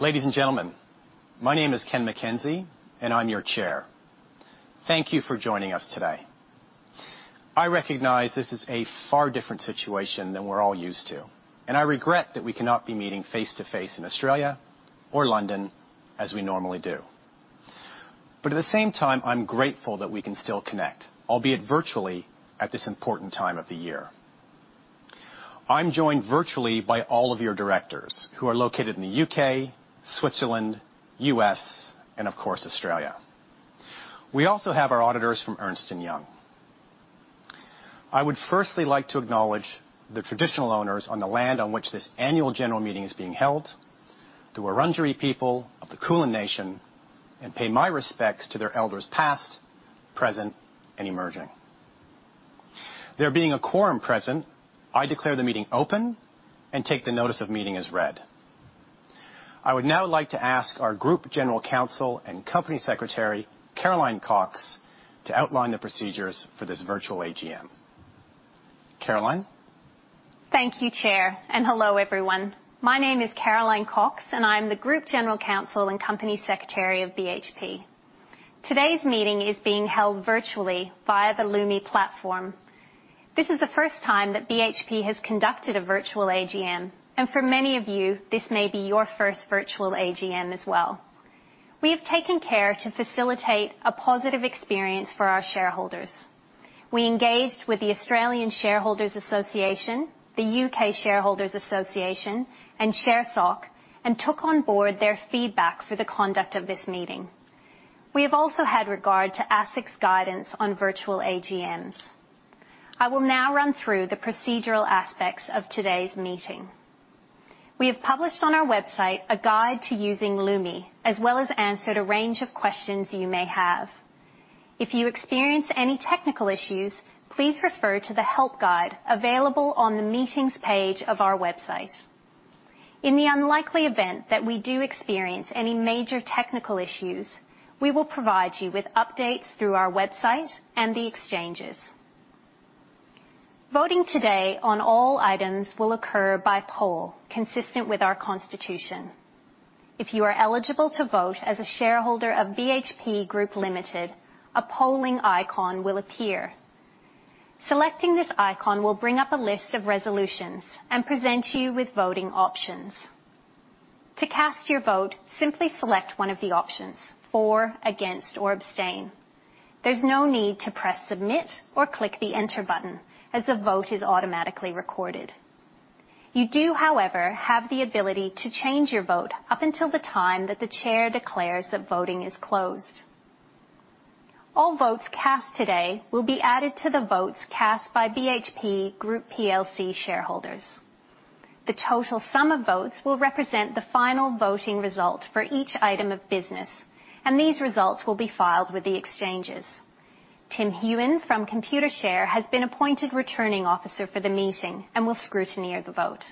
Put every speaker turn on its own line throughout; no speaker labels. Ladies and gentlemen, my name is Ken MacKenzie, and I'm your chair. Thank you for joining us today. I recognize this is a far different situation than we're all used to, and I regret that we cannot be meeting face-to-face in Australia or London as we normally do. At the same time, I'm grateful that we can still connect, albeit virtually, at this important time of the year. I'm joined virtually by all of your directors who are located in the U.K., Switzerland, U.S., and of course, Australia. We also have our auditors from Ernst & Young. I would firstly like to acknowledge the traditional owners on the land on which this annual general meeting is being held, the Wurundjeri people of the Kulin nation, and pay my respects to their elders past, present, and emerging. There being a quorum present, I declare the meeting open and take the notice of meeting as read. I would now like to ask our Group General Counsel and Company Secretary, Caroline Cox, to outline the procedures for this virtual AGM. Caroline?
Thank you, Chair, and hello, everyone. My name is Caroline Cox, and I'm the Group General Counsel and Company Secretary of BHP. Today's meeting is being held virtually via the Lumi platform. This is the first time that BHP has conducted a virtual AGM. For many of you, this may be your first virtual AGM as well. We have taken care to facilitate a positive experience for our shareholders. We engaged with the Australian Shareholders' Association, the U.K. Shareholders' Association, and ShareSoc. We took on board their feedback for the conduct of this meeting. We have also had regard to ASIC's guidance on virtual AGMs. I will now run through the procedural aspects of today's meeting. We have published on our website a guide to using Lumi, as well as answered a range of questions you may have. If you experience any technical issues, please refer to the help guide available on the Meetings page of our website. In the unlikely event that we do experience any major technical issues, we will provide you with updates through our website and the exchanges. Voting today on all items will occur by poll, consistent with our constitution. If you are eligible to vote as a shareholder of BHP Group Limited, a polling icon will appear. Selecting this icon will bring up a list of resolutions and present you with voting options. To cast your vote, simply select one of the options, For, Against, or Abstain. There's no need to press Submit or click the Enter button as the vote is automatically recorded. You do, however, have the ability to change your vote up until the time that the chair declares that voting is closed. All votes cast today will be added to the votes cast by BHP Group PLC shareholders. The total sum of votes will represent the final voting result for each item of business, and these results will be filed with the exchanges. Tim Human from Computershare has been appointed Returning Officer for the meeting and will scrutinize the vote.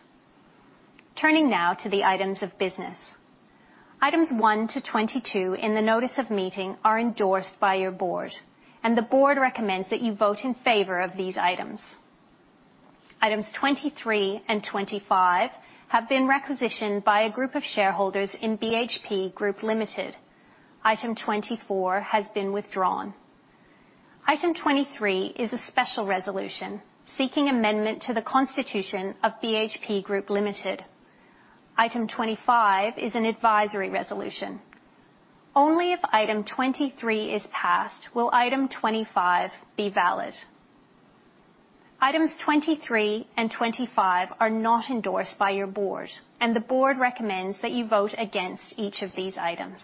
Turning now to the items of business. Items 1 to 22 in the notice of meeting are endorsed by your board, and the board recommends that you vote in favor of these items. Items 23 and 25 have been requisitioned by a group of shareholders in BHP Group Limited. Item 24 has been withdrawn. Item 23 is a special resolution seeking amendment to the constitution of BHP Group Limited. Item 25 is an advisory resolution. Only if Item 23 is passed will Item 25 be valid. Items 23 and 25 are not endorsed by your board, and the board recommends that you vote against each of these items.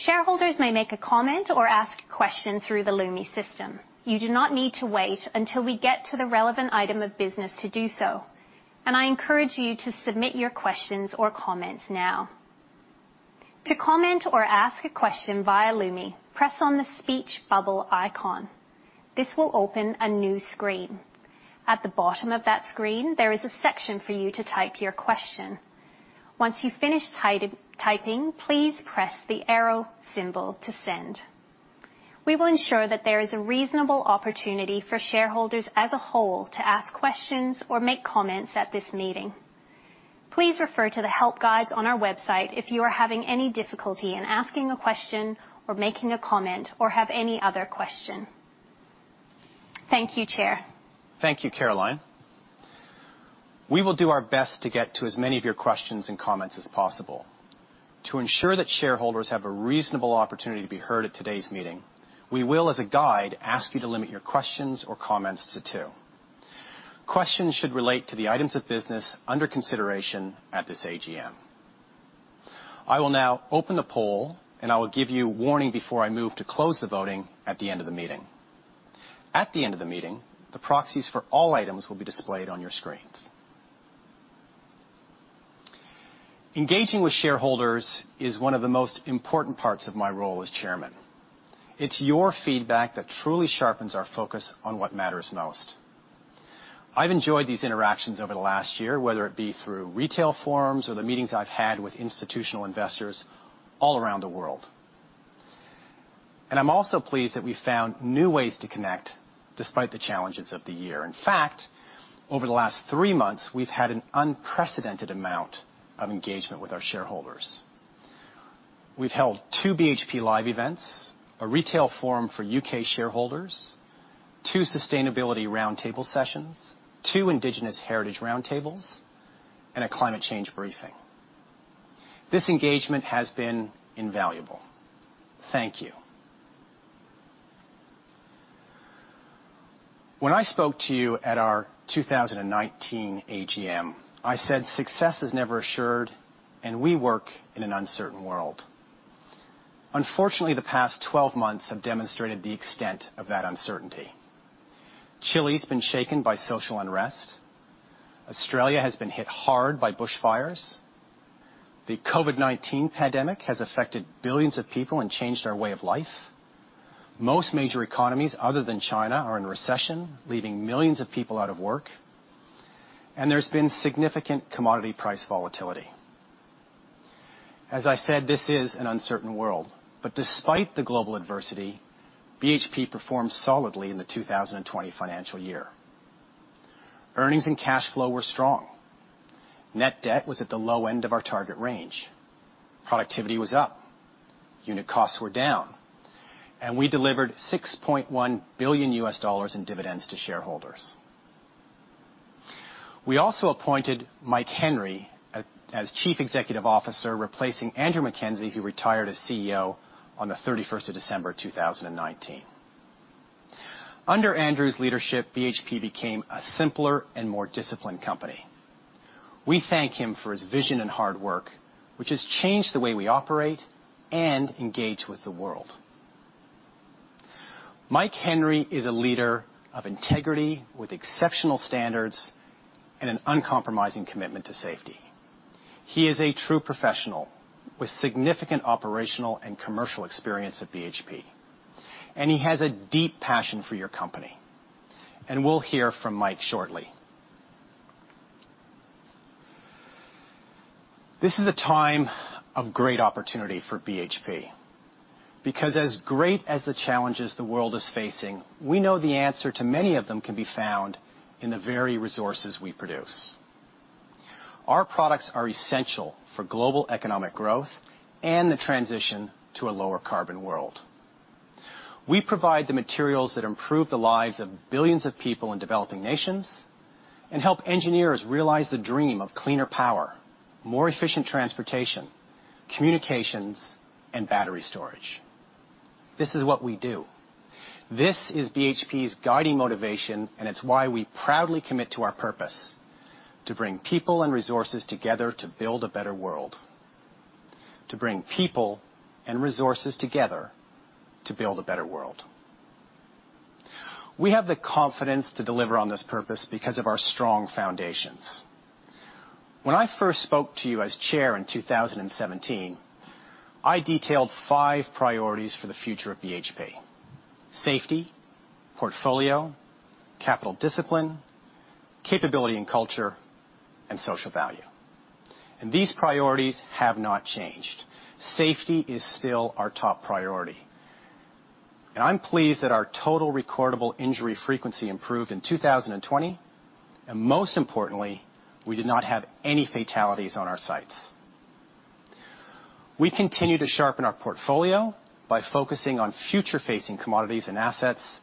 Shareholders may make a comment or ask questions through the Lumi system. You do not need to wait until we get to the relevant item of business to do so, and I encourage you to submit your questions or comments now. To comment or ask a question via Lumi, press on the speech bubble icon. This will open a new screen. At the bottom of that screen, there is a section for you to type your question. Once you've finished typing, please press the arrow symbol to send. We will ensure that there is a reasonable opportunity for shareholders as a whole to ask questions or make comments at this meeting. Please refer to the help guides on our website if you are having any difficulty in asking a question or making a comment or have any other question. Thank you, Chair.
Thank you, Caroline. We will do our best to get to as many of your questions and comments as possible. To ensure that shareholders have a reasonable opportunity to be heard at today's meeting, we will, as a guide, ask you to limit your questions or comments to two. Questions should relate to the items of business under consideration at this AGM. I will now open the poll, and I will give you warning before I move to close the voting at the end of the meeting. At the end of the meeting, the proxies for all items will be displayed on your screens. Engaging with shareholders is one of the most important parts of my role as chairman. It's your feedback that truly sharpens our focus on what matters most. I've enjoyed these interactions over the last year, whether it be through retail forums or the meetings I've had with institutional investors all around the world. I'm also pleased that we found new ways to connect despite the challenges of the year. In fact, over the last three months, we've had an unprecedented amount of engagement with our shareholders. We've held two BHP live events, a retail forum for U.K. shareholders, two sustainability round table sessions, two indigenous heritage round tables, and a climate change briefing. This engagement has been invaluable. Thank you. When I spoke to you at our 2019 AGM, I said success is never assured, and we work in an uncertain world. Unfortunately, the past 12 months have demonstrated the extent of that uncertainty. Chile's been shaken by social unrest. Australia has been hit hard by bush fires. The COVID-19 pandemic has affected billions of people and changed our way of life. Most major economies other than China are in recession, leaving millions of people out of work. There's been significant commodity price volatility. As I said, this is an uncertain world, but despite the global adversity, BHP performed solidly in the 2020 financial year. Earnings and cash flow were strong. Net debt was at the low end of our target range. Productivity was up, unit costs were down, and we delivered $6.1 billion in dividends to shareholders. We also appointed Mike Henry as Chief Executive Officer, replacing Andrew MacKenzie, who retired as CEO on the 31st of December, 2019. Under Andrew's leadership, BHP became a simpler and more disciplined company. We thank him for his vision and hard work, which has changed the way we operate and engage with the world. Mike Henry is a leader of integrity with exceptional standards and an uncompromising commitment to safety. He is a true professional with significant operational and commercial experience at BHP. He has a deep passion for your company. We'll hear from Mike shortly. This is a time of great opportunity for BHP because as great as the challenges the world is facing, we know the answer to many of them can be found in the very resources we produce. Our products are essential for global economic growth and the transition to a lower carbon world. We provide the materials that improve the lives of billions of people in developing nations and help engineers realize the dream of cleaner power, more efficient transportation, communications, and battery storage. This is what we do. This is BHP's guiding motivation, and it's why we proudly commit to our purpose to bring people and resources together to build a better world. To bring people and resources together to build a better world. We have the confidence to deliver on this purpose because of our strong foundations. When I first spoke to you as chair in 2017, I detailed five priorities for the future of BHP. Safety, portfolio, capital discipline, capability and culture, and social value, and these priorities have not changed. Safety is still our top priority. I'm pleased that our total recordable injury frequency improved in 2020, and most importantly, we did not have any fatalities on our sites. We continue to sharpen our portfolio by focusing on future-facing commodities and assets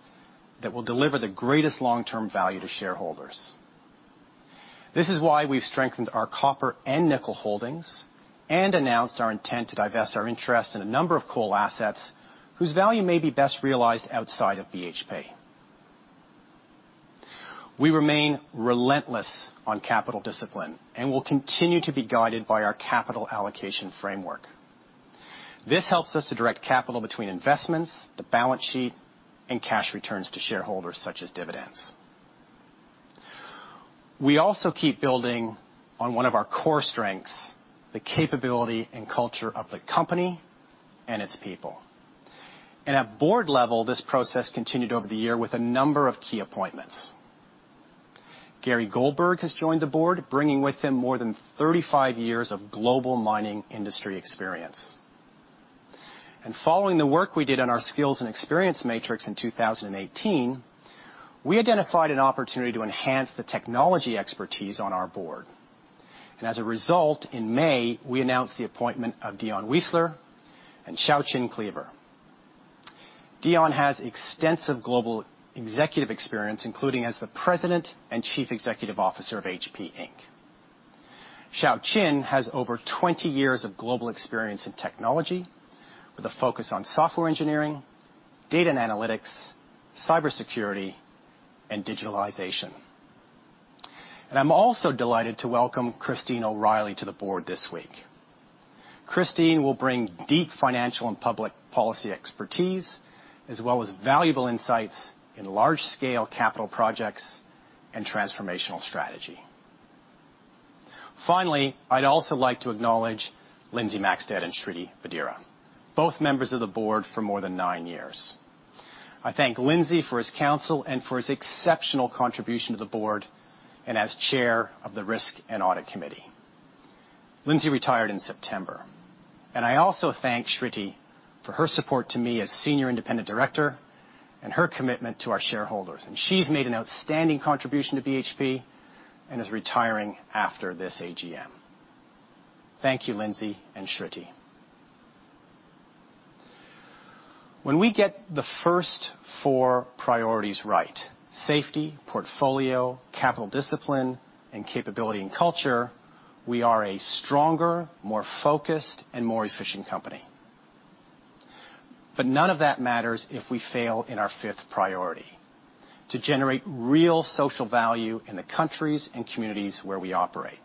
that will deliver the greatest long-term value to shareholders. This is why we've strengthened our copper and nickel holdings and announced our intent to divest our interest in a number of coal assets whose value may be best realized outside of BHP. We remain relentless on capital discipline and will continue to be guided by our capital allocation framework. This helps us to direct capital between investments, the balance sheet, and cash returns to shareholders such as dividends. We also keep building on one of our core strengths, the capability and culture of the company and its people. At board level, this process continued over the year with a number of key appointments. Gary Goldberg has joined the board, bringing with him more than 35 years of global mining industry experience. Following the work we did on our skills and experience matrix in 2018, we identified an opportunity to enhance the technology expertise on our board. As a result, in May, we announced the appointment of Dion Weisler and Xiaoqun Clever. Dion has extensive global executive experience, including as the president and chief executive officer of HP Inc. Xiaoqun has over 20 years of global experience in technology with a focus on software engineering, data and analytics, cybersecurity, and digitalization. I'm also delighted to welcome Christine O'Reilly to the board this week. Christine will bring deep financial and public policy expertise, as well as valuable insights in large-scale capital projects and transformational strategy. Finally, I'd also like to acknowledge Lindsay Maxsted and Shriti Vadera, both members of the board for more than nine years. I thank Lindsay for his counsel and for his exceptional contribution to the board and as chair of the risk and audit committee. Lindsay retired in September. I also thank Shriti for her support to me as senior independent director and her commitment to our shareholders. She's made an outstanding contribution to BHP and is retiring after this AGM. Thank you, Lindsay and Shriti. When we get the first four priorities right, safety, portfolio, capital discipline, and capability and culture, we are a stronger, more focused, and more efficient company. None of that matters if we fail in our fifth priority, to generate real social value in the countries and communities where we operate.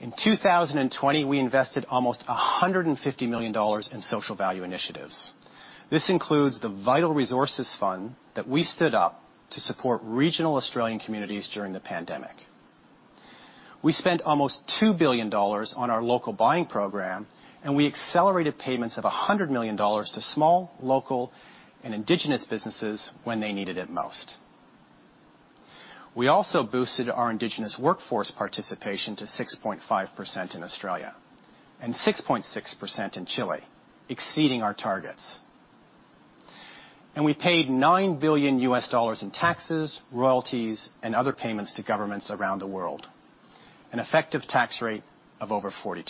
In 2020, we invested almost $150 million in social value initiatives. This includes the Vital Resources Fund that we stood up to support regional Australian communities during the pandemic. We spent almost $2 billion on our local buying program, and we accelerated payments of $100 million to small, local, and indigenous businesses when they needed it most. We also boosted our indigenous workforce participation to 6.5% in Australia and 6.6% in Chile, exceeding our targets. We paid $9 billion U.S. in taxes, royalties, and other payments to governments around the world, an effective tax rate of over 42%.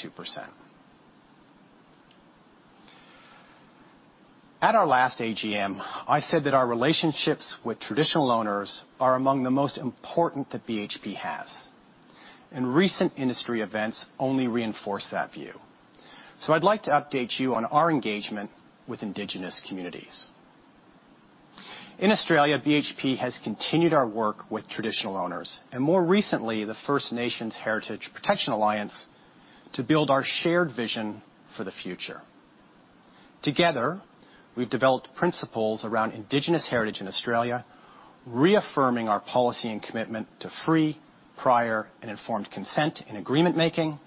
At our last AGM, I said that our relationships with traditional owners are among the most important that BHP has, and recent industry events only reinforce that view. I'd like to update you on our engagement with indigenous communities. In Australia, BHP has continued our work with traditional owners, and more recently, the First Nations Heritage Protection Alliance, to build our shared vision for the future. Together, we've developed principles around indigenous heritage in Australia, reaffirming our policy and commitment to free, prior, and informed consent in agreement-making,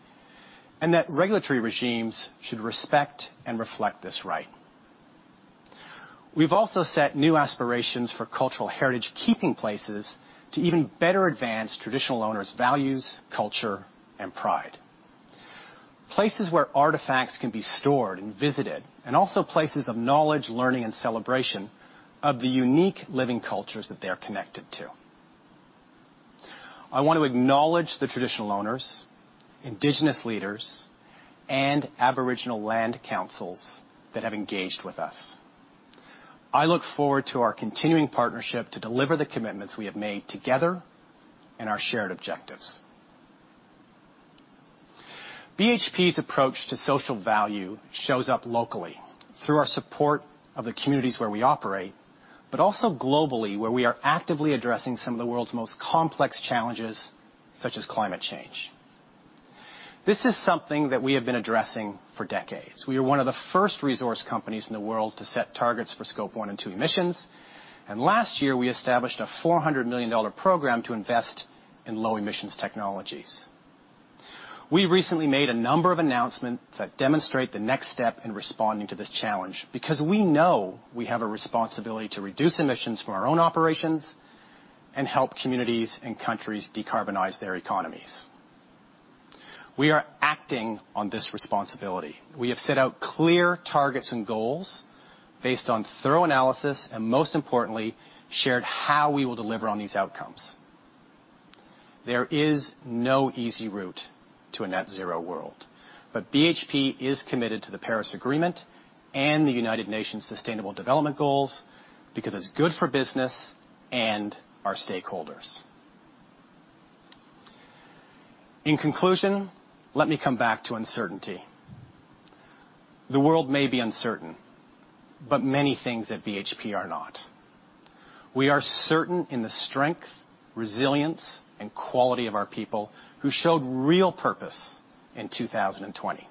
and that regulatory regimes should respect and reflect this right. We've also set new aspirations for cultural heritage keeping places to even better advance traditional owners' values, culture, and pride. Places where artifacts can be stored and visited, and also places of knowledge, learning, and celebration of the unique living cultures that they are connected to. I want to acknowledge the traditional owners, indigenous leaders, and Aboriginal land councils that have engaged with us. I look forward to our continuing partnership to deliver the commitments we have made together and our shared objectives. BHP's approach to social value shows up locally through our support of the communities where we operate, but also globally where we are actively addressing some of the world's most complex challenges, such as climate change. This is something that we have been addressing for decades. We are one of the first resource companies in the world to set targets for Scope 1 and 2 emissions, and last year we established a $400 million program to invest in low-emissions technologies. We recently made a number of announcements that demonstrate the next step in responding to this challenge because we know we have a responsibility to reduce emissions from our own operations and help communities and countries decarbonize their economies. We are acting on this responsibility. We have set out clear targets and goals based on thorough analysis, and most importantly, shared how we will deliver on these outcomes. There is no easy route to a net-zero world, but BHP is committed to the Paris Agreement and the United Nations Sustainable Development Goals because it's good for business and our stakeholders. In conclusion, let me come back to uncertainty. The world may be uncertain, but many things at BHP are not. We are certain in the strength, resilience, and quality of our people who showed real purpose in 2020.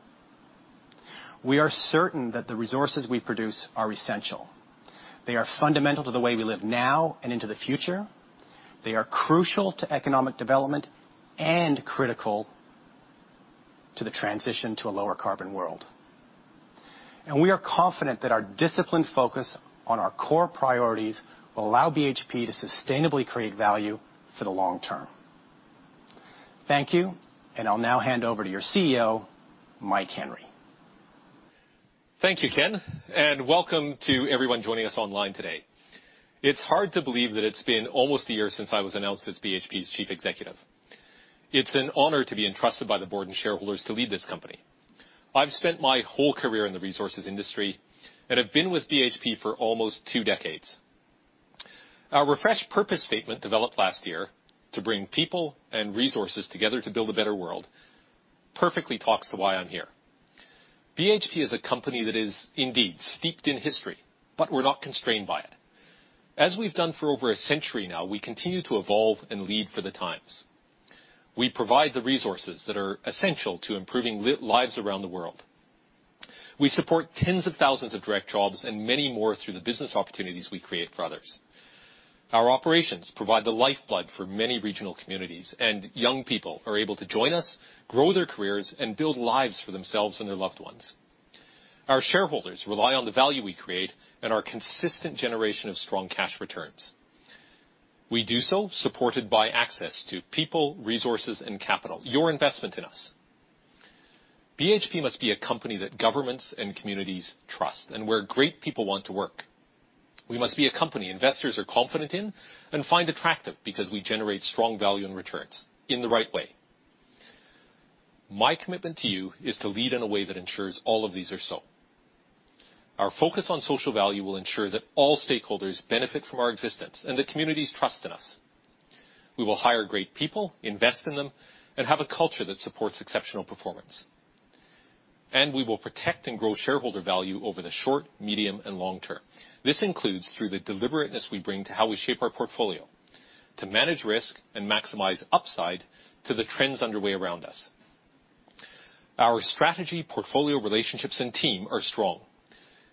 We are certain that the resources we produce are essential. They are fundamental to the way we live now and into the future. They are crucial to economic development and critical to the transition to a lower carbon world. We are confident that our disciplined focus on our core priorities will allow BHP to sustainably create value for the long term. Thank you, and I'll now hand over to your CEO, Mike Henry.
Thank you, Ken, and welcome to everyone joining us online today. It's hard to believe that it's been almost a year since I was announced as BHP's Chief Executive. It's an honor to be entrusted by the board and shareholders to lead this company. I've spent my whole career in the resources industry and have been with BHP for almost two decades. Our refreshed purpose statement developed last year to bring people and resources together to build a better world perfectly talks to why I'm here. BHP is a company that is indeed steeped in history, but we're not constrained by it. As we've done for over a century now, we continue to evolve and lead for the times. We provide the resources that are essential to improving lives around the world. We support tens of thousands of direct jobs and many more through the business opportunities we create for others. Our operations provide the lifeblood for many regional communities, and young people are able to join us, grow their careers, and build lives for themselves and their loved ones. Our shareholders rely on the value we create and our consistent generation of strong cash returns. We do so supported by access to people, resources, and capital, your investment in us. BHP must be a company that governments and communities trust and where great people want to work. We must be a company investors are confident in and find attractive because we generate strong value and returns in the right way. My commitment to you is to lead in a way that ensures all of these are so. Our focus on social value will ensure that all stakeholders benefit from our existence and that communities trust in us. We will hire great people, invest in them, and have a culture that supports exceptional performance. We will protect and grow shareholder value over the short, medium, and long term. This includes through the deliberateness we bring to how we shape our portfolio to manage risk and maximize upside to the trends underway around us. Our strategy, portfolio, relationships, and team are strong,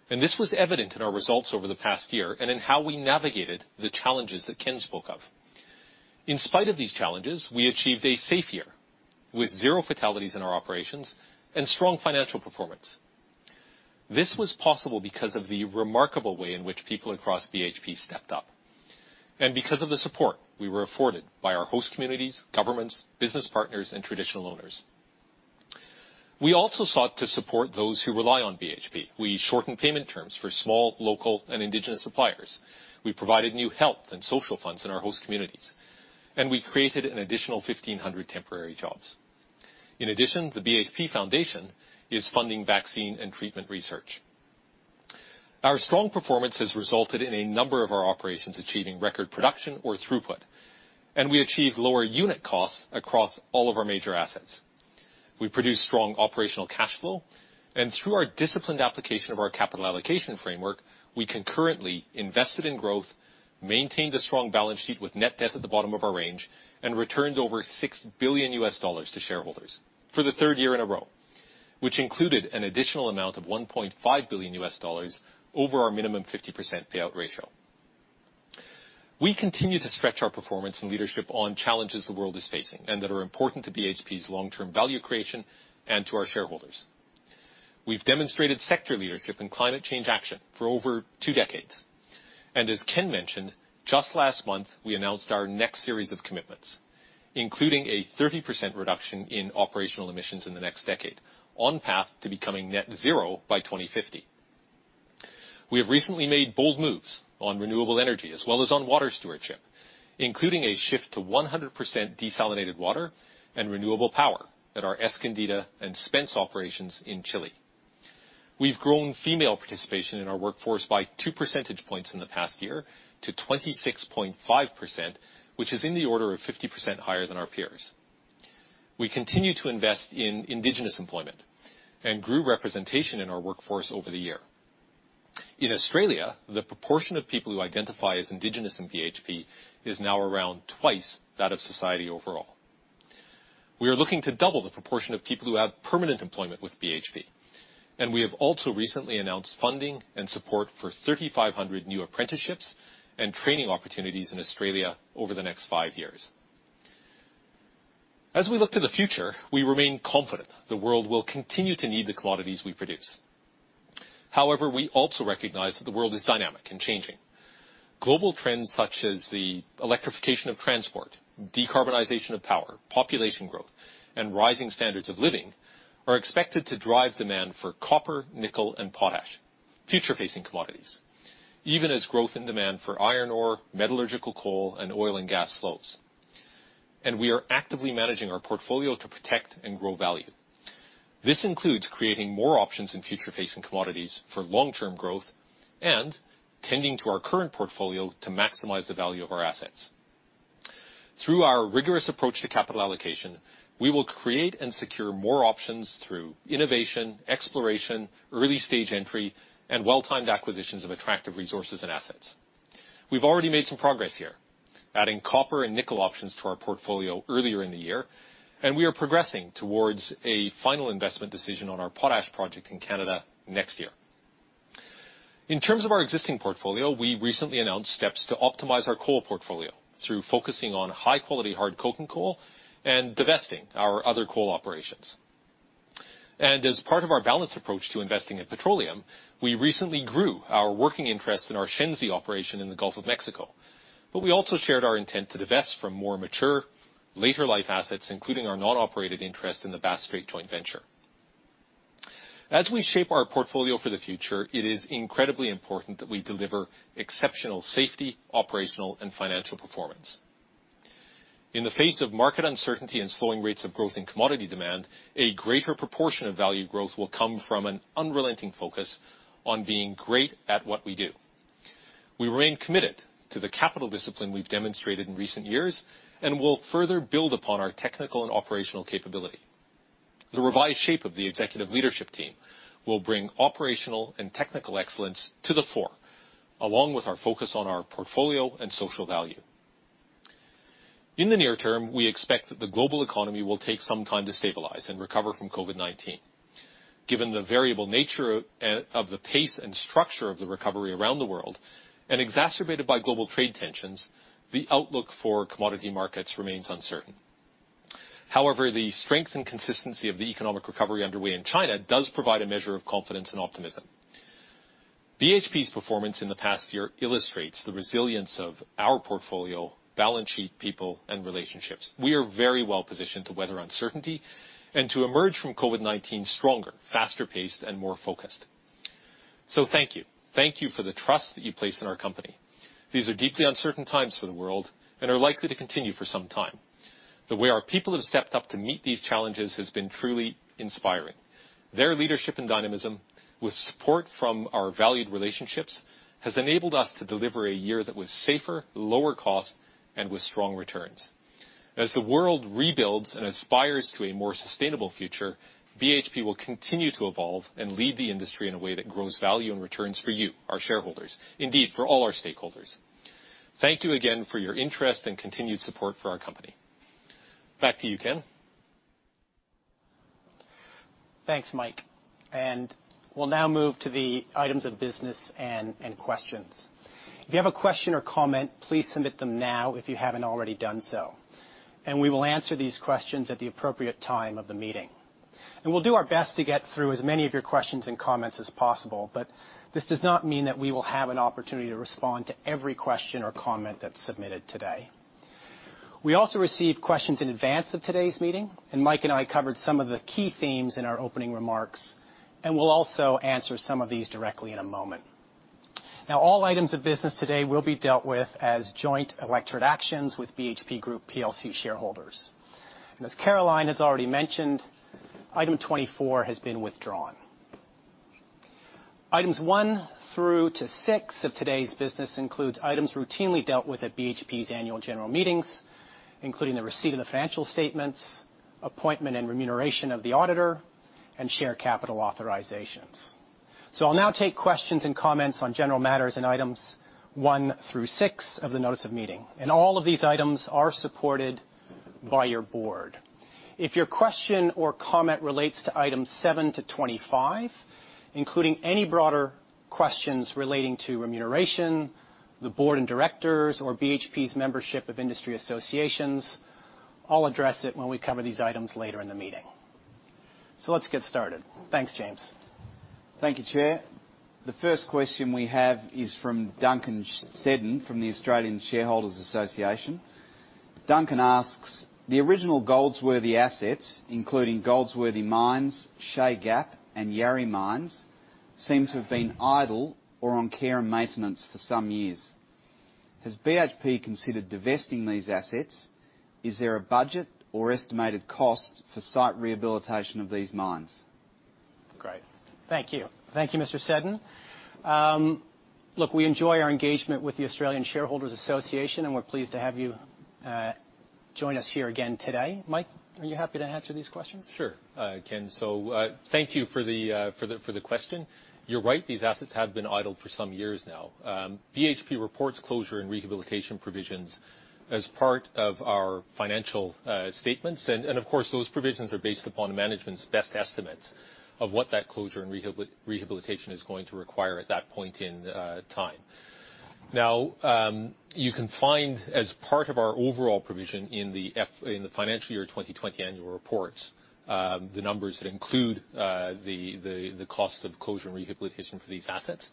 and this was evident in our results over the past year and in how we navigated the challenges that Ken spoke of. In spite of these challenges, we achieved a safe year, with zero fatalities in our operations and strong financial performance. This was possible because of the remarkable way in which people across BHP stepped up and because of the support we were afforded by our host communities, governments, business partners, and traditional owners. We also sought to support those who rely on BHP. We shortened payment terms for small, local, and indigenous suppliers. We provided new health and social funds in our host communities. We created an additional 1,500 temporary jobs. In addition, the BHP Foundation is funding vaccine and treatment research. Our strong performance has resulted in a number of our operations achieving record production or throughput, and we achieved lower unit costs across all of our major assets. We produced strong operational cash flow, and through our disciplined application of our capital allocation framework, we concurrently invested in growth, maintained a strong balance sheet with net debt at the bottom of our range, and returned over $6 billion to shareholders for the third year in a row, which included an additional amount of $1.5 billion over our minimum 50% payout ratio. We continue to stretch our performance and leadership on challenges the world is facing and that are important to BHP's long-term value creation and to our shareholders. We've demonstrated sector leadership in climate change action for over two decades. As Ken mentioned, just last month, we announced our next series of commitments, including a 30% reduction in operational emissions in the next decade, on path to becoming net zero by 2050. We have recently made bold moves on renewable energy as well as on water stewardship, including a shift to 100% desalinated water and renewable power at our Escondida and Spence operations in Chile. We've grown female participation in our workforce by 2% points in the past year to 26.5%, which is in the order of 50% higher than our peers. We continue to invest in indigenous employment and grew representation in our workforce over the year. In Australia, the proportion of people who identify as indigenous in BHP is now around twice that of society overall. We are looking to double the proportion of people who have permanent employment with BHP, and we have also recently announced funding and support for 3,500 new apprenticeships and training opportunities in Australia over the next five years. As we look to the future, we remain confident the world will continue to need the commodities we produce. However, we also recognize that the world is dynamic and changing. Global trends such as the electrification of transport, decarbonization of power, population growth, and rising standards of living are expected to drive demand for copper, nickel, and potash, future-facing commodities, even as growth and demand for iron ore, metallurgical coal, and oil and gas slows. We are actively managing our portfolio to protect and grow value. This includes creating more options in future-facing commodities for long-term growth and tending to our current portfolio to maximize the value of our assets. Through our rigorous approach to capital allocation, we will create and secure more options through innovation, exploration, early-stage entry, and well-timed acquisitions of attractive resources and assets. We've already made some progress here, adding copper and nickel options to our portfolio earlier in the year, and we are progressing towards a final investment decision on our potash project in Canada next year. In terms of our existing portfolio, we recently announced steps to optimize our coal portfolio through focusing on high-quality hard coking coal and divesting our other coal operations. As part of our balanced approach to investing in petroleum, we recently grew our working interest in our Shenzi operation in the Gulf of Mexico, but we also shared our intent to divest from more mature, later life assets, including our non-operated interest in the Bass Strait joint venture. As we shape our portfolio for the future, it is incredibly important that we deliver exceptional safety, operational, and financial performance. In the face of market uncertainty and slowing rates of growth in commodity demand, a greater proportion of value growth will come from an unrelenting focus on being great at what we do. We remain committed to the capital discipline we've demonstrated in recent years and will further build upon our technical and operational capability. The revised shape of the executive leadership team will bring operational and technical excellence to the fore, along with our focus on our portfolio and social value. In the near term, we expect that the global economy will take some time to stabilize and recover from COVID-19. Given the variable nature of the pace and structure of the recovery around the world, and exacerbated by global trade tensions, the outlook for commodity markets remains uncertain. However, the strength and consistency of the economic recovery underway in China does provide a measure of confidence and optimism. BHP's performance in the past year illustrates the resilience of our portfolio, balance sheet, people, and relationships. We are very well-positioned to weather uncertainty and to emerge from COVID-19 stronger, faster-paced, and more focused. Thank you. Thank you for the trust that you placed in our company. These are deeply uncertain times for the world and are likely to continue for some time. The way our people have stepped up to meet these challenges has been truly inspiring. Their leadership and dynamism with support from our valued relationships has enabled us to deliver a year that was safer, lower cost, and with strong returns. As the world rebuilds and aspires to a more sustainable future, BHP will continue to evolve and lead the industry in a way that grows value and returns for you, our shareholders, indeed for all our stakeholders. Thank you again for your interest and continued support for our company. Back to you, Ken.
Thanks, Mike. We'll now move to the items of business and questions. If you have a question or comment, please submit them now if you haven't already done so, and we will answer these questions at the appropriate time of the meeting. We'll do our best to get through as many of your questions and comments as possible, but this does not mean that we will have an opportunity to respond to every question or comment that's submitted today. We also received questions in advance of today's meeting, and Mike and I covered some of the key themes in our opening remarks, and we'll also answer some of these directly in a moment. Now, all items of business today will be dealt with as joint electorate actions with BHP Group Plc shareholders. As Caroline has already mentioned, item 24 has been withdrawn. Items one through to six of today's business includes items routinely dealt with at BHP's annual general meetings, including the receipt of the financial statements, appointment and remuneration of the auditor, and share capital authorizations. I'll now take questions and comments on general matters in items one through six of the notice of meeting, and all of these items are supported by your board. If your question or comment relates to item seven to 25, including any broader questions relating to remuneration, the board and directors, or BHP's membership of industry associations, I'll address it when we cover these items later in the meeting. Let's get started. Thanks, James.
Thank you, Chair. The first question we have is from Duncan Seddon from the Australian Shareholders' Association. Duncan asks, "The original Goldsworthy assets, including Goldsworthy Mines, Shay Gap, and Yarrie Mines, seem to have been idle or on care and maintenance for some years. Has BHP considered divesting these assets? Is there a budget or estimated cost for site rehabilitation of these mines?
Great. Thank you. Thank you, Mr. Seddon. Look, we enjoy our engagement with the Australian Shareholders' Association, and we're pleased to have you join us here again today. Mike, are you happy to answer these questions?
Sure, Ken. Thank you for the question. You're right, these assets have been idle for some years now. BHP reports closure and rehabilitation provisions as part of our financial statements. Of course, those provisions are based upon management's best estimates of what that closure and rehabilitation is going to require at that point in time. You can find, as part of our overall provision in the financial year 2020 annual reports, the numbers that include the cost of closure and rehabilitation for these assets.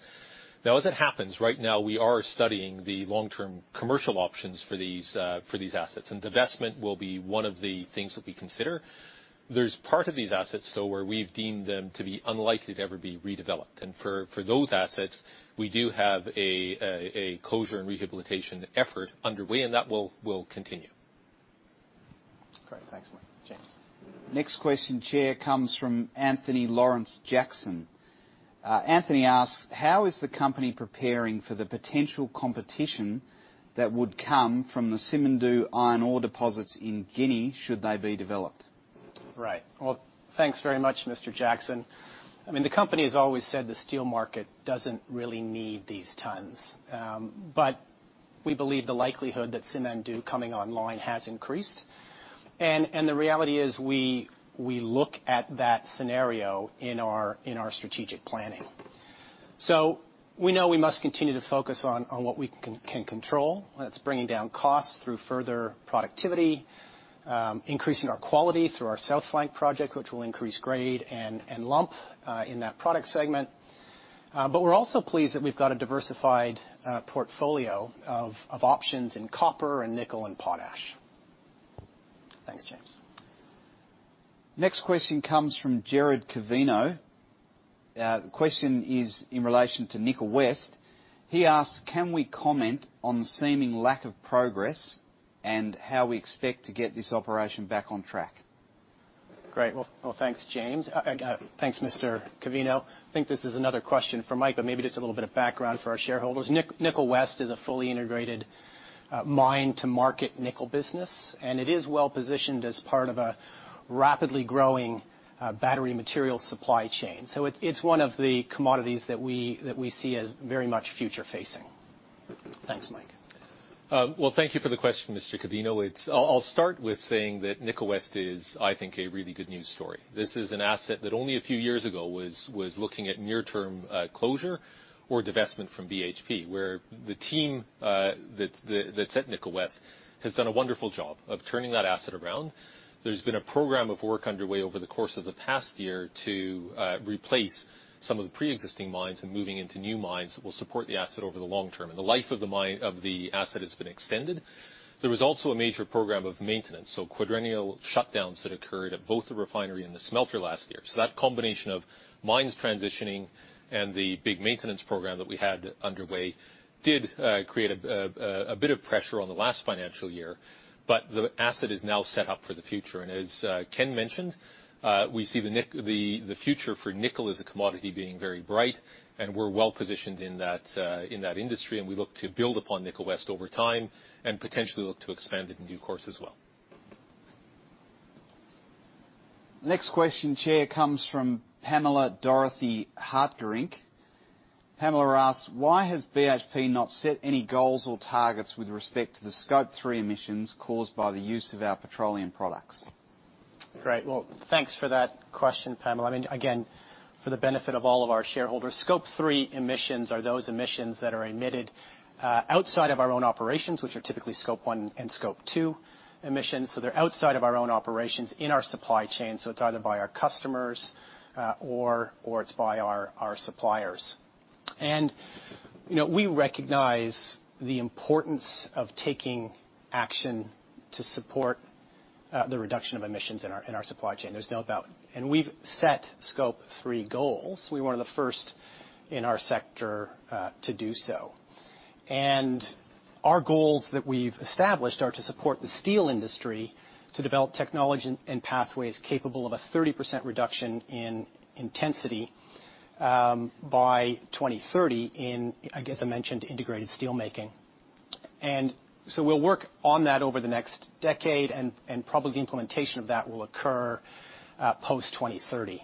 As it happens, right now, we are studying the long-term commercial options for these assets, and divestment will be one of the things that we consider. There's part of these assets, though, where we've deemed them to be unlikely to ever be redeveloped. For those assets, we do have a closure and rehabilitation effort underway, and that will continue.
Great. Thanks, Mike. James.
Next question, Chair, comes from Anthony Lawrence Jackson. Anthony asks, "How is the company preparing for the potential competition that would come from the Simandou iron ore deposits in Guinea, should they be developed?
Right. Well, thanks very much, Mr. Jackson. The company has always said the steel market doesn't really need these tons. We believe the likelihood that Simandou coming online has increased, and the reality is we look at that scenario in our strategic planning. We know we must continue to focus on what we can control. That's bringing down costs through further productivity, increasing our quality through our South Flank project, which will increase grade and lump in that product segment. We're also pleased that we've got a diversified portfolio of options in copper and nickel and potash. Thanks, James.
Next question comes from Jared Covino. The question is in relation to Nickel West. He asks, "Can we comment on the seeming lack of progress, and how we expect to get this operation back on track?
Great. Well, thanks, James. Thanks, Mr. Covino. I think this is another question for Mike, but maybe just a little bit of background for our shareholders. Nickel West is a fully integrated mine-to-market nickel business, and it is well-positioned as part of a rapidly growing battery material supply chain. It's one of the commodities that we see as very much future-facing. Thanks, Mike.
Well, thank you for the question, Mr. Covino. I'll start with saying that Nickel West is, I think, a really good news story. This is an asset that only a few years ago was looking at near-term closure or divestment from BHP, where the team that's at Nickel West has done a wonderful job of turning that asset around. There's been a program of work underway over the course of the past year to replace some of the pre-existing mines and moving into new mines that will support the asset over the long term. The life of the asset has been extended. There was also a major program of maintenance, so quadrennial shutdowns that occurred at both the refinery and the smelter last year. That combination of mines transitioning and the big maintenance program that we had underway did create a bit of pressure on the last financial year. The asset is now set up for the future. As Ken mentioned, we see the future for nickel as a commodity being very bright, and we're well-positioned in that industry, and we look to build upon Nickel West over time and potentially look to expand it in due course as well.
Next question, Chair, comes from Pamela Dorothy Harkerink. Pamela asks, "Why has BHP not set any goals or targets with respect to the Scope 3 emissions caused by the use of our petroleum products?
Great. Well, thanks for that question, Pamela. Again, for the benefit of all of our shareholders, Scope 3 emissions are those emissions that are emitted outside of our own operations, which are typically Scope 1 and Scope 2 emissions. They're outside of our own operations in our supply chain. It's either by our customers or it's by our suppliers. We recognize the importance of taking action to support the reduction of emissions in our supply chain. There's no doubt. We've set Scope 3 goals. We were one of the first in our sector to do so. Our goals that we've established are to support the steel industry to develop technology and pathways capable of a 30% reduction in intensity by 2030 in, I guess I mentioned, integrated steel making. We'll work on that over the next decade, and probably the implementation of that will occur post-2030.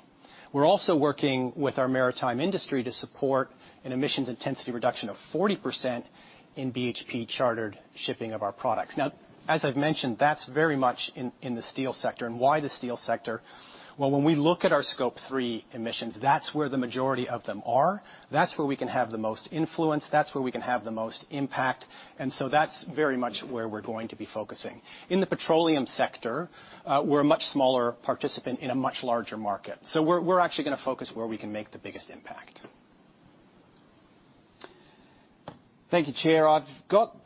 We're also working with our maritime industry to support an emissions intensity reduction of 40% in BHP chartered shipping of our products. Now, as I've mentioned, that's very much in the steel sector. Why the steel sector? Well, when we look at our Scope 3 emissions, that's where the majority of them are. That's where we can have the most influence. That's where we can have the most impact. That's very much where we're going to be focusing. In the petroleum sector, we're a much smaller participant in a much larger market. We're actually going to focus where we can make the biggest impact.
Thank you, Chair. I've got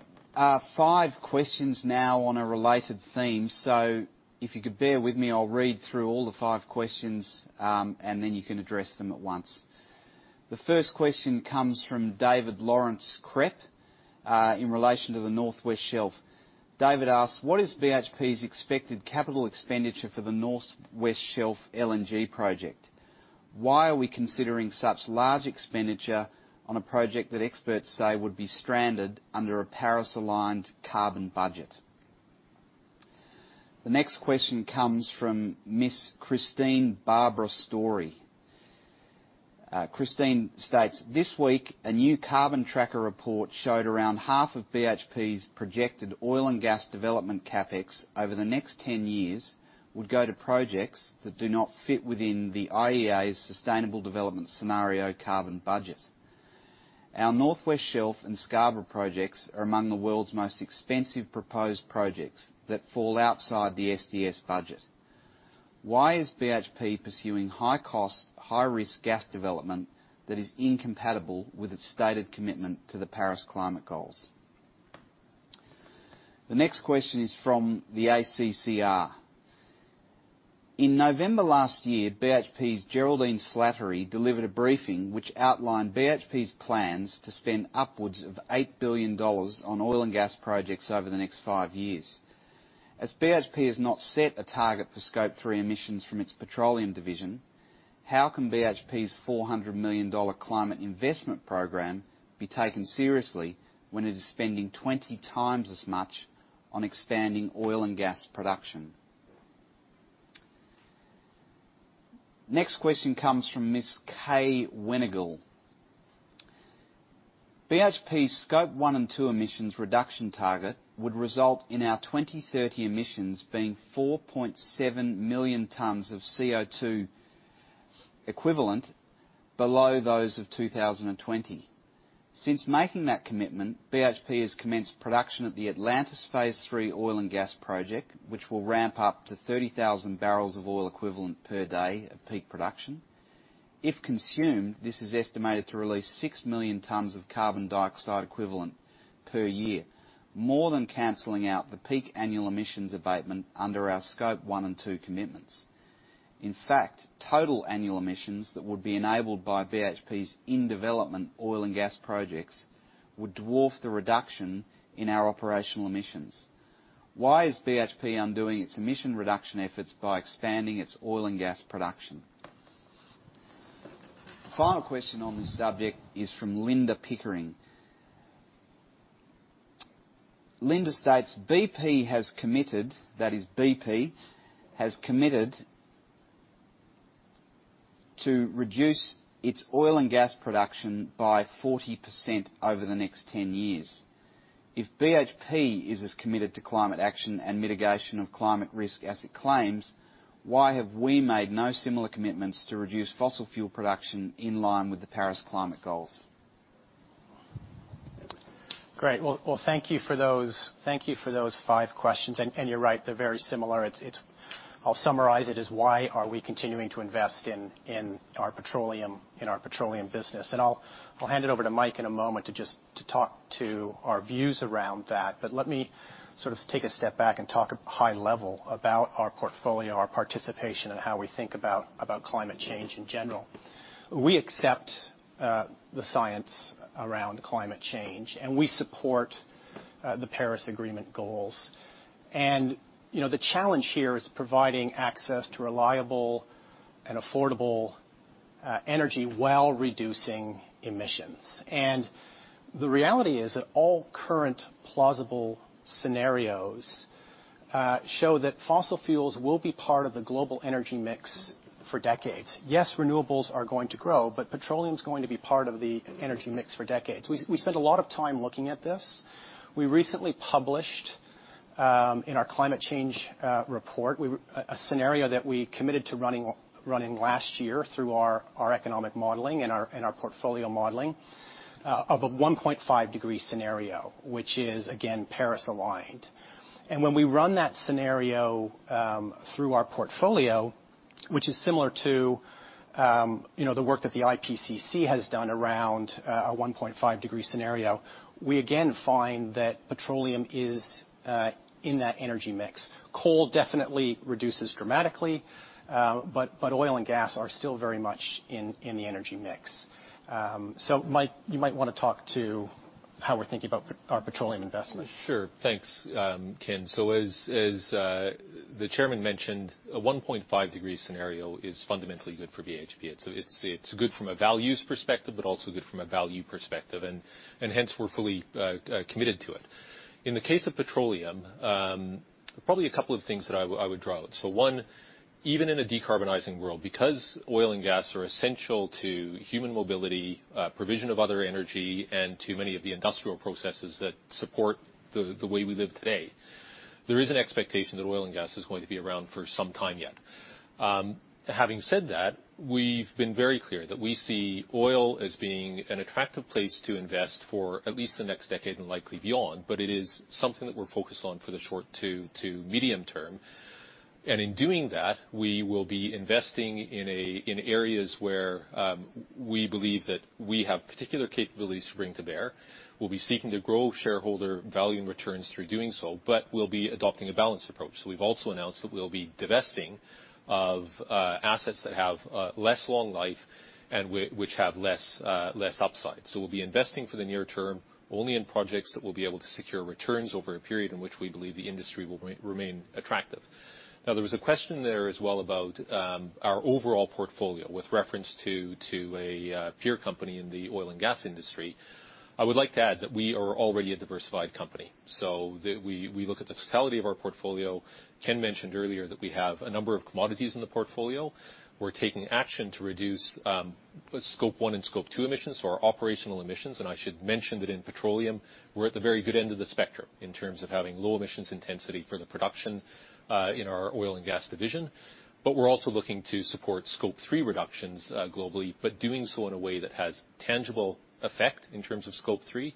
five questions now on a related theme. If you could bear with me, I'll read through all the five questions, and then you can address them at once. The first question comes from David Lawrence Krepp in relation to the North West Shelf. David asks, "What is BHP's expected capital expenditure for the North West Shelf LNG project? Why are we considering such large expenditure on a project that experts say would be stranded under a Paris-aligned carbon budget?" The next question comes from Ms. Christine Barbara Story. Christine states, "This week, a new Carbon Tracker report showed around half of BHP's projected oil and gas development CapEx over the next 10 years would go to projects that do not fit within the IEA Sustainable Development Scenario carbon budget. Our North West Shelf and Scarborough projects are among the world's most expensive proposed projects that fall outside the SDS budget. Why is BHP pursuing high-cost, high-risk gas development that is incompatible with its stated commitment to the Paris climate goals?" The next question is from the ACCR. "In November last year, BHP's Geraldine Slattery delivered a briefing which outlined BHP's plans to spend upwards of $8 billion on oil and gas projects over the next five years. As BHP has not set a target for Scope 3 emissions from its petroleum division, how can BHP's $400 million climate investment program be taken seriously when it is spending 20 times as much on expanding oil and gas production?" Next question comes from Ms. Kay Wenigall. "BHP's Scope 1 and 2 emissions reduction target would result in our 2030 emissions being 4.7 million tons of CO2 equivalent below those of 2020. Since making that commitment, BHP has commenced production at the Atlantis Phase 3 oil & gas project, which will ramp up to 30,000 bbl equivalent per day at peak production. If consumed, this is estimated to release six million tons of carbon dioxide equivalent per year, more than canceling out the peak annual emissions abatement under our Scope 1 and 2 commitments. In fact, total annual emissions that would be enabled by BHP's in-development oil and gas projects would dwarf the reduction in our operational emissions. Why is BHP undoing its emission reduction efforts by expanding its oil and gas production? Final question on this subject is from Linda Pickering. Linda states, "BP has committed, that is BP, has committed to reduce its oil and gas production by 40% over the next 10 years. If BHP is as committed to climate action and mitigation of climate risk as it claims, why have we made no similar commitments to reduce fossil fuel production in line with the Paris climate goals?
Great. Well, thank you for those five questions. You're right, they're very similar. I'll summarize it as why are we continuing to invest in our petroleum business. I'll hand it over to Mike in a moment to just to talk to our views around that. Let me take a step back and talk high level about our portfolio, our participation, and how we think about climate change in general. We accept the science around climate change, and we support the Paris Agreement goals. The challenge here is providing access to reliable and affordable energy while reducing emissions. The reality is that all current plausible scenarios show that fossil fuels will be part of the global energy mix for decades. Yes, renewables are going to grow, but petroleum is going to be part of the energy mix for decades. We spent a lot of time looking at this. We recently published, in our climate change report, a scenario that we committed to running last year through our economic modeling and our portfolio modeling of a 1.5 degree scenario, which is, again, Paris-aligned. When we run that scenario through our portfolio, which is similar to the work that the IPCC has done around a 1.5 degree scenario, we again find that petroleum is in that energy mix. Coal definitely reduces dramatically. Oil and gas are still very much in the energy mix. Mike, you might want to talk to how we're thinking about our petroleum investments.
Sure. Thanks, Ken. As the chairman mentioned, a 1.5 degree scenario is fundamentally good for BHP. It's good from a values perspective, but also good from a value perspective, and hence we're fully committed to it. In the case of petroleum, probably a couple of things that I would draw out. One, even in a decarbonizing world, because oil and gas are essential to human mobility, provision of other energy, and to many of the industrial processes that support the way we live today, there is an expectation that oil and gas is going to be around for some time yet. Having said that, we've been very clear that we see oil as being an attractive place to invest for at least the next decade and likely beyond, but it is something that we're focused on for the short to medium term. In doing that, we will be investing in areas where we believe that we have particular capabilities to bring to bear. We'll be seeking to grow shareholder value and returns through doing so, but we'll be adopting a balanced approach. We've also announced that we'll be divesting of assets that have less long life and which have less upside. We'll be investing for the near term only in projects that will be able to secure returns over a period in which we believe the industry will remain attractive. Now, there was a question there as well about our overall portfolio with reference to a peer company in the oil and gas industry. I would like to add that we are already a diversified company, so we look at the totality of our portfolio. Ken mentioned earlier that we have a number of commodities in the portfolio. We're taking action to reduce Scope 1 and Scope 2 emissions, so our operational emissions. I should mention that in petroleum, we're at the very good end of the spectrum in terms of having low emissions intensity for the production in our oil and gas division. We're also looking to support Scope 3 reductions globally, but doing so in a way that has tangible effect in terms of Scope 3.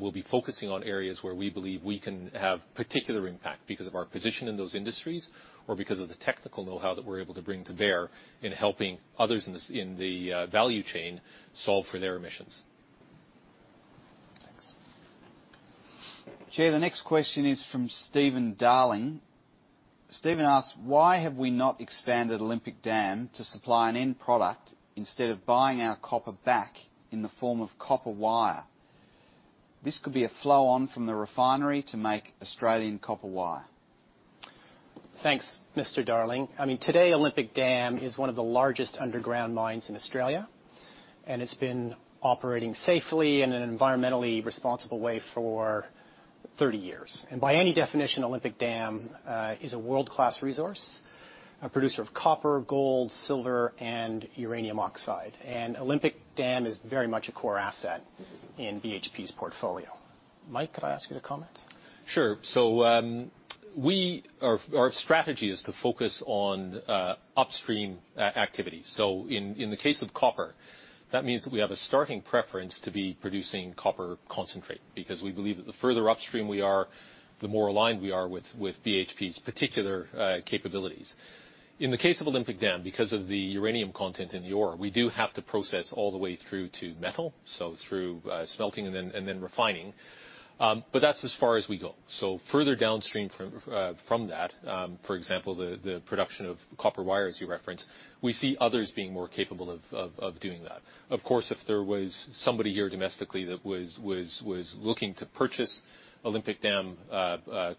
We'll be focusing on areas where we believe we can have particular impact because of our position in those industries or because of the technical know-how that we're able to bring to bear in helping others in the value chain solve for their emissions.
Thanks. Chair, the next question is from Steven Darling. Steven asks, why have we not expanded Olympic Dam to supply an end product instead of buying our copper back in the form of copper wire? This could be a flow on from the refinery to make Australian copper wire. Thanks, Mr. Darling. Today, Olympic Dam is one of the largest underground mines in Australia, and it's been operating safely in an environmentally responsible way for 30 years. By any definition, Olympic Dam is a world-class resource, a producer of copper, gold, silver, and uranium oxide. Olympic Dam is very much a core asset in BHP's portfolio.
Mike, could I ask you to comment?
Sure. Our strategy is to focus on upstream activities. In the case of copper, that means that we have a starting preference to be producing copper concentrate because we believe that the further upstream we are, the more aligned we are with BHP's particular capabilities. In the case of Olympic Dam, because of the uranium content in the ore, we do have to process all the way through to metal, so through smelting and then refining. That's as far as we go. Further downstream from that, for example, the production of copper wire as you referenced, we see others being more capable of doing that. Of course, if there was somebody here domestically that was looking to purchase Olympic Dam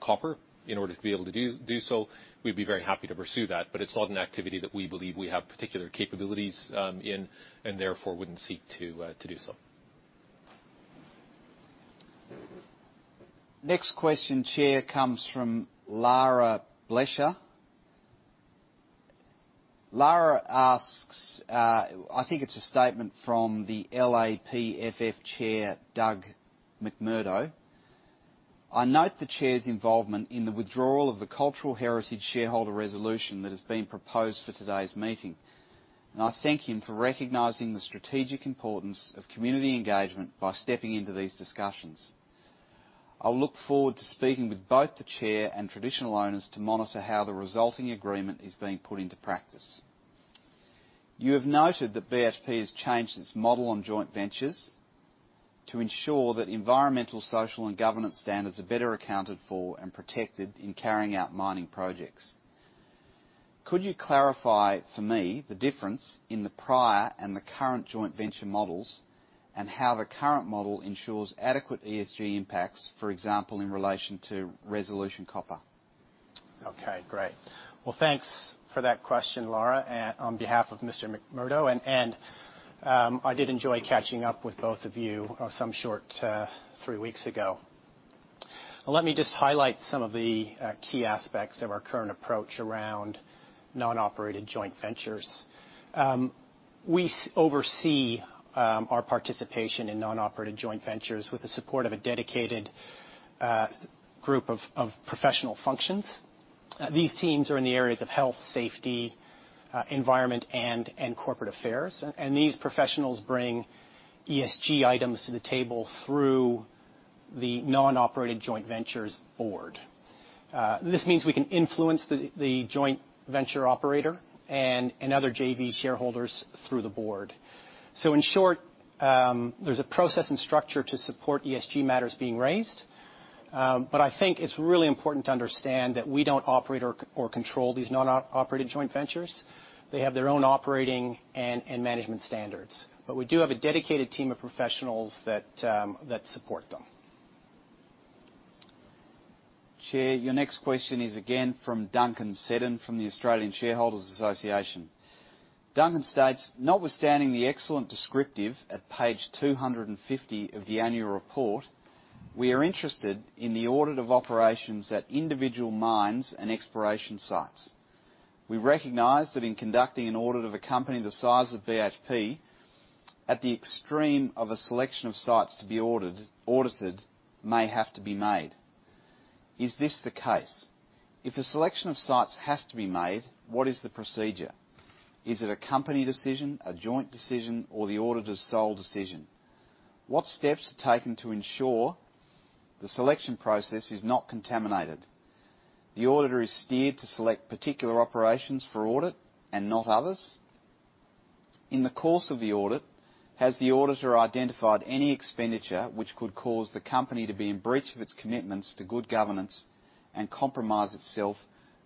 copper in order to be able to do so, we'd be very happy to pursue that. it's not an activity that we believe we have particular capabilities in, and therefore wouldn't seek to do so.
Next question, Chair, comes from Lara Blesha. Lara asks, I think it's a statement from the LAPFF chair, Doug McMurdo. "I note the chair's involvement in the withdrawal of the cultural heritage shareholder resolution that has been proposed for today's meeting, and I thank him for recognizing the strategic importance of community engagement by stepping into these discussions. I'll look forward to speaking with both the chair and traditional owners to monitor how the resulting agreement is being put into practice. You have noted that BHP has changed its model on joint ventures to ensure that environmental, social, and governance standards are better accounted for and protected in carrying out mining projects. Could you clarify for me the difference in the prior and the current joint venture models, and how the current model ensures adequate ESG impacts, for example, in relation to Resolution Copper?
Okay, great. Well, thanks for that question, Lara, on behalf of Mr. McMurdo. I did enjoy catching up with both of you some short three weeks ago. Let me just highlight some of the key aspects of our current approach around non-operated joint ventures. We oversee our participation in non-operated joint ventures with the support of a dedicated group of professional functions. These teams are in the areas of health, safety, environment, and corporate affairs. These professionals bring ESG items to the table through the non-operated joint ventures board. This means we can influence the joint venture operator and other JV shareholders through the board. In short, there's a process and structure to support ESG matters being raised. I think it's really important to understand that we don't operate or control these non-operated joint ventures. They have their own operating and management standards. We do have a dedicated team of professionals that support them.
Chair, your next question is again from Duncan Seddon from the Australian Shareholders' Association. Duncan states, "Notwithstanding the excellent descriptive at page 250 of the annual report, we are interested in the audit of operations at individual mines and exploration sites. We recognize that in conducting an audit of a company the size of BHP, at the extreme of a selection of sites to be audited may have to be made. Is this the case? If a selection of sites has to be made, what is the procedure? Is it a company decision, a joint decision, or the auditor's sole decision? What steps are taken to ensure the selection process is not contaminated? The auditor is steered to select particular operations for audit and not others. In the course of the audit, has the auditor identified any expenditure which could cause the company to be in breach of its commitments to good governance and compromise itself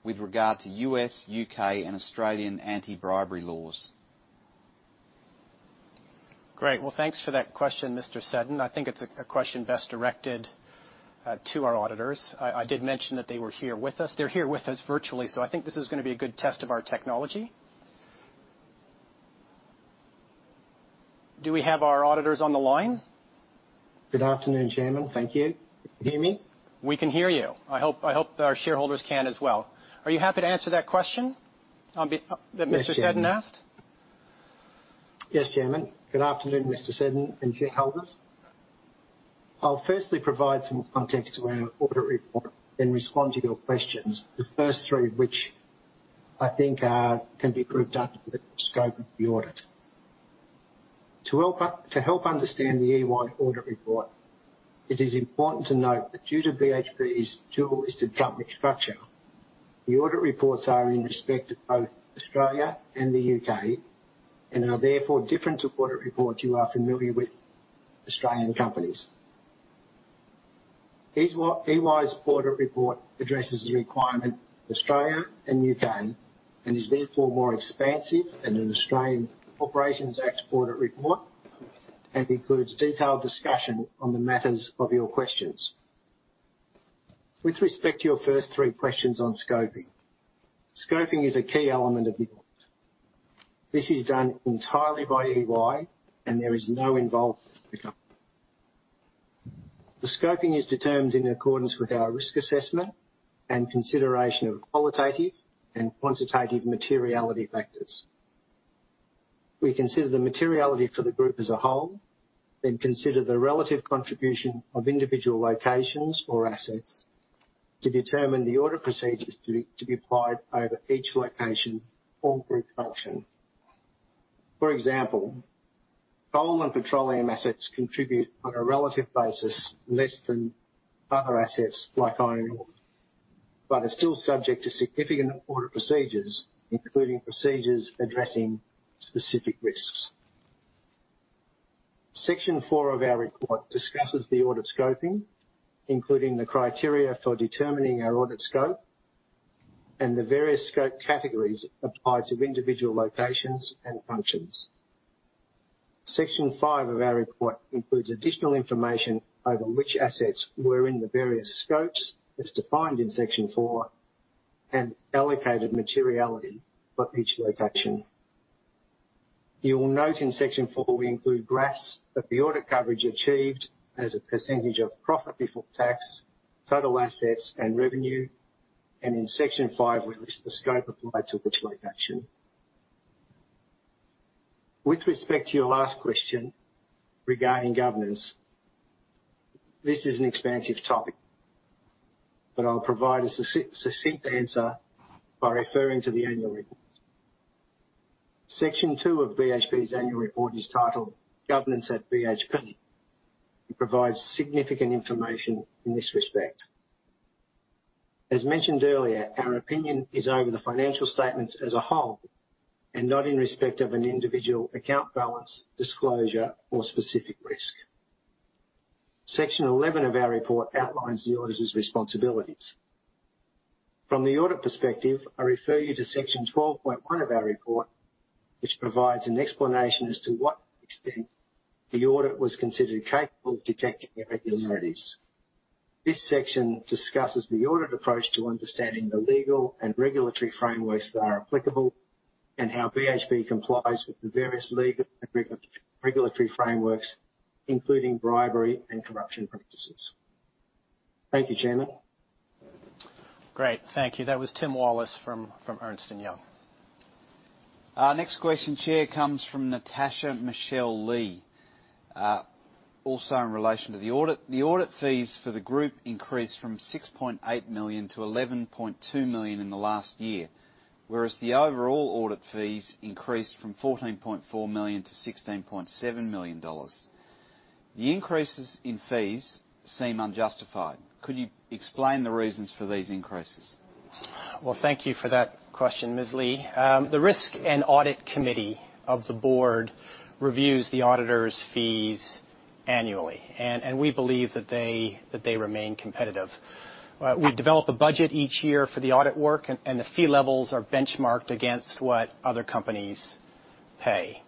with regard to U.S., U.K., and Australian anti-bribery laws?
Great. Well, thanks for that question, Mr. Seddon. I think it's a question best directed to our auditors. I did mention that they were here with us. They're here with us virtually, so I think this is going to be a good test of our technology. Do we have our auditors on the line?
Good afternoon, chairman. Thank you. Can you hear me?
We can hear you. I hope our shareholders can as well. Are you happy to answer that question that Mr. Seddon asked?
Yes, chairman. Good afternoon, Mr. Seddon and shareholders. I'll firstly provide some context to our audit report, then respond to your questions. The first three of which I think can be grouped under the scope of the audit. To help understand the EY audit report, it is important to note that due to BHP's dual listed company structure, the audit reports are in respect of both Australia and the U.K., and are therefore different to audit reports you are familiar with Australian companies. EY's audit report addresses the requirement of Australia and U.K., and is therefore more expansive than an Australian Corporations Act audit report, and includes detailed discussion on the matters of your questions. With respect to your first three questions on scoping is a key element of the audit. This is done entirely by EY and there is no involvement from the company. The scoping is determined in accordance with our risk assessment and consideration of qualitative and quantitative materiality factors. We consider the materiality for the group as a whole, then consider the relative contribution of individual locations or assets to determine the audit procedures to be applied over each location or group function. For example, coal and petroleum assets contribute on a relative basis less than other assets, like iron ore, but are still subject to significant audit procedures, including procedures addressing specific risks. Section four of our report discusses the audit scoping, including the criteria for determining our audit scope and the various scope categories applied to individual locations and functions. Section five of our report includes additional information over which assets were in the various scopes as defined in section four, and allocated materiality for each location. You will note in section four, we include graphs of the audit coverage achieved as a percentage of profit before tax, total assets, and revenue. In section five, we list the scope of work to which we took action. With respect to your last question regarding governance, this is an expansive topic, but I'll provide a succinct answer by referring to the annual report. Section two of BHP's annual report is titled Governance at BHP. It provides significant information in this respect. As mentioned earlier, our opinion is over the financial statements as a whole and not in respect of an individual account balance, disclosure, or specific risk. Section 11 of our report outlines the auditor's responsibilities. From the audit perspective, I refer you to section 12.1 of our report, which provides an explanation as to what extent the audit was considered capable of detecting irregularities. This section discusses the audit approach to understanding the legal and regulatory frameworks that are applicable and how BHP complies with the various legal and regulatory frameworks, including bribery and corruption practices. Thank you, Chairman.
Great. Thank you. That was Tim Wallace from Ernst & Young.
Our next question, Chair, comes from Natasha Michelle Lee, also in relation to the audit. The audit fees for the group increased from $6.8 million to $11.2 million in the last year, whereas the overall audit fees increased from $14.4 million to $16.7 million. The increases in fees seem unjustified. Could you explain the reasons for these increases?
Well, thank you for that question, Ms. Lee. The Risk and Audit Committee of the board reviews the auditor's fees annually, and we believe that they remain competitive. We develop a budget each year for the audit work, and the fee levels are benchmarked against what other companies pay.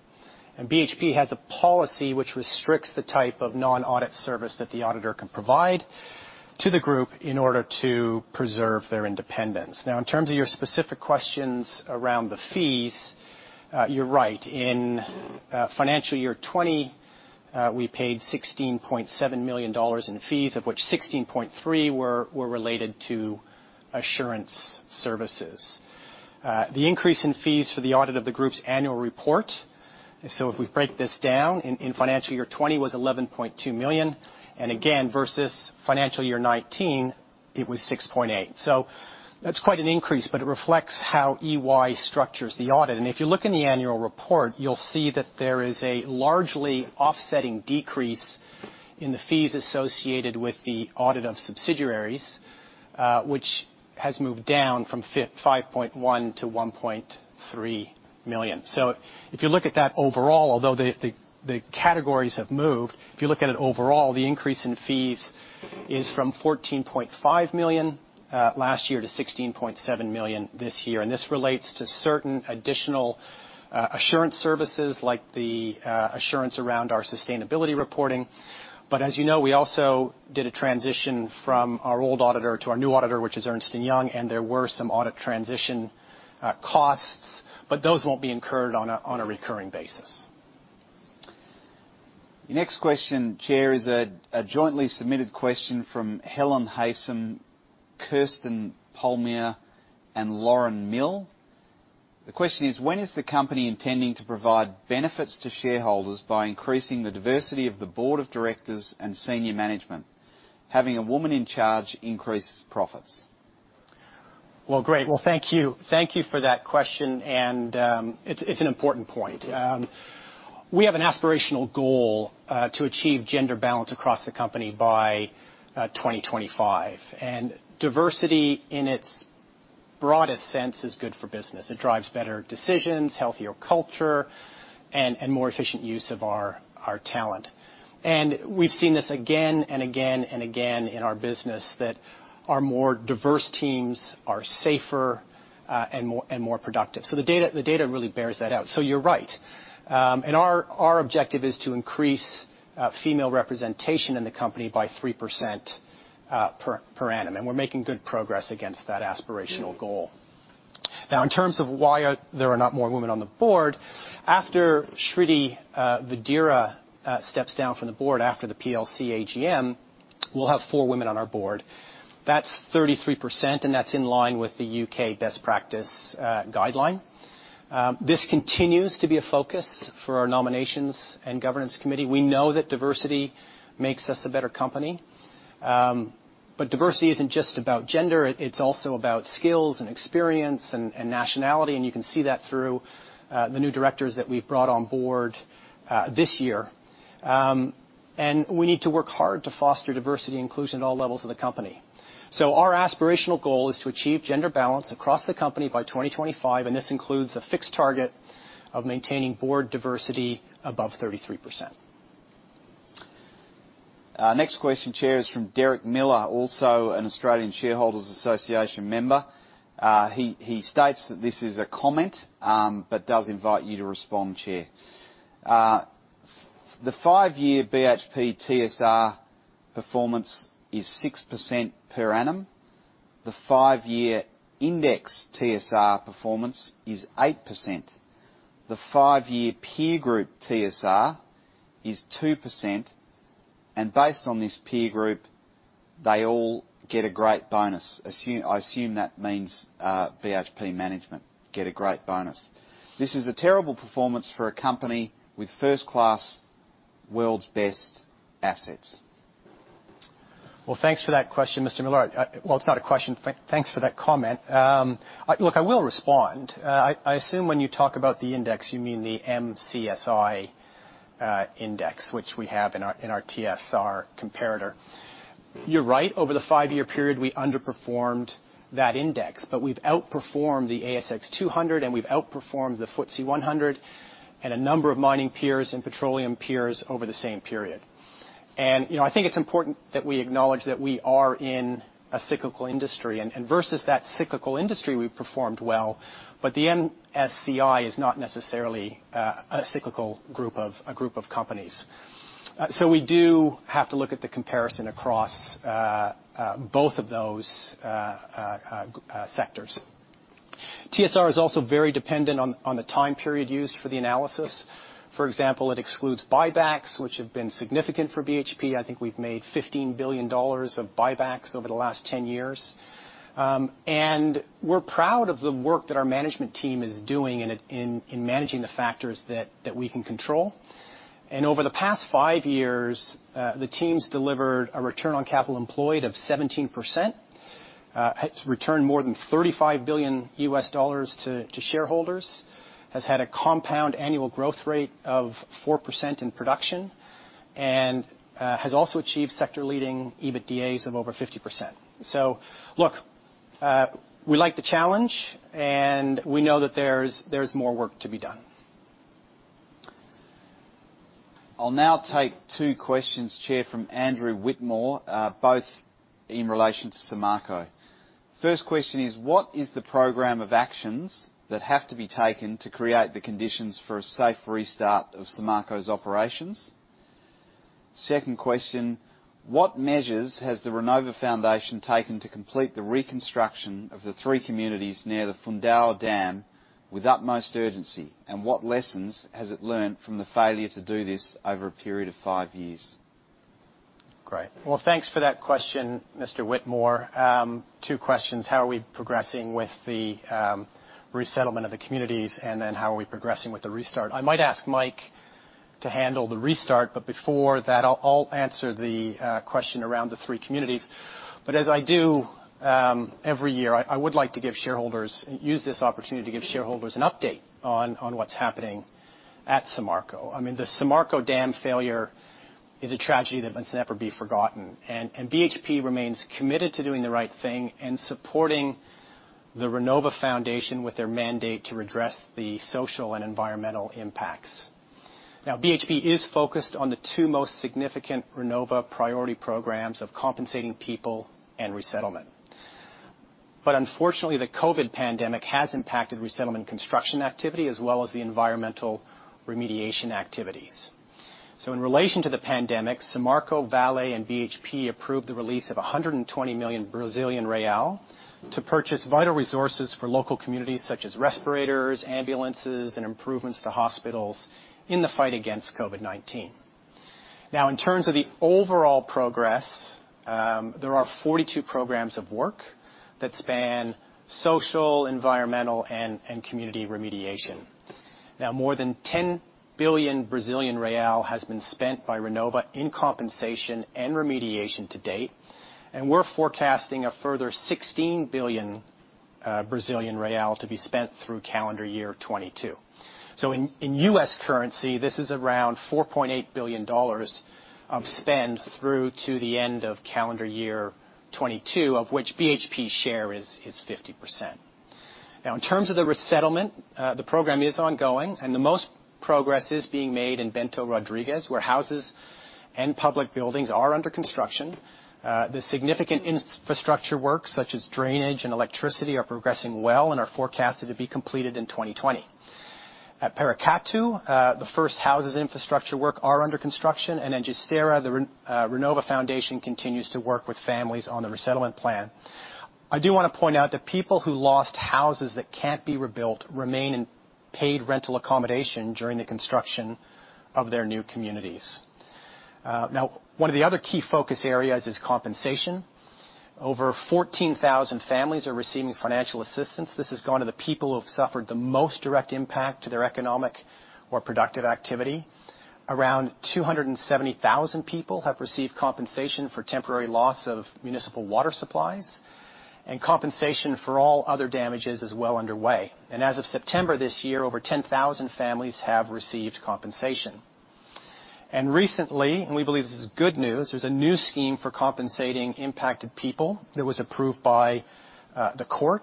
BHP has a policy which restricts the type of non-audit service that the auditor can provide to the group in order to preserve their independence. Now, in terms of your specific questions around the fees, you're right. In financial year 2020, we paid $16.7 million in fees, of which 16.3 were related to assurance services. The increase in fees for the audit of the group's annual report, so if we break this down, in financial year 2020 was 11.2 million. Again, versus financial year 2019, it was 6.8. That's quite an increase, but it reflects how EY structures the audit. If you look in the annual report, you'll see that there is a largely offsetting decrease in the fees associated with the audit of subsidiaries, which has moved down from $5.1 million to $1.3 million. If you look at that overall, although the categories have moved, if you look at it overall, the increase in fees is from $14.5 million last year to $16.7 million this year. This relates to certain additional assurance services like the assurance around our sustainability reporting. As you know, we also did a transition from our old auditor to our new auditor, which is Ernst & Young, and there were some audit transition costs. Those won't be incurred on a recurring basis.
The next question, Chair, is a jointly submitted question from Helen Haysom, Kirsten Palmier, and Lauren Mill. The question is, when is the company intending to provide benefits to shareholders by increasing the diversity of the board of directors and senior management? Having a woman in charge increases profits.
Well, great. Well, thank you. Thank you for that question, and it's an important point. We have an aspirational goal to achieve gender balance across the company by 2025. Diversity in its broadest sense is good for business. It drives better decisions, healthier culture, and more efficient use of our talent. We've seen this again and again and again in our business that our more diverse teams are safer and more productive. The data really bears that out. You're right. Our objective is to increase female representation in the company by 3% per annum, and we're making good progress against that aspirational goal. Now, in terms of why there are not more women on the board, after Shriti Vadera steps down from the board after the PLC AGM, we'll have four women on our board. That's 33%, and that's in line with the U.K. best practice guideline. This continues to be a focus for our nominations and governance committee. We know that diversity makes us a better company. Diversity isn't just about gender. It's also about skills and experience and nationality, and you can see that through the new directors that we've brought on board this year. We need to work hard to foster diversity inclusion at all levels of the company. Our aspirational goal is to achieve gender balance across the company by 2025, and this includes a fixed target of maintaining board diversity above 33%.
Next question, Chair, is from Derek Miller, also an Australian Shareholders' Association member. He states that this is a comment, but does invite you to respond, Chair. The five-year BHP TSR performance is 6% per annum. The five-year index TSR performance is 8%. The five-year peer group TSR is 2%, and based on this peer group, they all get a great bonus. I assume that means BHP management get a great bonus. This is a terrible performance for a company with first-class, world's best assets.
Well, thanks for that question, Mr. Miller. Well, it's not a question. Thanks for that comment. Look, I will respond. I assume when you talk about the index, you mean the MSCI index, which we have in our TSR comparator. You're right. Over the five-year period, we underperformed that index, but we've outperformed the ASX 200, and we've outperformed the FTSE 100 and a number of mining peers and petroleum peers over the same period. I think it's important that we acknowledge that we are in a cyclical industry, and versus that cyclical industry, we've performed well. The MSCI is not necessarily a cyclical group of companies. We do have to look at the comparison across both of those sectors. TSR is also very dependent on the time period used for the analysis. For example, it excludes buybacks, which have been significant for BHP. I think we've made $15 billion of buybacks over the last 10 years. We're proud of the work that our management team is doing in managing the factors that we can control. Over the past five years, the team's delivered a return on capital employed of 17%, it's returned more than $35 billion to shareholders, has had a compound annual growth rate of 4% in production, and has also achieved sector-leading EBITDAs of over 50%. Look, we like the challenge, and we know that there's more work to be done.
I'll now take two questions, Chair, from Andrew Whitmore, both in relation to Samarco. First question is, what is the program of actions that have to be taken to create the conditions for a safe restart of Samarco's operations? Second question, what measures has the Renova Foundation taken to complete the reconstruction of the three communities near the Fundão dam with utmost urgency, and what lessons has it learned from the failure to do this over a period of five years?
Great. Well, thanks for that question, Mr. Whitmore. Two questions, how are we progressing with the resettlement of the communities, and then how are we progressing with the restart? I might ask Mike to handle the restart, but before that, I'll answer the question around the three communities. As I do every year, I would like to use this opportunity to give shareholders an update on what's happening at Samarco. I mean, the Samarco dam failure is a tragedy that must never be forgotten, and BHP remains committed to doing the right thing and supporting the Renova Foundation with their mandate to redress the social and environmental impacts. Now, BHP is focused on the two most significant Renova priority programs of compensating people and resettlement. Unfortunately, the COVID pandemic has impacted resettlement construction activity as well as the environmental remediation activities. in relation to the pandemic, Samarco, Vale, and BHP approved the release of 120 million Brazilian real to purchase vital resources for local communities such as respirators, ambulances, and improvements to hospitals in the fight against COVID-19. In terms of the overall progress, there are 42 programs of work that span social, environmental, and community remediation. More than 10 billion Brazilian real has been spent by Renova in compensation and remediation to date, and we're forecasting a further 16 billion Brazilian real to be spent through calendar year 2022. In U.S. currency, this is around $4.8 billion of spend through to the end of calendar year 2022, of which BHP's share is 50%. In terms of the resettlement, the program is ongoing, and the most progress is being made in Bento Rodrigues, where houses and public buildings are under construction. The significant infrastructure works, such as drainage and electricity, are progressing well and are forecasted to be completed in 2020. At Paracatu, the first houses infrastructure work are under construction. In Gesteira, the Renova Foundation continues to work with families on the resettlement plan. I do want to point out that people who lost houses that can't be rebuilt remain in paid rental accommodation during the construction of their new communities. Now, one of the other key focus areas is compensation. Over 14,000 families are receiving financial assistance. This has gone to the people who have suffered the most direct impact to their economic or productive activity. Around 270,000 people have received compensation for temporary loss of municipal water supplies, and compensation for all other damages is well underway. As of September this year, over 10,000 families have received compensation. Recently, and we believe this is good news, there's a new scheme for compensating impacted people that was approved by the court.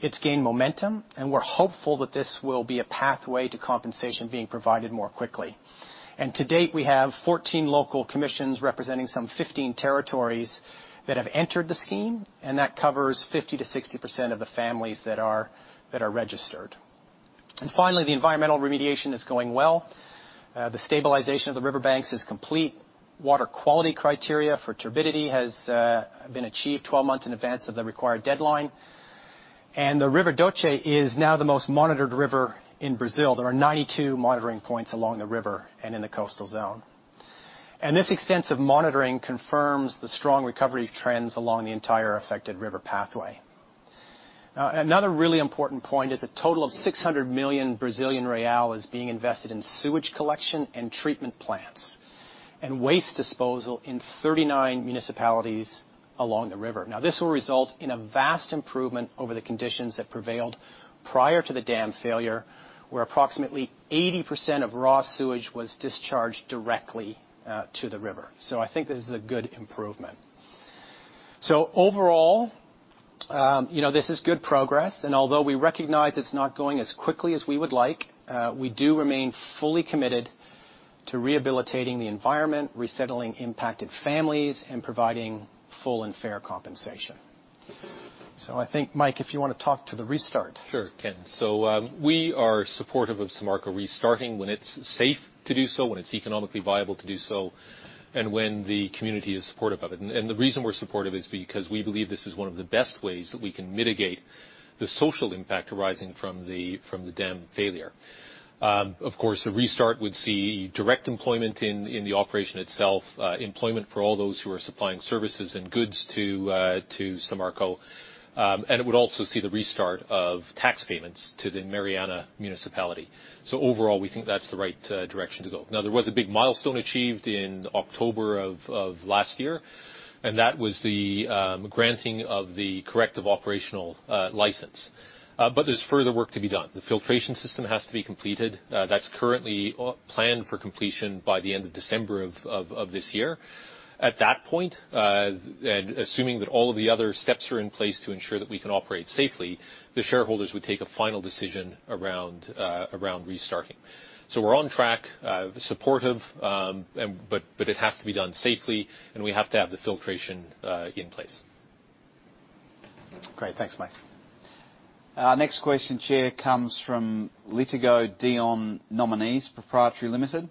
It's gained momentum, and we're hopeful that this will be a pathway to compensation being provided more quickly. To date, we have 14 local commissions representing some 15 territories that have entered the scheme, and that covers 50%-60% of the families that are registered. Finally, the environmental remediation is going well. The stabilization of the riverbanks is complete. Water quality criteria for turbidity has been achieved 12 months in advance of the required deadline. The Rio Doce is now the most monitored river in Brazil. There are 92 monitoring points along the river and in the coastal zone. This extensive monitoring confirms the strong recovery trends along the entire affected river pathway. Now, another really important point is a total of 600 million Brazilian real is being invested in sewage collection and treatment plants and waste disposal in 39 municipalities along the river. Now, this will result in a vast improvement over the conditions that prevailed prior to the dam failure, where approximately 80% of raw sewage was discharged directly to the river. I think this is a good improvement. Overall, this is good progress. Although we recognize it's not going as quickly as we would like, we do remain fully committed to rehabilitating the environment, resettling impacted families, and providing full and fair compensation. I think, Mike, if you want to talk to the restart.
Sure, Ken. We are supportive of Samarco restarting when it's safe to do so, when it's economically viable to do so, and when the community is supportive of it. The reason we're supportive is because we believe this is one of the best ways that we can mitigate the social impact arising from the dam failure. Of course, a restart would see direct employment in the operation itself, employment for all those who are supplying services and goods to Samarco. It would also see the restart of tax payments to the Mariana municipality. Overall, we think that's the right direction to go. There was a big milestone achieved in October of last year, and that was the granting of the corrective operational license. There's further work to be done. The filtration system has to be completed. That's currently planned for completion by the end of December of this year. At that point, assuming that all of the other steps are in place to ensure that we can operate safely, the shareholders would take a final decision around restarting. We're on track, supportive, but it has to be done safely, and we have to have the filtration in place.
Great. Thanks, Mike.
Our next question, Chair, comes from Litigo Dion Nominees Proprietary Limited.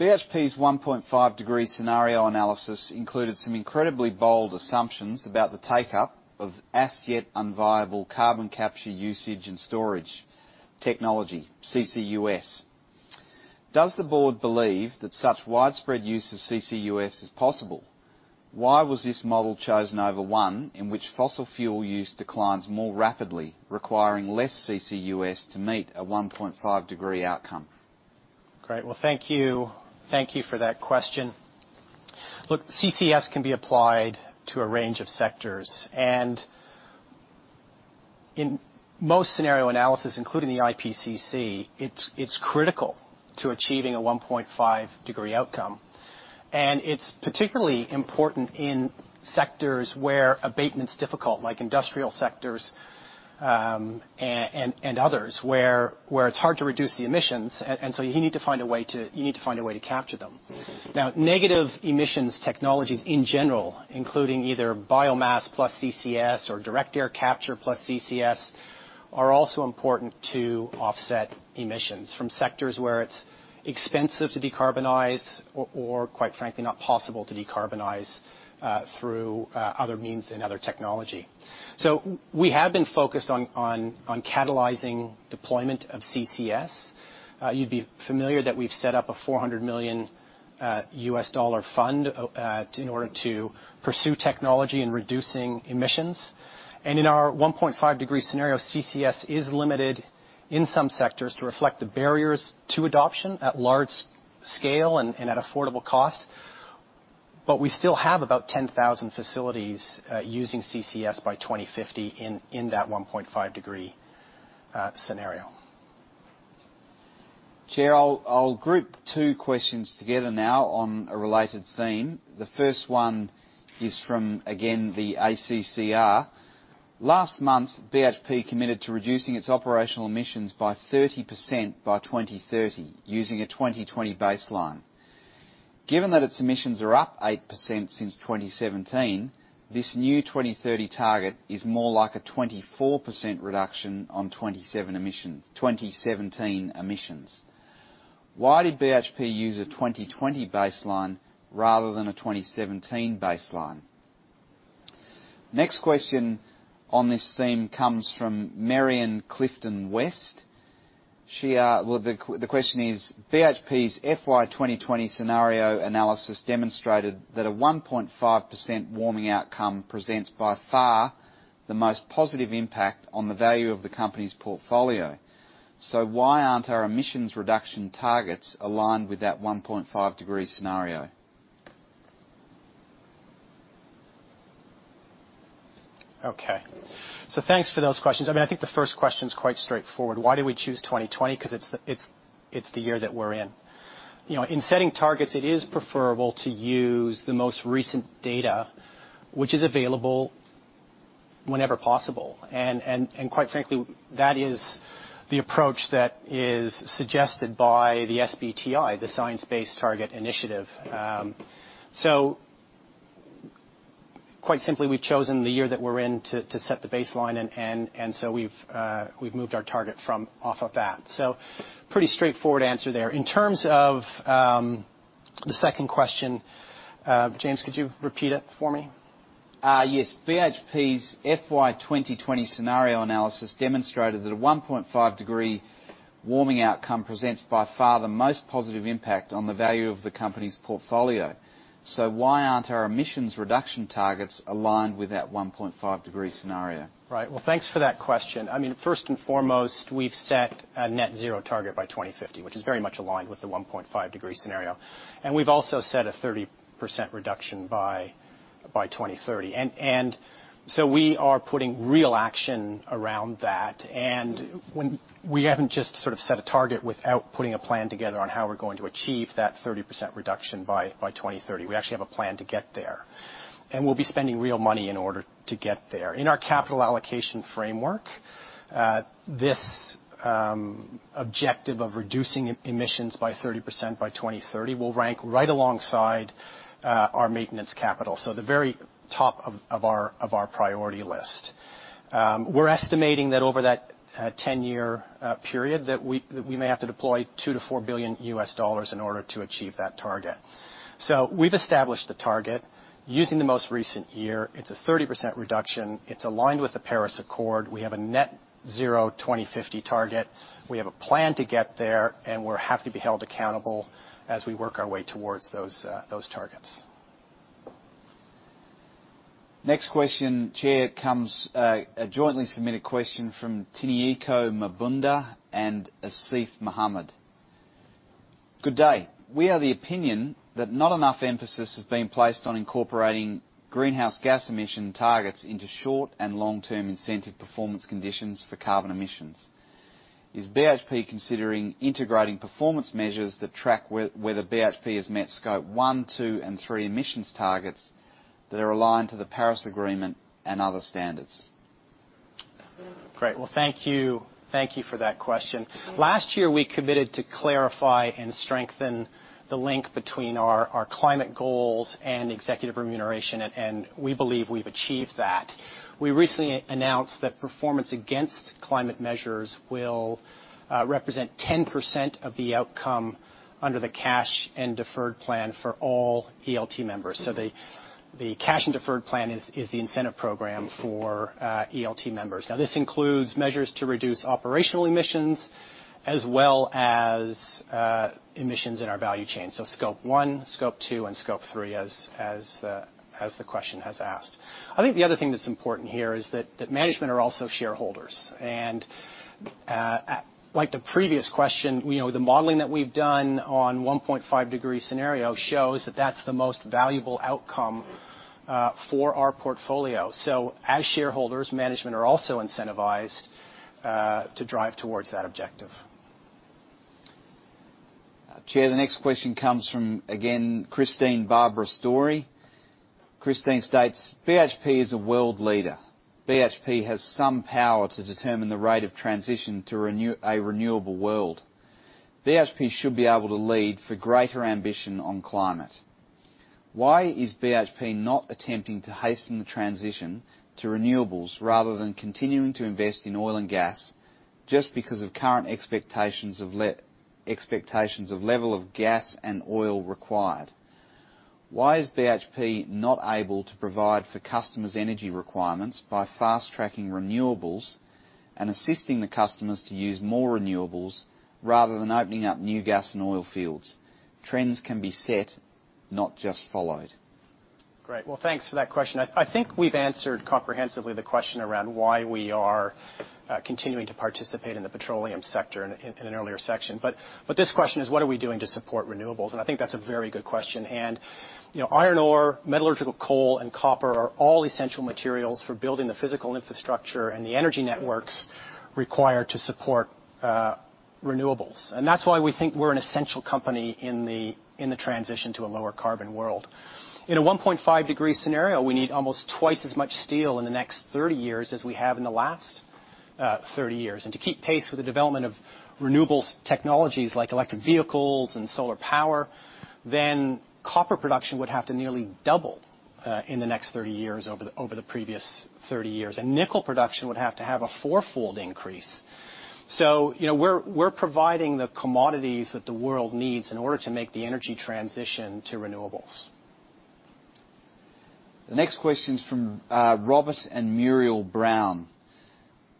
BHP's 1.5 degree scenario analysis included some incredibly bold assumptions about the take-up of as-yet unviable carbon capture usage and storage technology, CCUS. Does the Board believe that such widespread use of CCUS is possible? Why was this model chosen over one in which fossil fuel use declines more rapidly, requiring less CCUS to meet a 1.5 degree outcome?
Great. Well, thank you for that question. Look, CCS can be applied to a range of sectors. In most scenario analysis, including the IPCC, it's critical to achieving a 1.5-degree outcome. It's particularly important in sectors where abatement's difficult, like industrial sectors, and others, where it's hard to reduce the emissions, and so you need to find a way to capture them. Now, negative emissions technologies in general, including either biomass plus CCS or direct air capture plus CCS, are also important to offset emissions from sectors where it's expensive to decarbonize or, quite frankly, not possible to decarbonize through other means and other technology. We have been focused on catalyzing deployment of CCS. You'd be familiar that we've set up a $400 million fund in order to pursue technology in reducing emissions. In our 1.5 degree scenario, CCS is limited in some sectors to reflect the barriers to adoption at large scale and at affordable cost. We still have about 10,000 facilities using CCS by 2050 in that 1.5 degree scenario.
Chair, I'll group two questions together now on a related theme. The first one is from, again, the ACCR. Last month, BHP committed to reducing its operational emissions by 30% by 2030, using a 2020 baseline. Given that its emissions are up 8% since 2017, this new 2030 target is more like a 24% reduction on 2017 emissions. Why did BHP use a 2020 baseline rather than a 2017 baseline? Next question on this theme comes from Marian Clifton West. The question is, BHP's FY 2020 scenario analysis demonstrated that a 1.5% warming outcome presents by far the most positive impact on the value of the company's portfolio. Why aren't our emissions reduction targets aligned with that 1.5 degree scenario?
Okay. Thanks for those questions. I think the first question's quite straightforward. Why did we choose 2020? Because it's the year that we're in. In setting targets, it is preferable to use the most recent data, which is available whenever possible. Quite frankly, that is the approach that is suggested by the SBTI, the Science Based Targets initiative. Quite simply, we've chosen the year that we're in to set the baseline, and so we've moved our target from off of that. Pretty straightforward answer there. In terms of the second question, James, could you repeat it for me?
Yes. BHP's FY 2020 scenario analysis demonstrated that a 1.5 degree warming outcome presents by far the most positive impact on the value of the company's portfolio. Why aren't our emissions reduction targets aligned with that 1.5 degree scenario?
Right. Well, thanks for that question. First and foremost, we've set a net zero target by 2050, which is very much aligned with the 1.5 degree scenario. We've also set a 30% reduction by 2030. We are putting real action around that. We haven't just set a target without putting a plan together on how we're going to achieve that 30% reduction by 2030. We actually have a plan to get there, and we'll be spending real money in order to get there. In our capital allocation framework, this objective of reducing emissions by 30% by 2030 will rank right alongside our maintenance capital. The very top of our priority list. We're estimating that over that 10-year period, that we may have to deploy $2 billion-$4 billion in order to achieve that target. We've established the target. Using the most recent year, it's a 30% reduction. It's aligned with the Paris Accord. We have a net zero 2050 target. We have a plan to get there, and we're happy to be held accountable as we work our way towards those targets.
Next question, Chair, comes a jointly submitted question from Tiniko Mabunda and Asif Mohammed. Good day. We are of the opinion that not enough emphasis has been placed on incorporating greenhouse gas emission targets into short and long-term incentive performance conditions for carbon emissions. Is BHP considering integrating performance measures that track whether BHP has met Scope 1, 2, and 3 emissions targets that are aligned to the Paris Agreement and other standards?
Great. Well, thank you for that question. Last year, we committed to clarify and strengthen the link between our climate goals and executive remuneration, and we believe we've achieved that. We recently announced that performance against climate measures will represent 10% of the outcome under the cash and deferred plan for all ELT members. The cash and deferred plan is the incentive program for ELT members. Now, this includes measures to reduce operational emissions as well as emissions in our value chain. Scope 1, Scope 2, and Scope 3, as the question has asked. I think the other thing that's important here is that management are also shareholders. Like the previous question, the modeling that we've done on 1.5 degree scenario shows that that's the most valuable outcome for our portfolio. As shareholders, management are also incentivized to drive towards that objective.
Chair, the next question comes from, again, Christine Barbara Story. Christine states, BHP is a world leader. BHP has some power to determine the rate of transition to a renewable world. BHP should be able to lead for greater ambition on climate. Why is BHP not attempting to hasten the transition to renewables rather than continuing to invest in oil and gas just because of current expectations of level of gas and oil required? Why is BHP not able to provide for customers' energy requirements by fast-tracking renewables and assisting the customers to use more renewables rather than opening up new gas and oil fields? Trends can be set, not just followed.
Great. Well, thanks for that question. I think we've answered comprehensively the question around why we are continuing to participate in the petroleum sector in an earlier section. This question is what are we doing to support renewables? I think that's a very good question. Iron ore, metallurgical coal, and copper are all essential materials for building the physical infrastructure and the energy networks required to support renewables. That's why we think we're an essential company in the transition to a lower carbon world. In a 1.5 degree scenario, we need almost twice as much steel in the next 30 years as we have in the last 30 years. To keep pace with the development of renewables technologies like electric vehicles and solar power, then copper production would have to nearly double in the next 30 years over the previous 30 years. Nickel production would have to have a fourfold increase. We're providing the commodities that the world needs in order to make the energy transition to renewables.
The next question is from Robert and Muriel Brown.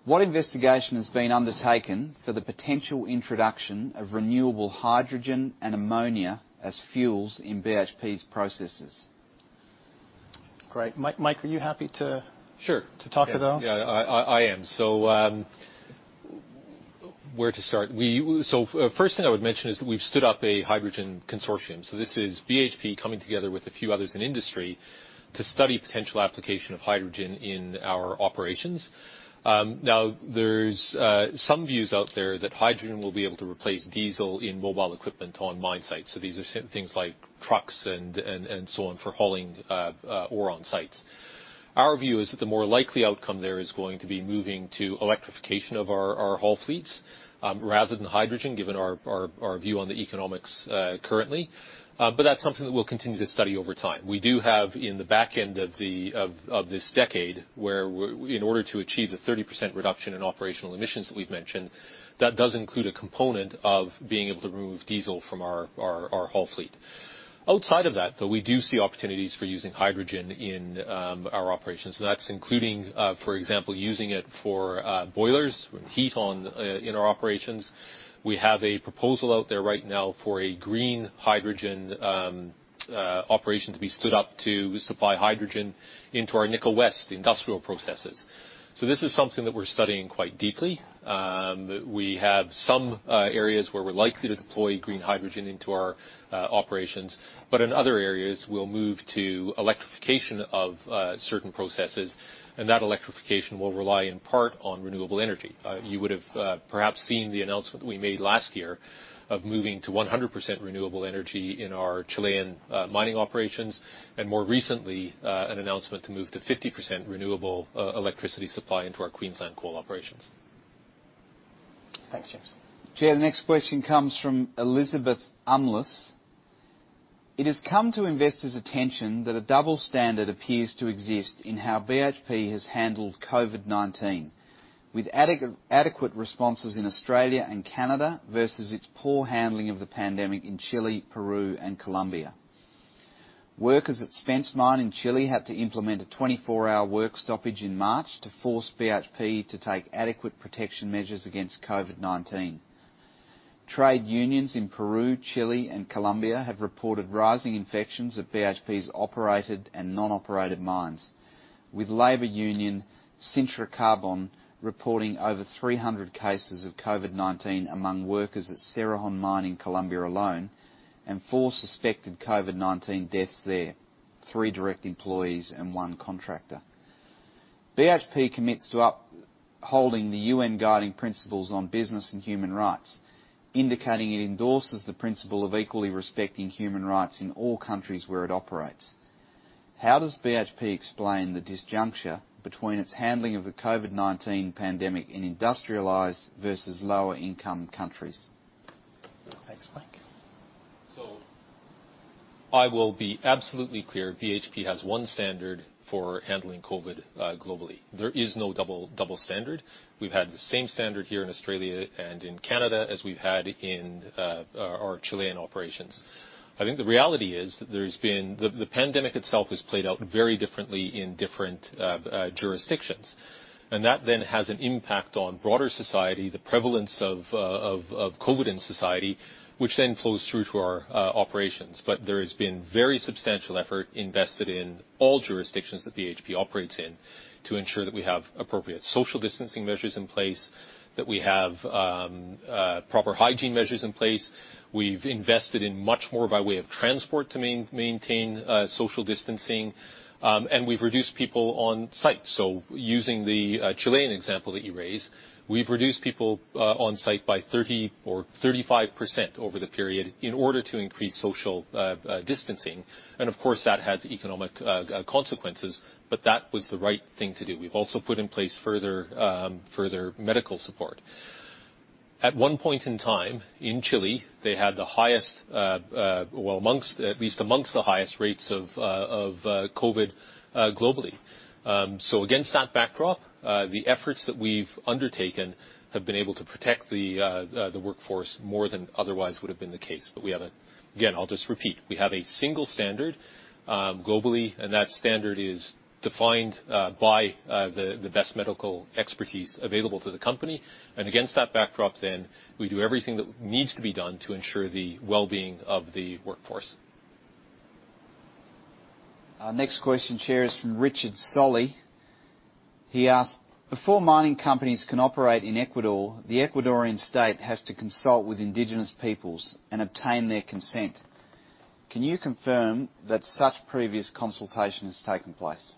What investigation has been undertaken for the potential introduction of renewable hydrogen and ammonia as fuels in BHP's processes?
Great. Mike, are you happy to-
Sure
to talk to those?
Yeah, I am. Where to start? First thing I would mention is that we've stood up a hydrogen consortium. This is BHP coming together with a few others in the industry to study potential application of hydrogen in our operations. Now, there's some views out there that hydrogen will be able to replace diesel in mobile equipment on mine sites. These are things like trucks and so on for hauling ore on sites. Our view is that the more likely outcome there is going to be moving to electrification of our haul fleets, rather than hydrogen, given our view on the economics currently. That's something that we'll continue to study over time. We do have, in the back end of this decade, where in order to achieve the 30% reduction in operational emissions that we've mentioned, that does include a component of being able to remove diesel from our whole fleet. Outside of that, though, we do see opportunities for using hydrogen in our operations. That's including, for example, using it for boilers, heat in our operations. We have a proposal out there right now for a green hydrogen operation to be stood up to supply hydrogen into our Nickel West industrial processes. This is something that we're studying quite deeply. We have some areas where we're likely to deploy green hydrogen into our operations, but in other areas, we'll move to electrification of certain processes, and that electrification will rely in part on renewable energy. You would have perhaps seen the announcement we made last year of moving to 100% renewable energy in our Chilean mining operations, and more recently, an announcement to move to 50% renewable electricity supply into our Queensland coal operations.
Thanks, James. Chair, the next question comes from Elizabeth Umlas. "It has come to investors' attention that a double standard appears to exist in how BHP has handled COVID-19, with adequate responses in Australia and Canada versus its poor handling of the pandemic in Chile, Peru, and Colombia. Workers at Spence Mine in Chile had to implement a 24-hour work stoppage in March to force BHP to take adequate protection measures against COVID-19. Trade unions in Peru, Chile, and Colombia have reported rising infections at BHP's operated and non-operated mines, with labor union Sintracarbón reporting over 300 cases of COVID-19 among workers at Cerrejón Mine in Colombia alone, and four suspected COVID-19 deaths there, three direct employees and one contractor. BHP commits to upholding the UN Guiding Principles on Business and Human Rights, indicating it endorses the principle of equally respecting human rights in all countries where it operates. How does BHP explain the disjuncture between its handling of the COVID-19 pandemic in industrialized versus lower-income countries?" Thanks, Mike.
I will be absolutely clear. BHP has one standard for handling COVID globally. There is no double standard. We've had the same standard here in Australia and in Canada as we've had in our Chilean operations. I think the reality is that the pandemic itself has played out very differently in different jurisdictions, and that then has an impact on broader society, the prevalence of COVID in society, which then flows through to our operations. There has been very substantial effort invested in all jurisdictions that BHP operates in to ensure that we have appropriate social distancing measures in place, that we have proper hygiene measures in place. We've invested in much more by way of transport to maintain social distancing, and we've reduced people on site. Using the Chilean example that you raised, we've reduced people on site by 30% or 35% over the period in order to increase social distancing. Of course, that has economic consequences, but that was the right thing to do. We've also put in place further medical support. At one point in time, in Chile, they had the highest, well, amongst the highest rates of COVID globally. Against that backdrop, the efforts that we've undertaken have been able to protect the workforce more than otherwise would've been the case. Again, I'll just repeat, we have a single standard globally, and that standard is defined by the best medical expertise available to the company. Against that backdrop then, we do everything that needs to be done to ensure the well-being of the workforce.
Our next question, Chair, is from Richard Solly. He asked, "Before mining companies can operate in Ecuador, the Ecuadorian state has to consult with indigenous peoples and obtain their consent. Can you confirm that such previous consultation has taken place?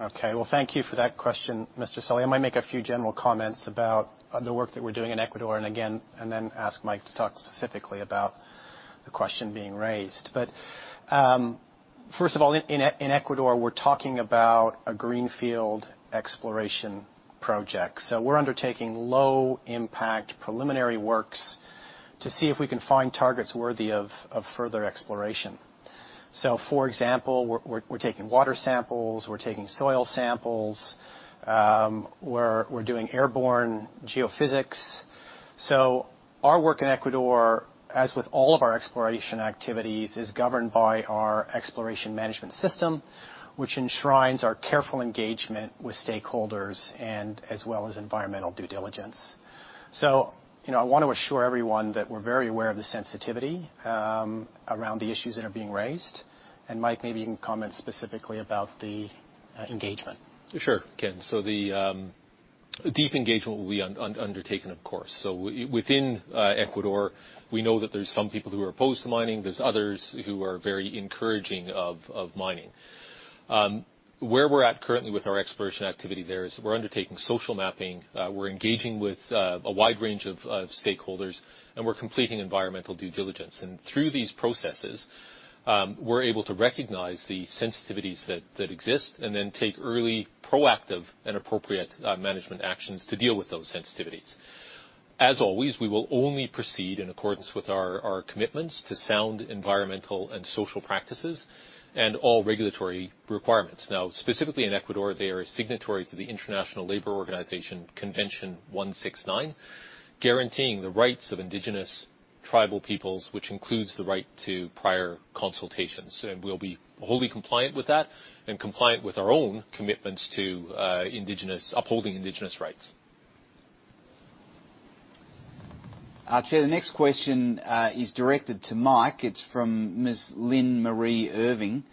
Okay. Well, thank you for that question, Mr. Solly. I might make a few general comments about the work that we're doing in Ecuador, and then ask Mike to talk specifically about the question being raised. First of all, in Ecuador, we're talking about a greenfield exploration project. We're undertaking low-impact preliminary works to see if we can find targets worthy of further exploration. For example, we're taking water samples, we're taking soil samples, we're doing airborne geophysics. Our work in Ecuador, as with all of our exploration activities, is governed by our exploration management system, which enshrines our careful engagement with stakeholders and as well as environmental due diligence. I want to assure everyone that we're very aware of the sensitivity around the issues that are being raised. Mike, maybe you can comment specifically about the engagement.
Sure can. The deep engagement will be undertaken, of course. Within Ecuador, we know that there's some people who are opposed to mining. There's others who are very encouraging of mining. Where we're at currently with our exploration activity there is we're undertaking social mapping. We're engaging with a wide range of stakeholders, and we're completing environmental due diligence. Through these processes we're able to recognize the sensitivities that exist and then take early proactive and appropriate management actions to deal with those sensitivities. As always, we will only proceed in accordance with our commitments to sound environmental and social practices and all regulatory requirements. Specifically in Ecuador, they are signatory to the International Labour Organization Convention 169, guaranteeing the rights of indigenous tribal peoples, which includes the right to prior consultations. We'll be wholly compliant with that and compliant with our own commitments to upholding indigenous rights.
Chair, the next question is directed to Mike. It's from Ms. Lynn Marie Irving.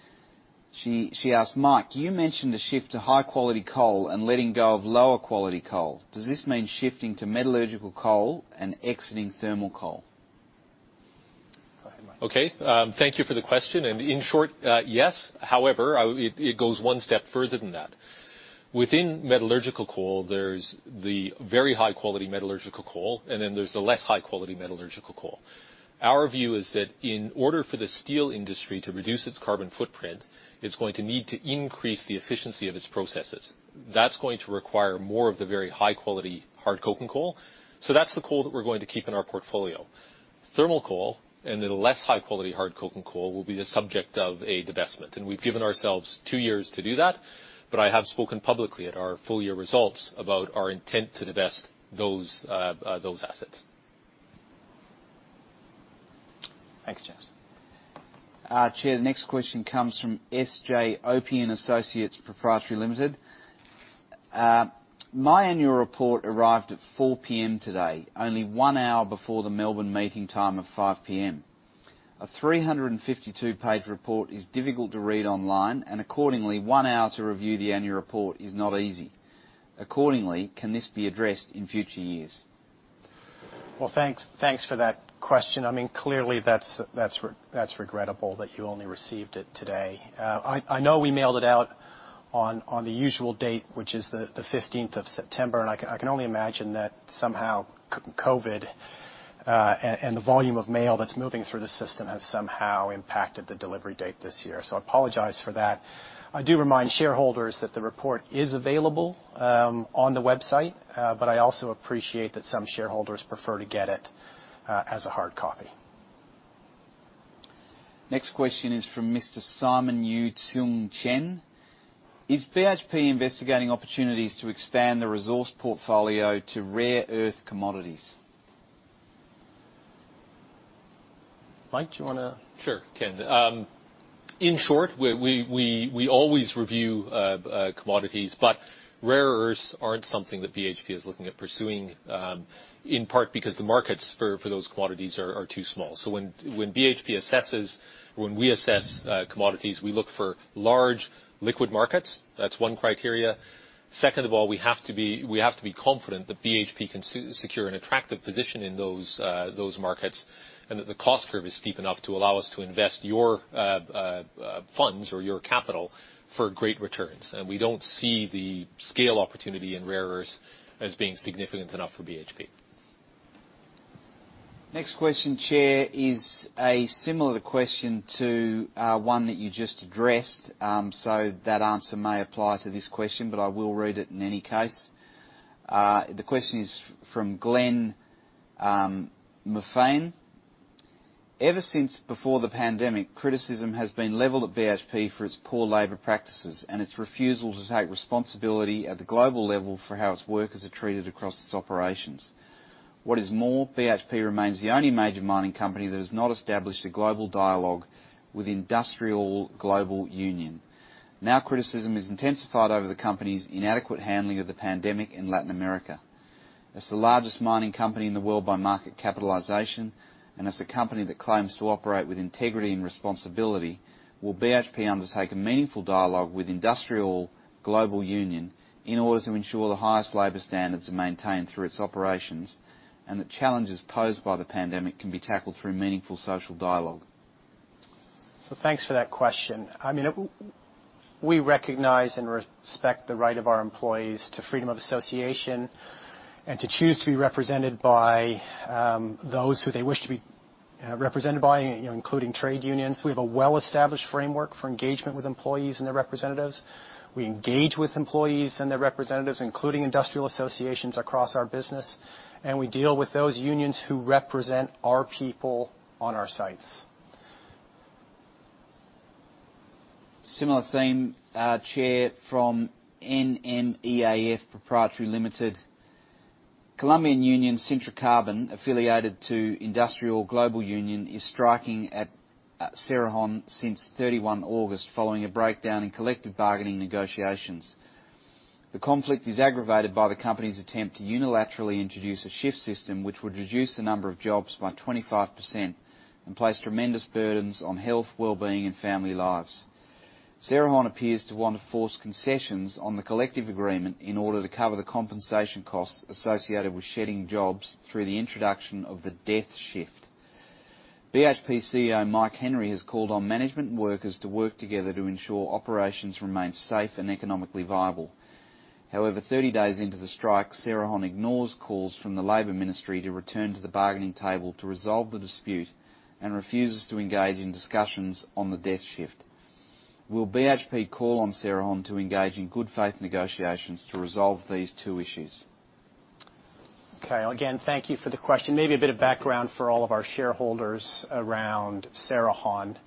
She asked, "Mike, you mentioned the shift to high-quality coal and letting go of lower-quality coal. Does this mean shifting to metallurgical coal and exiting thermal coal?
Okay. Thank you for the question. In short, yes. However, it goes one step further than that. Within metallurgical coal, there's the very high-quality metallurgical coal, and then there's the less high-quality metallurgical coal. Our view is that in order for the steel industry to reduce its carbon footprint, it's going to need to increase the efficiency of its processes. That's going to require more of the very high-quality coking coal. That's the coal that we're going to keep in our portfolio. Thermal coal, and the less high quality hard coking coal, will be the subject of a divestment, and we've given ourselves two years to do that. I have spoken publicly at our full year results about our intent to divest those assets.
Thanks, James. Chair, the next question comes from SJ Opion Associates Proprietary Limited. "My annual report arrived at 4:00 PM today, only one hour before the Melbourne meeting time of 5:00 PM. A 352-page report is difficult to read online, and accordingly, one hour to review the annual report is not easy. Accordingly, can this be addressed in future years?
Well, thanks for that question. Clearly, that's regrettable that you only received it today. I know we mailed it out on the usual date, which is the 15th of September, and I can only imagine that somehow COVID and the volume of mail that's moving through the system has somehow impacted the delivery date this year. I apologize for that. I do remind shareholders that the report is available on the website, but I also appreciate that some shareholders prefer to get it as a hard copy.
Next question is from Mr. Simon Yu Tsung-Chen. "Is BHP investigating opportunities to expand the resource portfolio to rare earth commodities?"
Mike, do you want to-
Sure, Ken. In short, we always review commodities, but rare earths aren't something that BHP is looking at pursuing, in part because the markets for those commodities are too small. When we assess commodities, we look for large liquid markets. That's one criteria. Second of all, we have to be confident that BHP can secure an attractive position in those markets, and that the cost curve is steep enough to allow us to invest your funds or your capital for great returns. We don't see the scale opportunity in rare earths as being significant enough for BHP.
Next question, Chair, is a similar question to one that you just addressed. That answer may apply to this question, but I will read it in any case. The question is from Glenn Murphy. "Ever since before the pandemic, criticism has been leveled at BHP for its poor labor practices and its refusal to take responsibility at the global level for how its workers are treated across its operations. What is more, BHP remains the only major mining company that has not established a global dialogue with IndustriALL Global Union. Now criticism is intensified over the company's inadequate handling of the pandemic in Latin America. As the largest mining company in the world by market capitalization, and as a company that claims to operate with integrity and responsibility, will BHP undertake a meaningful dialogue with IndustriALL Global Union in order to ensure the highest labor standards are maintained through its operations, and the challenges posed by the pandemic can be tackled through meaningful social dialogue?
Thanks for that question. We recognize and respect the right of our employees to freedom of association and to choose to be represented by those who they wish to be represented by, including trade unions. We have a well-established framework for engagement with employees and their representatives. We engage with employees and their representatives, including industrial associations across our business, and we deal with those unions who represent our people on our sites.
Similar theme, Chair, from NMEAF Proprietary Limited. "Colombian Union Sintracarbón, affiliated to IndustriALL Global Union, is striking at Cerrejón since 31 August following a breakdown in collective bargaining negotiations. The conflict is aggravated by the company's attempt to unilaterally introduce a shift system which would reduce the number of jobs by 25% and place tremendous burdens on health, well-being, and family lives. Cerrejón appears to want to force concessions on the collective agreement in order to cover the compensation costs associated with shedding jobs through the introduction of the death shift. BHP CEO Mike Henry has called on management and workers to work together to ensure operations remain safe and economically viable. However, 30 days into the strike, Cerrejón ignores calls from the Labor Ministry to return to the bargaining table to resolve the dispute and refuses to engage in discussions on the death shift. Will BHP call on Cerrejón to engage in good faith negotiations to resolve these two issues?
Okay. Again, thank you for the question. Maybe a bit of background for all of our shareholders around Cerrejón.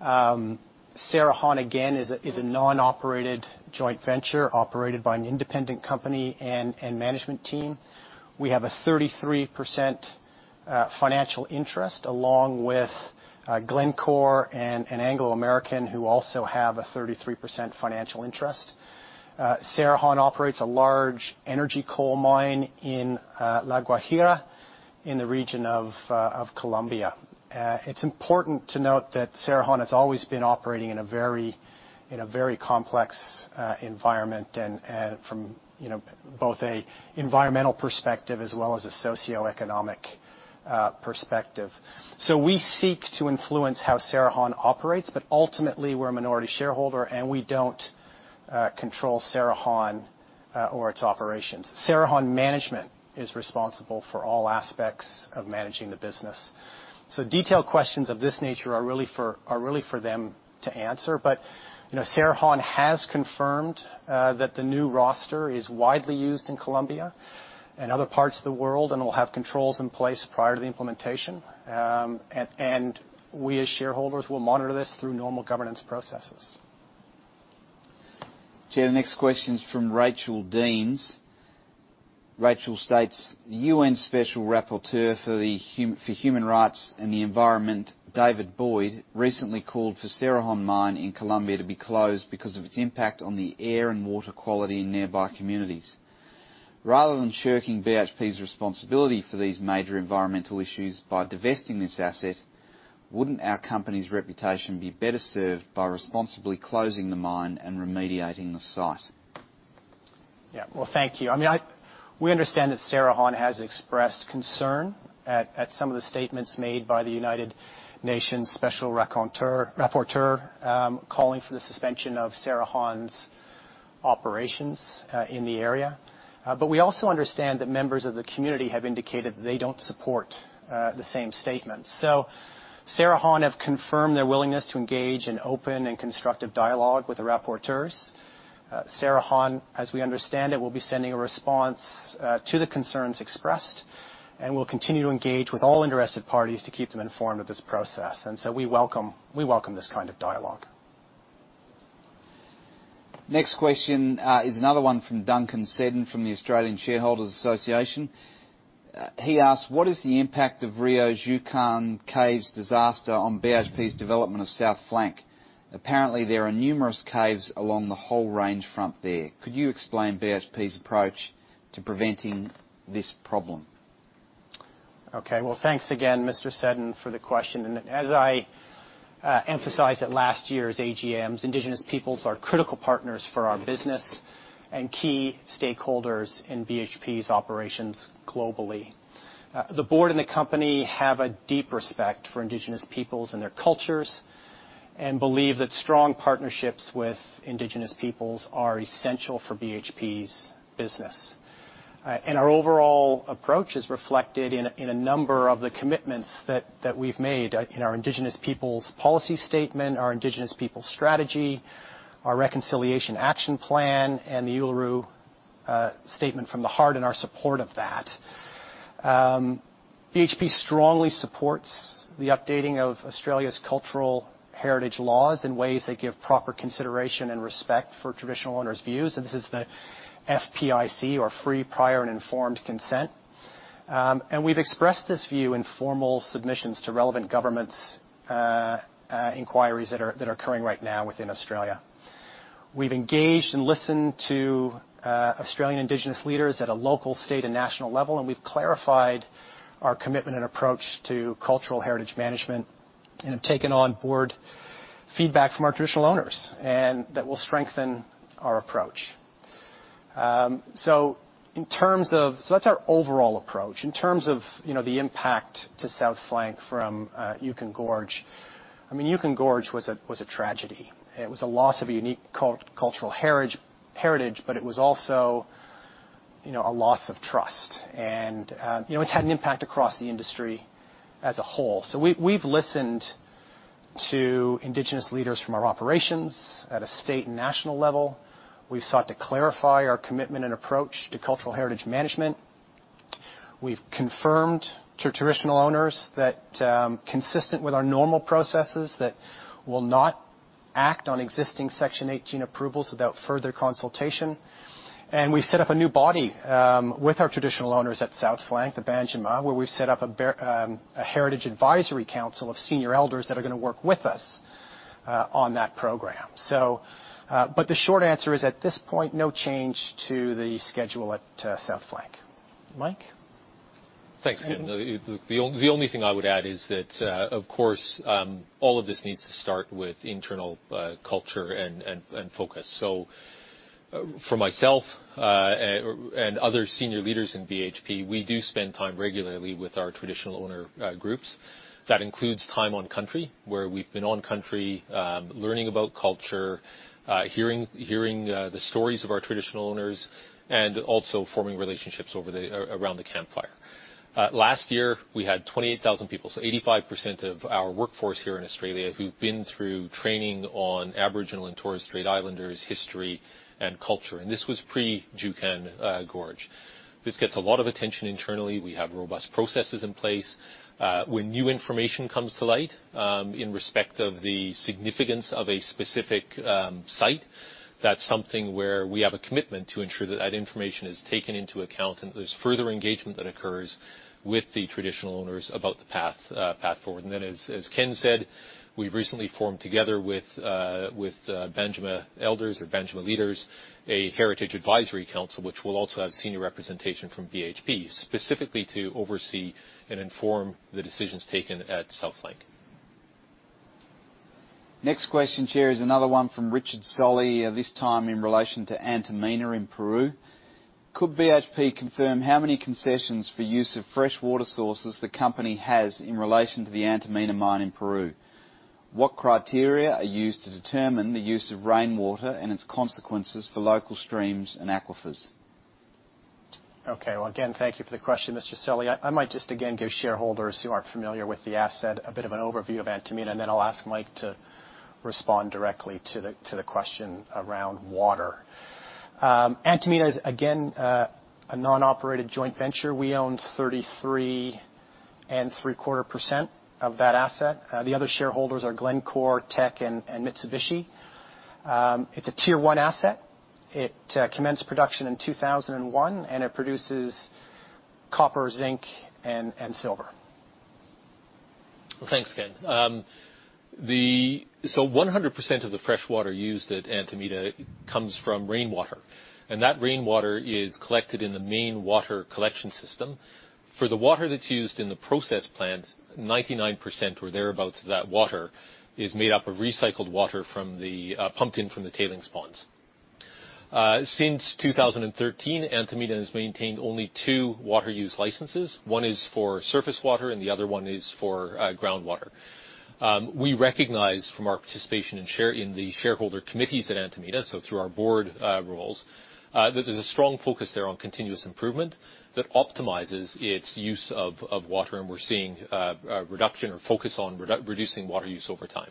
Cerrejón, again, is a non-operated joint venture operated by an independent company and management team. We have a 33% financial interest, along with Glencore and Anglo American, who also have a 33% financial interest. Cerrejón operates a large energy coal mine in La Guajira, in the region of Colombia. It's important to note that Cerrejón has always been operating in a very complex environment and from both a environmental perspective as well as a socioeconomic perspective. We seek to influence how Cerrejón operates, but ultimately, we're a minority shareholder, and we don't control Cerrejón or its operations. Cerrejón management is responsible for all aspects of managing the business. Detailed questions of this nature are really for them to answer. Cerrejón has confirmed that the new roster is widely used in Colombia and other parts of the world and will have controls in place prior to the implementation. We, as shareholders, will monitor this through normal governance processes.
Chair, the next question is from Rachel Deans. Rachel states, "The UN Special Rapporteur for Human Rights and the Environment, David Boyd, recently called for Cerrejón mine in Colombia to be closed because of its impact on the air and water quality in nearby communities. Rather than shirking BHP's responsibility for these major environmental issues by divesting this asset, wouldn't our company's reputation be better served by responsibly closing the mine and remediating the site?
Yeah. Well, thank you. We understand that Cerrejón has expressed concern at some of the statements made by the United Nations Special Rapporteur, calling for the suspension of Cerrejón's operations in the area. We also understand that members of the community have indicated they don't support the same statements. Cerrejón have confirmed their willingness to engage in open and constructive dialogue with the rapporteurs. Cerrejón, as we understand it, will be sending a response to the concerns expressed and will continue to engage with all interested parties to keep them informed of this process. We welcome this kind of dialogue.
Next question is another one from Duncan Seddon from the Australian Shareholders' Association. He asks, "What is the impact of Rio's Juukan caves disaster on BHP's development of South Flank? Apparently, there are numerous caves along the whole range front there. Could you explain BHP's approach to preventing this problem?
Okay. Well, thanks again, Mr. Seddon, for the question. As I emphasized at last year's AGMs, Indigenous peoples are critical partners for our business and key stakeholders in BHP's operations globally. The board and the company have a deep respect for Indigenous peoples and their cultures and believe that strong partnerships with Indigenous peoples are essential for BHP's business. Our overall approach is reflected in a number of the commitments that we've made in our Indigenous Peoples Policy Statement, our Indigenous Peoples Strategy, our Reconciliation Action Plan, and the Uluru Statement from the Heart and our support of that. BHP strongly supports the updating of Australia's cultural heritage laws in ways that give proper consideration and respect for traditional owners' views. This is the FPIC or Free, Prior, and Informed Consent. We've expressed this view in formal submissions to relevant governments' inquiries that are occurring right now within Australia. We've engaged and listened to Australian Indigenous leaders at a local, state, and national level, and we've clarified our commitment and approach to cultural heritage management and have taken on board feedback from our traditional owners, and that will strengthen our approach. That's our overall approach. In terms of the impact to South Flank from Juukan Gorge, Juukan Gorge was a tragedy. It was a loss of a unique cultural heritage, but it was also a loss of trust. It's had an impact across the industry as a whole. We've listened to Indigenous leaders from our operations at a state and national level. We've sought to clarify our commitment and approach to cultural heritage management. We've confirmed to traditional owners that, consistent with our normal processes, that we'll not act on existing Section 18 approvals without further consultation. We've set up a new body with our traditional owners at South Flank, the Banjima, where we've set up a heritage advisory council of senior elders that are going to work with us on that program. The short answer is, at this point, no change to the schedule at South Flank. Mike?
Thanks, Keith. The only thing I would add is that, of course, all of this needs to start with internal culture and focus. For myself and other senior leaders in BHP, we do spend time regularly with our traditional owner groups. That includes time on country, where we've been on country learning about culture, hearing the stories of our traditional owners, and also forming relationships around the campfire. Last year, we had 28,000 people. 85% of our workforce here in Australia who've been through training on Aboriginal and Torres Strait Islanders history and culture. This was pre-Juukan Gorge. This gets a lot of attention internally. We have robust processes in place. When new information comes to light, in respect of the significance of a specific site, that's something where we have a commitment to ensure that that information is taken into account and there's further engagement that occurs with the traditional owners about the path forward. As Ken said, we've recently formed together with Banjima Elders or Banjima leaders, a heritage advisory council, which will also have senior representation from BHP, specifically to oversee and inform the decisions taken at South Flank.
Next question, Chair, is another one from Richard Solly, this time in relation to Antamina in Peru. Could BHP confirm how many concessions for use of fresh water sources the company has in relation to the Antamina mine in Peru? What criteria are used to determine the use of rainwater and its consequences for local streams and aquifers?
Okay. Well, again, thank you for the question, Mr. Solly. I might just again give shareholders who aren't familiar with the asset a bit of an overview of Antamina, and then I'll ask Mike to respond directly to the question around water. Antamina is, again, a non-operated joint venture. We own 33.75% of that asset. The other shareholders are Glencore, Teck, and Mitsubishi. It's a tier 1 asset. It commenced production in 2001, and it produces copper, zinc, and silver.
Well, thanks, Ken. 100% of the fresh water used at Antamina comes from rainwater, and that rainwater is collected in the main water collection system. For the water that's used in the process plant, 99% or thereabouts of that water is made up of recycled water pumped in from the tailings ponds. Since 2013, Antamina has maintained only two water use licenses. One is for surface water and the other one is for groundwater. We recognize from our participation in the shareholder committees at Antamina, so through our board roles, that there's a strong focus there on continuous improvement that optimizes its use of water, and we're seeing a reduction or focus on reducing water use over time.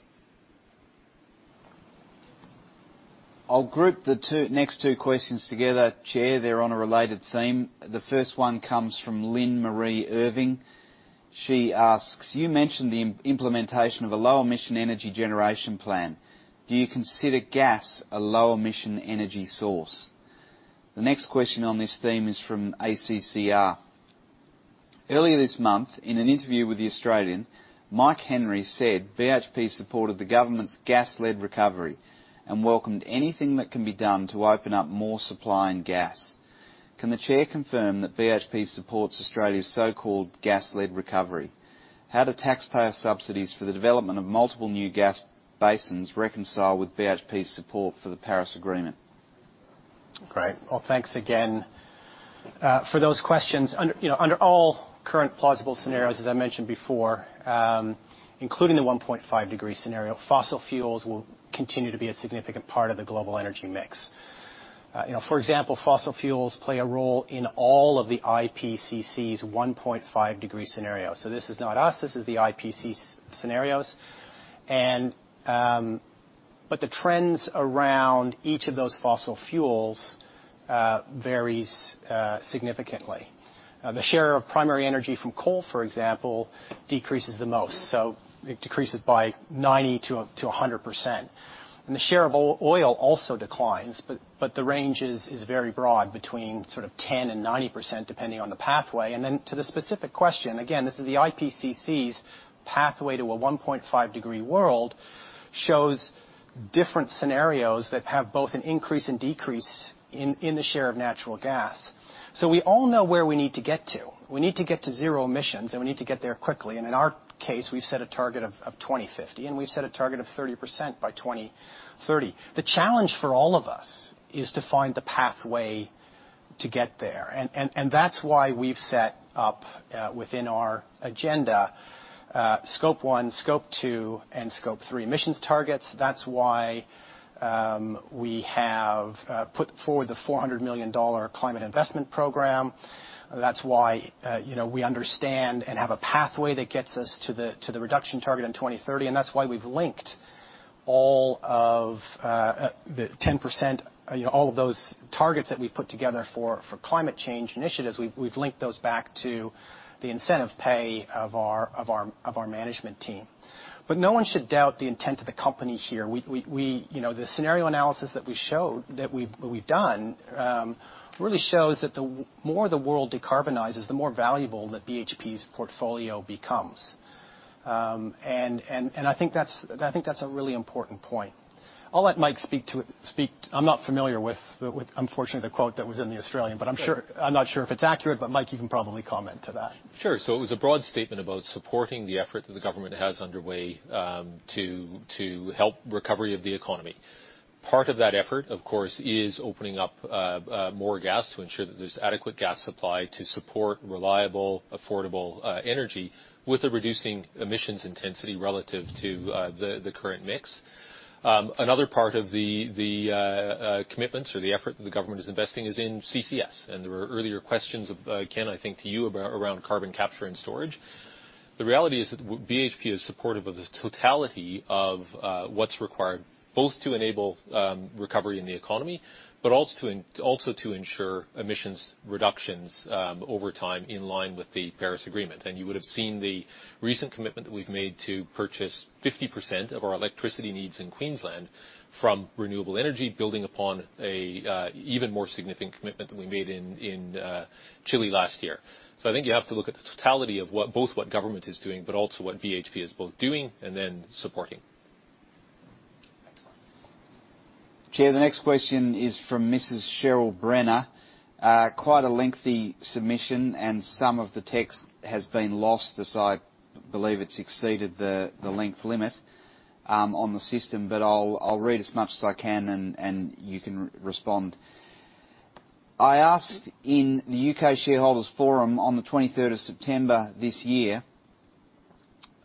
I'll group the next two questions together, Chair. They're on a related theme. The first one comes from Lynn Marie Irving. She asks, "You mentioned the implementation of a low-emission energy generation plan. Do you consider gas a low-emission energy source?" The next question on this theme is from ACCR. Earlier this month, in an interview with The Australian, Mike Henry said BHP supported the government's gas-led recovery and welcomed anything that can be done to open up more supply in gas. Can the chair confirm that BHP supports Australia's so-called gas-led recovery? How do taxpayer subsidies for the development of multiple new gas basins reconcile with BHP's support for the Paris Agreement?
Great. Well, thanks again for those questions. Under all current plausible scenarios, as I mentioned before, including the 1.5 degree scenario, fossil fuels will continue to be a significant part of the global energy mix. For example, fossil fuels play a role in all of the IPCC's 1.5 degree scenarios. This is not us. This is the IPCC scenarios. The trends around each of those fossil fuels varies significantly. The share of primary energy from coal, for example, decreases the most. It decreases by 90% to 100%. The share of oil also declines, but the range is very broad, between sort of 10% and 90%, depending on the pathway. To the specific question, again, this is the IPCC's pathway to a 1.5 degree world, shows different scenarios that have both an increase and decrease in the share of natural gas. We all know where we need to get to. We need to get to zero emissions, and we need to get there quickly. In our case, we've set a target of 2050, and we've set a target of 30% by 2030. The challenge for all of us is to find the pathway to get there. That's why we've set up, within our agenda, Scope 1, Scope 2, and Scope 3 emissions targets. That's why we have put forward the $400 million climate investment program. That's why we understand and have a pathway that gets us to the reduction target in 2030. That's why we've linked all of those targets that we've put together for climate change initiatives. We've linked those back to the incentive pay of our management team. No one should doubt the intent of the company here. The scenario analysis that we've done really shows that the more the world decarbonizes, the more valuable that BHP's portfolio becomes. I think that's a really important point. I'll let Mike speak to it. I'm not familiar with, unfortunately, the quote that was in The Australian. I'm not sure if it's accurate, but Mike, you can probably comment to that.
Sure. It was a broad statement about supporting the effort that the government has underway to help recovery of the economy. Part of that effort, of course, is opening up more gas to ensure that there's adequate gas supply to support reliable, affordable energy with a reducing emissions intensity relative to the current mix. Another part of the commitments or the effort that the government is investing is in CCS. There were earlier questions of Ken, I think to you, around carbon capture and storage. The reality is that BHP is supportive of the totality of what's required, both to enable recovery in the economy, but also to ensure emissions reductions over time in line with the Paris Agreement. you would've seen the recent commitment that we've made to purchase 50% of our electricity needs in Queensland from renewable energy, building upon an even more significant commitment that we made in Chile last year. I think you have to look at the totality of both what government is doing, but also what BHP is both doing and then supporting.
Thanks, Mike. Chair, the next question is from Mrs. Cheryl Brenner. Quite a lengthy submission and some of the text has been lost as I believe it's exceeded the length limit on the system. I'll read as much as I can and you can respond. I asked in the U.K. Shareholders Forum on the 23rd of September this year.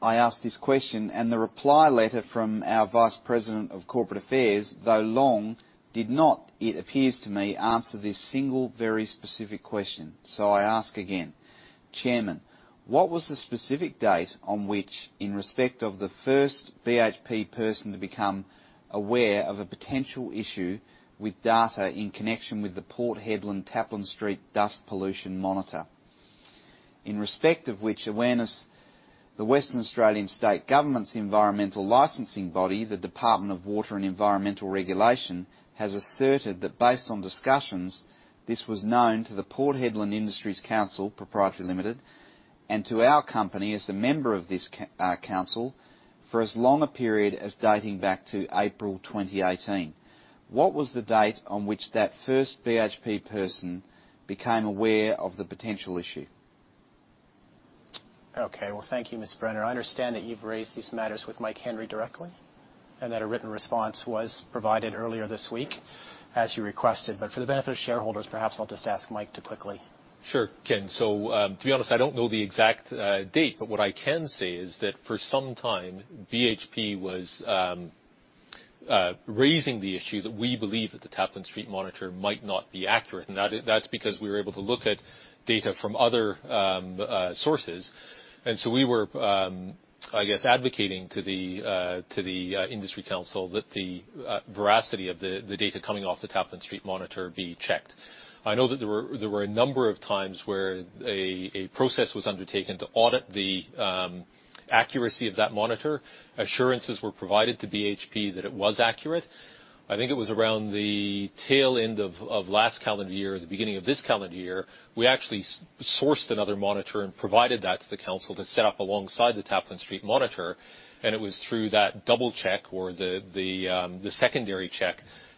I asked this question and the reply letter from our Vice President of Corporate Affairs, though long, did not, it appears to me, answer this single very specific question. I ask again. Chairman, what was the specific date on which, in respect of the first BHP person to become aware of a potential issue with data in connection with the Port Hedland Taplin Street dust pollution monitor. In respect of which awareness, the Western Australian State Government's environmental licensing body, the Department of Water and Environmental Regulation, has asserted that, based on discussions, this was known to the Port Hedland Industries Council Pty Ltd, and to our company as a member of this council, for as long a period as dating back to April 2018. What was the date on which that first BHP person became aware of the potential issue?
Okay. Well, thank you, Ms. Brenner. I understand that you've raised these matters with Mike Henry directly, and that a written response was provided earlier this week as you requested. For the benefit of shareholders, perhaps I'll just ask Mike to quickly.
Sure. Ken. To be honest, I don't know the exact date, but what I can say is that for some time, BHP was raising the issue that we believe that the Taplin Street monitor might not be accurate. That's because we were able to look at data from other sources. We were, I guess, advocating to the Industry Council that the veracity of the data coming off the Taplin Street monitor be checked. I know that there were a number of times where a process was undertaken to audit the accuracy of that monitor. Assurances were provided to BHP that it was accurate. I think it was around the tail end of last calendar year or the beginning of this calendar year, we actually sourced another monitor and provided that to the council to set up alongside the Taplin Street monitor, and it was through that double check or the secondary check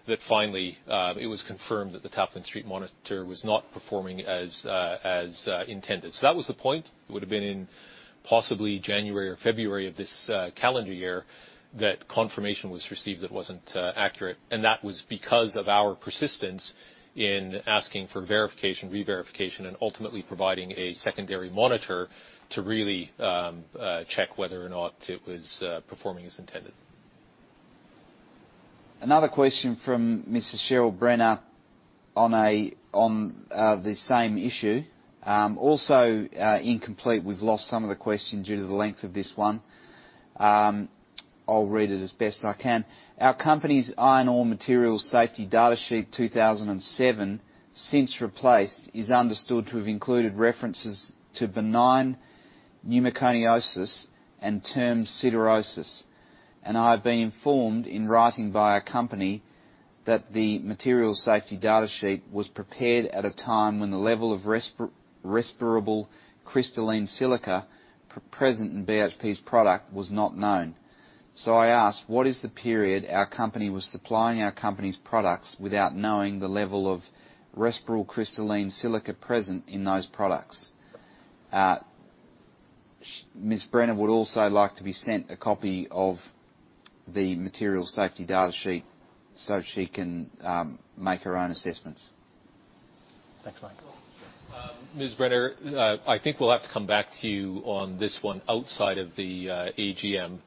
that finally it was confirmed that the Taplin Street monitor was not performing as intended. That was the point. It would've been in possibly January or February of this calendar year that confirmation was received that it wasn't accurate. That was because of our persistence in asking for verification, re-verification, and ultimately providing a secondary monitor to really check whether or not it was performing as intended.
Another question from Mrs. Cheryl Brenner on the same issue. Also incomplete. We've lost some of the question due to the length of this one. I'll read it as best I can. Our company's iron ore material safety data sheet 2007, since replaced, is understood to have included references to benign pneumoconiosis and term siderosis, and I have been informed in writing by our company that the material safety data sheet was prepared at a time when the level of respirable crystalline silica present in BHP's product was not known. I ask, what is the period our company was supplying our company's products without knowing the level of respirable crystalline silica present in those products? Ms. Brenner would also like to be sent a copy of the material safety data sheet so she can make her own assessments.
Thanks, Mike.
Ms. Brenner, I think we'll have to come back to you on this one outside of the AGM.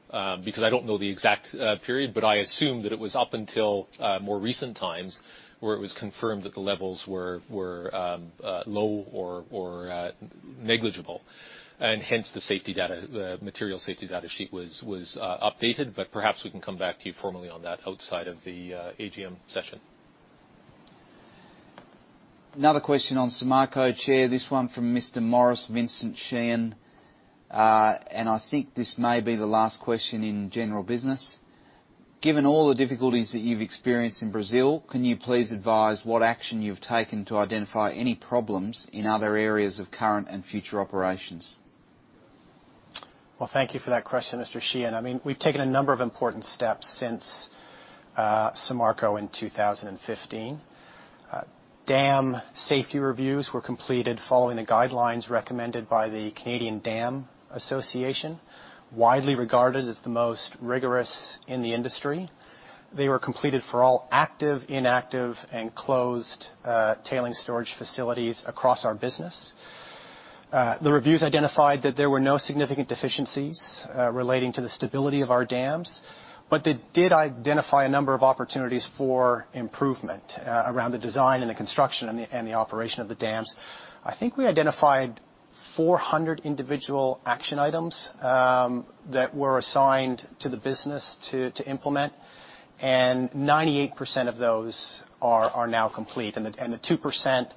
Because I don't know the exact period, but I assume that it was up until more recent times, where it was confirmed that the levels were low or negligible, and hence the material safety data sheet was updated. Perhaps we can come back to you formally on that outside of the AGM session.
Another question on Samarco, Chair. This one from Mr. Morris Vincent Sheehan. I think this may be the last question in general business. Given all the difficulties that you've experienced in Brazil, can you please advise what action you've taken to identify any problems in other areas of current and future operations?
Well, thank you for that question, Mr. Sheehan. We've taken a number of important steps since Samarco in 2015. Dam safety reviews were completed following the guidelines recommended by the Canadian Dam Association, widely regarded as the most rigorous in the industry. They were completed for all active, inactive, and closed tailings storage facilities across our business. The reviews identified that there were no significant deficiencies relating to the stability of our dams, but they did identify a number of opportunities for improvement around the design and the construction, and the operation of the dams. I think we identified 400 individual action items that were assigned to the business to implement, and 98% of those are now complete. The 2%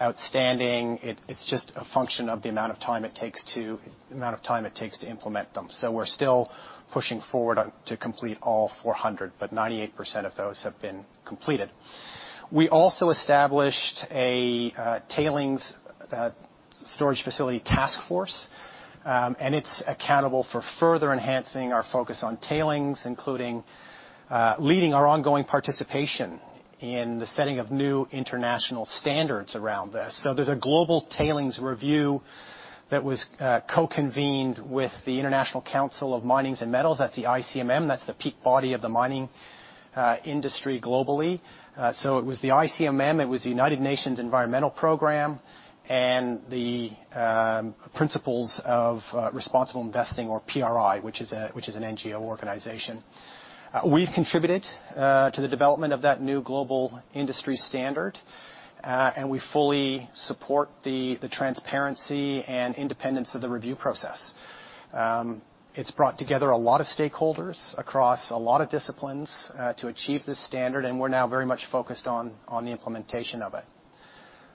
outstanding, it's just a function of the amount of time it takes to implement them. We're still pushing forward to complete all 400, but 98% of those have been completed. We also established a tailings storage facility task force, and it's accountable for further enhancing our focus on tailings, including leading our ongoing participation in the setting of new international standards around this. There's a global tailings review that was co-convened with the International Council on Mining and Metals. That's the ICMM. That's the peak body of the mining industry globally. It was the ICMM, it was the United Nations Environment Programme, and the Principles for Responsible Investment, or PRI, which is an NGO organization. We've contributed to the development of that new global industry standard, and we fully support the transparency and independence of the review process. It's brought together a lot of stakeholders across a lot of disciplines to achieve this standard, and we're now very much focused on the implementation of it.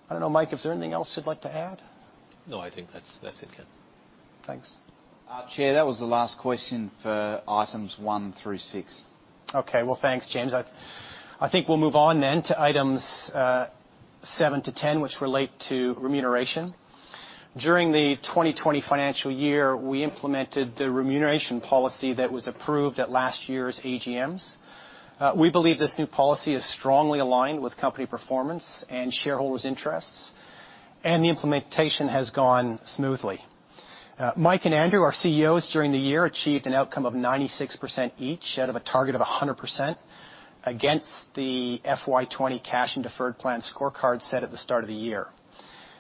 I don't know, Mike, is there anything else you'd like to add?
No, I think that's it, Ken.
Thanks.
Chair, that was the last question for items one through six.
Okay. Well, thanks, James. I think we'll move on then to items seven to 10, which relate to remuneration. During the 2020 financial year, we implemented the remuneration policy that was approved at last year's AGMs. We believe this new policy is strongly aligned with company performance and shareholders' interests, the implementation has gone smoothly. Mike and Andrew, our CEOs during the year, achieved an outcome of 96% each out of a target of 100% against the FY 2020 cash and deferred plan scorecard set at the start of the year.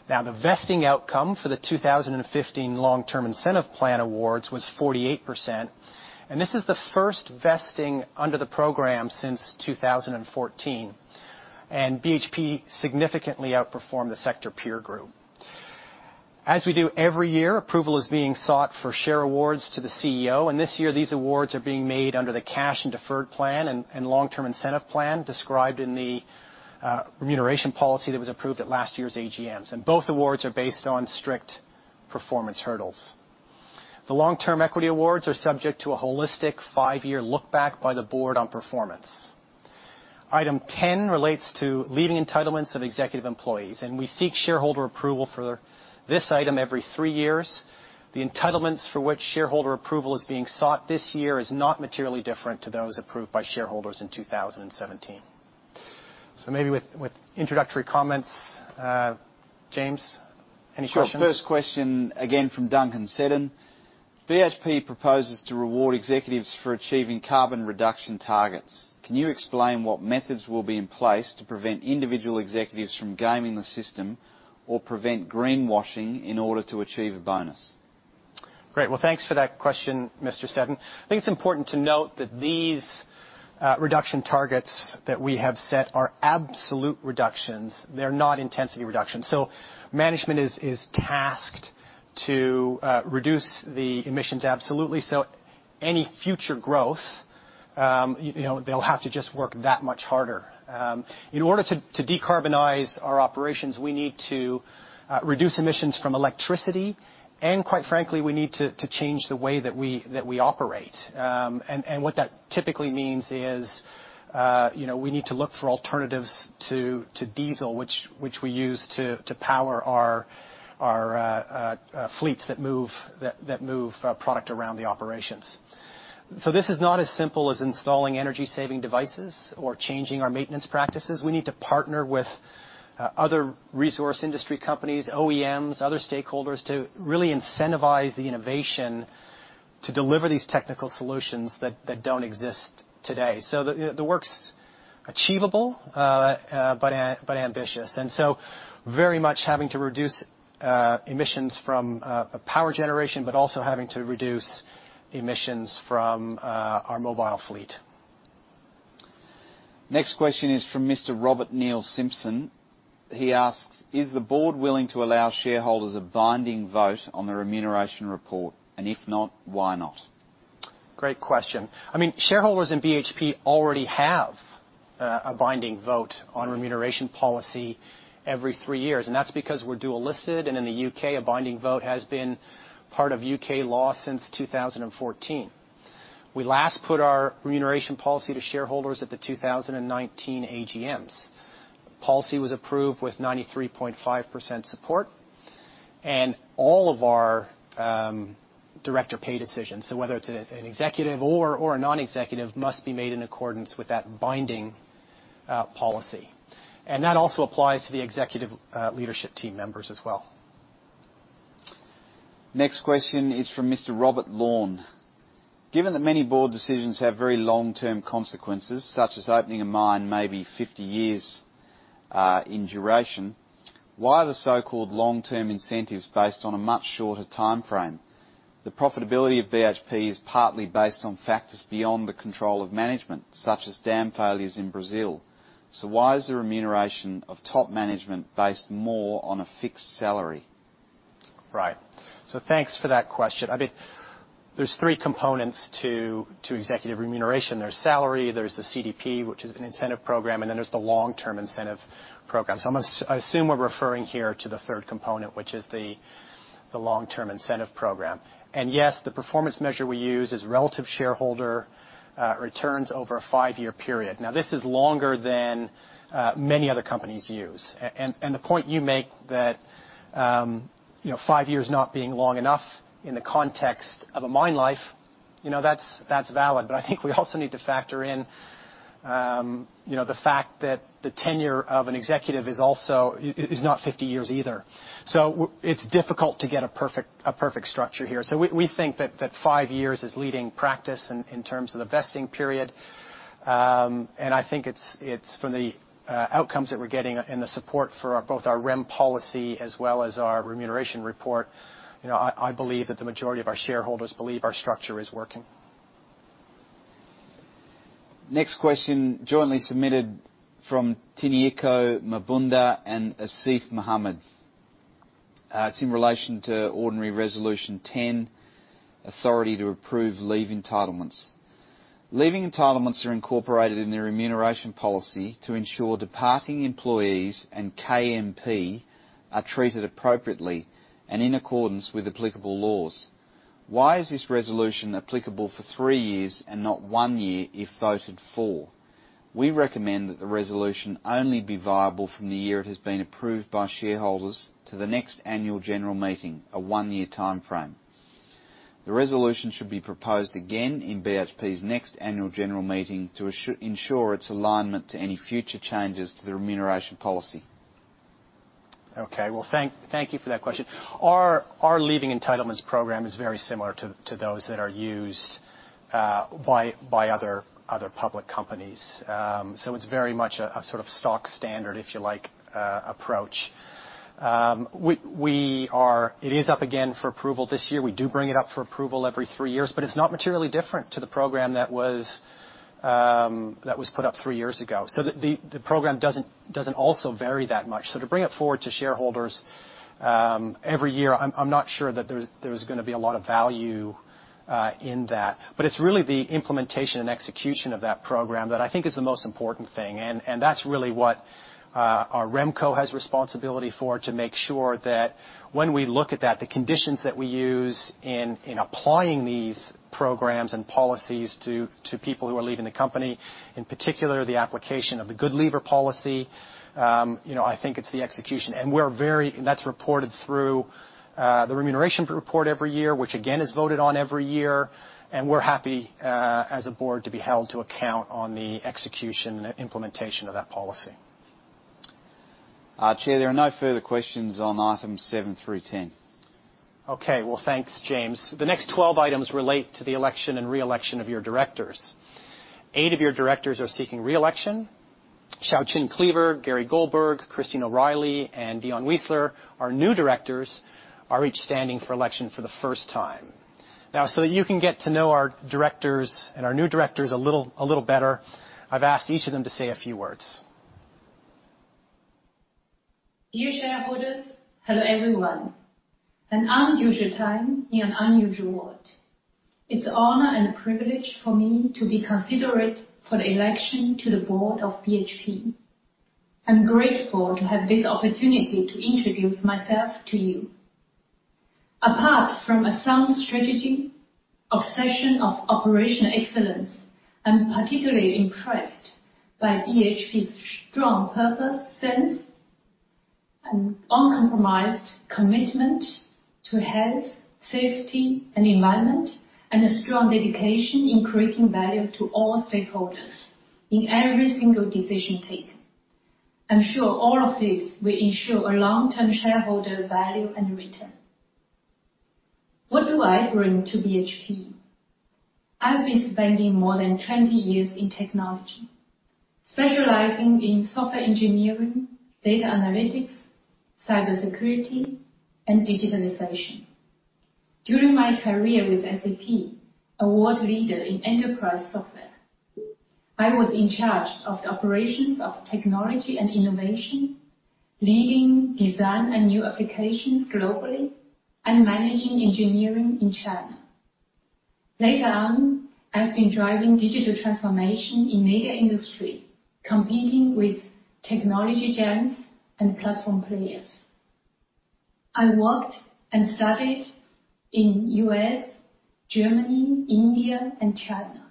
Now, the vesting outcome for the 2015 long-term incentive plan awards was 48%, this is the first vesting under the program since 2014. BHP significantly outperformed the sector peer group. As we do every year, approval is being sought for share awards to the CEO. This year these awards are being made under the cash and deferred plan and long-term incentive plan described in the remuneration policy that was approved at last year's AGMs. Both awards are based on strict performance hurdles. The long-term equity awards are subject to a holistic five-year look back by the board on performance. Item 10 relates to leaving entitlements of executive employees. We seek shareholder approval for this item every three years. The entitlements for which shareholder approval is being sought this year is not materially different to those approved by shareholders in 2017. Maybe with introductory comments, James, any questions?
Sure. First question, again from Duncan Seddon. BHP proposes to reward executives for achieving carbon reduction targets. Can you explain what methods will be in place to prevent individual executives from gaming the system or prevent greenwashing in order to achieve a bonus?
Great. Well, thanks for that question, Mr. Seddon. I think it's important to note that these reduction targets that we have set are absolute reductions. They're not intensity reductions. Management is tasked to reduce the emissions absolutely. Any future growth, they'll have to just work that much harder. In order to decarbonize our operations, we need to reduce emissions from electricity, and quite frankly, we need to change the way that we operate. What that typically means is we need to look for alternatives to diesel, which we use to power our fleets that move product around the operations. This is not as simple as installing energy-saving devices or changing our maintenance practices. We need to partner with other resource industry companies, OEMs, other stakeholders, to really incentivize the innovation to deliver these technical solutions that don't exist today. The work's achievable, but ambitious. Very much having to reduce emissions from power generation, but also having to reduce emissions from our mobile fleet.
Next question is from Mr. Robert Neil Simpson. He asks, "Is the board willing to allow shareholders a binding vote on the remuneration report? If not, why not?
Great question. Shareholders in BHP already have a binding vote on remuneration policy every three years, and that's because we're dual listed, and in the U.K., a binding vote has been part of U.K. law since 2014. We last put our remuneration policy to shareholders at the 2019 AGMs. Policy was approved with 93.5% support. All of our director pay decisions, so whether it's an executive or a non-executive, must be made in accordance with that binding policy. That also applies to the executive leadership team members as well.
Next question is from Mr. Robert Lawn. Given that many board decisions have very long-term consequences, such as opening a mine maybe 50 years in duration, why are the so-called long-term incentives based on a much shorter timeframe? The profitability of BHP is partly based on factors beyond the control of management, such as dam failures in Brazil. Why is the remuneration of top management based more on a fixed salary?
Right. Thanks for that question. There's three components to executive remuneration. There's the CDP, which is an incentive program, and then there's the long-term incentive program. I assume we're referring here to the third component, which is the long-term incentive program. Yes, the performance measure we use is relative shareholder returns over a five-year period. Now, this is longer than many other companies use. The point you make that five years not being long enough in the context of a mine life, that's valid. I think we also need to factor in the fact that the tenure of an executive is not 50 years either. It's difficult to get a perfect structure here. We think that five years is leading practice in terms of the vesting period. I think from the outcomes that we're getting and the support for both our REM policy as well as our remuneration report, I believe that the majority of our shareholders believe our structure is working.
Next question jointly submitted from Tiniko Mabunda and Asif Mohammed. It's in relation to ordinary Resolution 10, authority to approve leave entitlements. Leave entitlements are incorporated in the remuneration policy to ensure departing employees and KMP are treated appropriately and in accordance with applicable laws. Why is this resolution applicable for three years and not one year if voted for? We recommend that the resolution only be viable from the year it has been approved by shareholders to the next annual general meeting, a one-year timeframe. The resolution should be proposed again in BHP's next annual general meeting to ensure its alignment to any future changes to the remuneration policy.
Okay. Well, thank you for that question. Our leaving entitlements program is very similar to those that are used by other public companies. It's very much a sort of stock standard, if you like, approach. It is up again for approval this year. We do bring it up for approval every three years, but it's not materially different to the program that was put up three years ago. The program doesn't also vary that much. To bring it forward to shareholders every year, I'm not sure that there's going to be a lot of value in that. It's really the implementation and execution of that program that I think is the most important thing. that's really what our REMCO has responsibility for, to make sure that when we look at that, the conditions that we use in applying these programs and policies to people who are leaving the company, in particular, the application of the good leaver policy, I think it's the execution. That's reported through the remuneration report every year, which again, is voted on every year. we're happy, as a board, to be held to account on the execution and implementation of that policy.
Chair, there are no further questions on items seven through 10.
Okay. Well, thanks, James. The next 12 items relate to the election and re-election of your directors. Eight of your directors are seeking re-election. Xiaoqun Clever, Gary Goldberg, Christine O'Reilly, and Dion Weisler, our new directors, are each standing for election for the first time. Now, so that you can get to know our directors and our new directors a little better, I've asked each of them to say a few words.
Dear shareholders, hello, everyone. An unusual time in an unusual world. It's honor and a privilege for me to be considered for the election to the board of BHP. I'm grateful to have this opportunity to introduce myself to you. Apart from a sound strategy, obsession of operational excellence, I'm particularly impressed by BHP's strong purpose, sense, and uncompromised commitment to health, safety, and environment, and a strong dedication in creating value to all stakeholders in every single decision taken. I'm sure all of this will ensure a long-term shareholder value and return. What do I bring to BHP? I've been spending more than 20 years in technology, specializing in software engineering, data analytics, cybersecurity, and digitalization. During my career with SAP, a world leader in enterprise software, I was in charge of the operations of technology and innovation, leading design and new applications globally, and managing engineering in China. Later on, I've been driving digital transformation in media industry, competing with technology giants and platform players. I worked and studied in U.S., Germany, India, and China.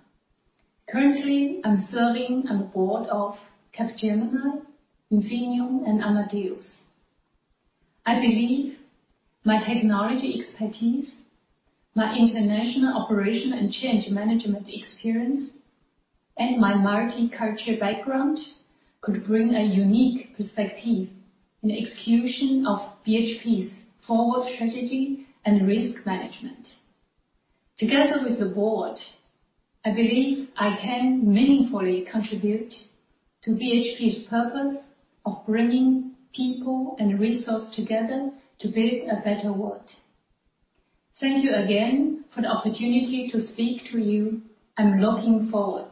Currently, I'm serving on the board of Capgemini, Infineon, and Amadeus. I believe my technology expertise, my international operation and change management experience, and my multi-culture background could bring a unique perspective in the execution of BHP's forward strategy and risk management. Together with the board, I believe I can meaningfully contribute to BHP's purpose of bringing people and resources together to build a better world. Thank you again for the opportunity to speak to you. I'm looking forward.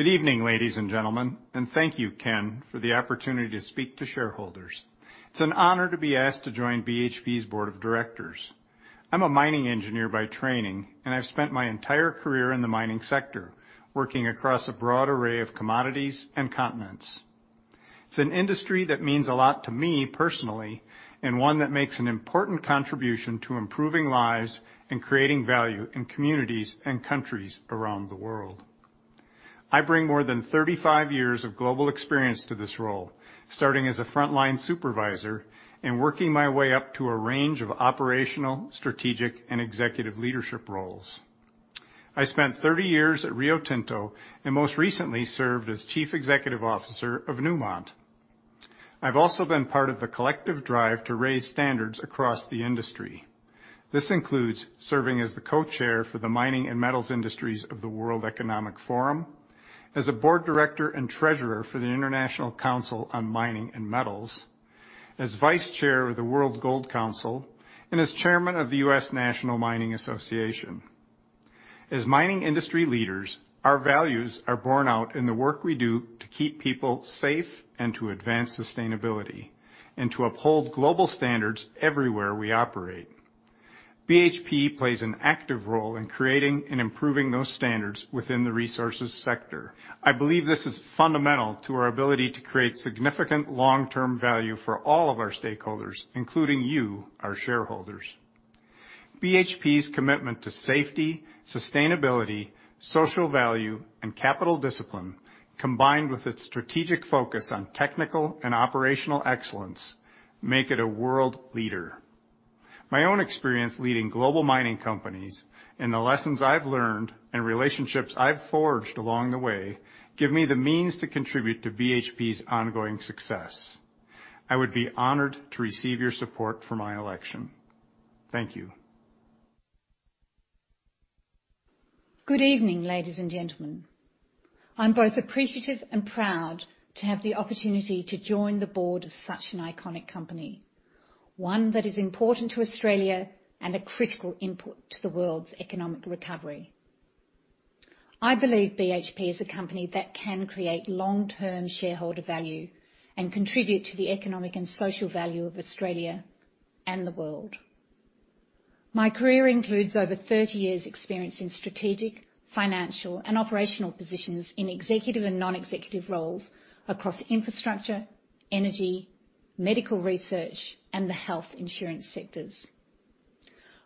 Good evening, ladies and gentlemen. Thank you, Ken, for the opportunity to speak to shareholders. It's an honor to be asked to join BHP's board of directors. I'm a mining engineer by training, and I've spent my entire career in the mining sector, working across a broad array of commodities and continents. It's an industry that means a lot to me personally, and one that makes an important contribution to improving lives and creating value in communities and countries around the world. I bring more than 35 years of global experience to this role, starting as a frontline supervisor and working my way up to a range of operational, strategic, and executive leadership roles. I spent 30 years at Rio Tinto and most recently served as chief executive officer of Newmont. I've also been part of the collective drive to raise standards across the industry. This includes serving as the co-chair for the mining and metals industries of the World Economic Forum, as a board director and treasurer for the International Council on Mining and Metals, as vice-chair of the World Gold Council, and as chairman of the U.S. National Mining Association. As mining industry leaders, our values are borne out in the work we do to keep people safe and to advance sustainability, and to uphold global standards everywhere we operate. BHP plays an active role in creating and improving those standards within the resources sector. I believe this is fundamental to our ability to create significant long-term value for all of our stakeholders, including you, our shareholders. BHP's commitment to safety, sustainability, social value, and capital discipline, combined with its strategic focus on technical and operational excellence, make it a world leader. My own experience leading global mining companies and the lessons I've learned and relationships I've forged along the way give me the means to contribute to BHP's ongoing success. I would be honored to receive your support for my election. Thank you.
Good evening, ladies and gentlemen. I'm both appreciative and proud to have the opportunity to join the board of such an iconic company, one that is important to Australia and a critical input to the world's economic recovery. I believe BHP is a company that can create long-term shareholder value and contribute to the economic and social value of Australia and the world. My career includes over 30 years experience in strategic, financial, and operational positions in executive and non-executive roles across infrastructure, energy, medical research, and the health insurance sectors.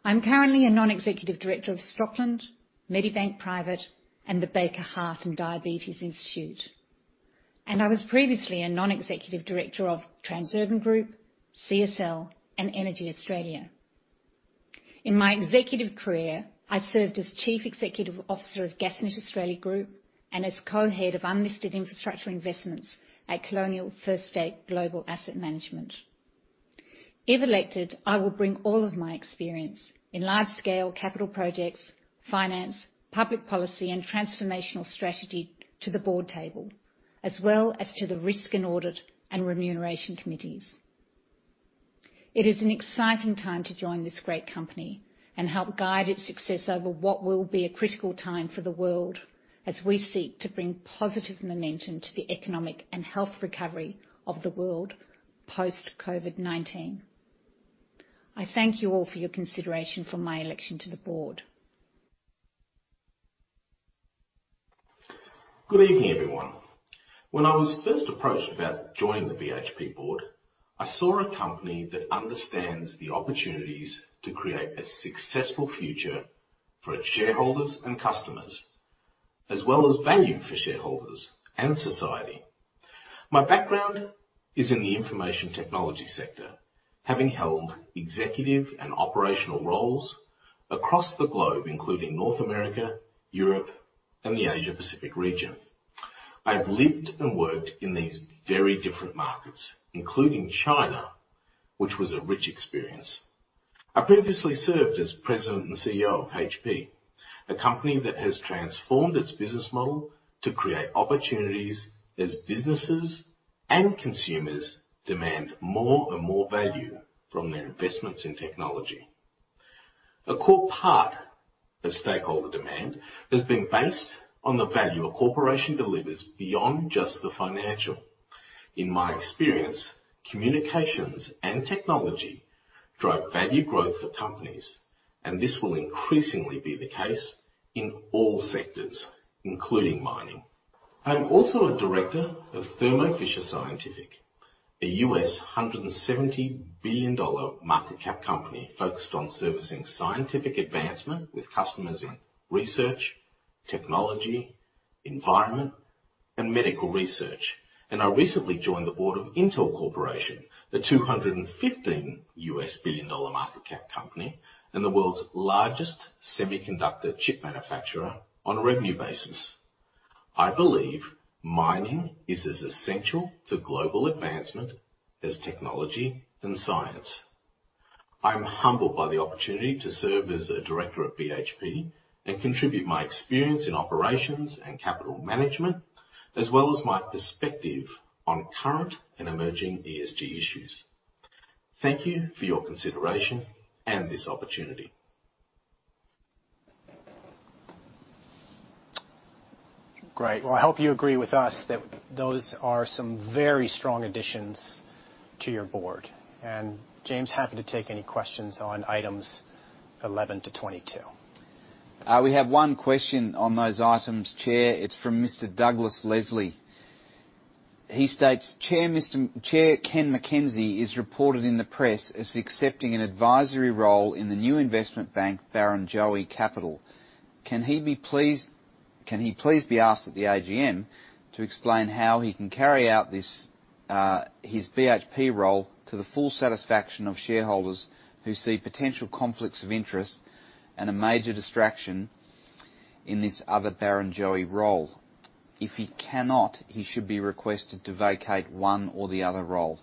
I'm currently a non-executive director of Stockland, Medibank Private, and the Baker Heart and Diabetes Institute. I was previously a non-executive director of Transurban Group, CSL, and EnergyAustralia. In my executive career, I served as chief executive officer of GasNet Australia Group and as co-head of unlisted infrastructure investments at Colonial First State Global Asset Management. If elected, I will bring all of my experience in large-scale capital projects, finance, public policy, and transformational strategy to the board table, as well as to the risk and audit and remuneration committees. It is an exciting time to join this great company and help guide its success over what will be a critical time for the world as we seek to bring positive momentum to the economic and health recovery of the world post-COVID-19. I thank you all for your consideration for my election to the board.
Good evening, everyone. When I was first approached about joining the BHP board, I saw a company that understands the opportunities to create a successful future for its shareholders and customers, as well as value for shareholders and society. My background is in the information technology sector, having held executive and operational roles across the globe, including North America, Europe, and the Asia Pacific region. I've lived and worked in these very different markets, including China, which was a rich experience. I previously served as President and CEO of HP, a company that has transformed its business model to create opportunities as businesses and consumers demand more and more value from their investments in technology. A core part of stakeholder demand has been based on the value a corporation delivers beyond just the financial. In my experience, communications and technology drive value growth for companies, and this will increasingly be the case in all sectors, including mining. I'm also a director of Thermo Fisher Scientific. A $170 billion market cap company focused on servicing scientific advancement with customers in research, technology, environment, and medical research. I recently joined the board of Intel Corporation, a $215 billion market cap company, and the world's largest semiconductor chip manufacturer on a revenue basis. I believe mining is as essential to global advancement as technology and science. I'm humbled by the opportunity to serve as a director at BHP and contribute my experience in operations and capital management, as well as my perspective on current and emerging ESG issues. Thank you for your consideration and this opportunity.
Great. Well, I hope you agree with us that those are some very strong additions to your board. James, happy to take any questions on items 11 to 22.
We have one question on those items, Chair. It's from Mr. Douglas Leslie. He states, "Chair Ken MacKenzie is reported in the press as accepting an advisory role in the new investment bank, Barrenjoey Capital. Can he please be asked at the AGM to explain how he can carry out his BHP role to the full satisfaction of shareholders who see potential conflicts of interest and a major distraction in this other Barrenjoey role? If he cannot, he should be requested to vacate one or the other role.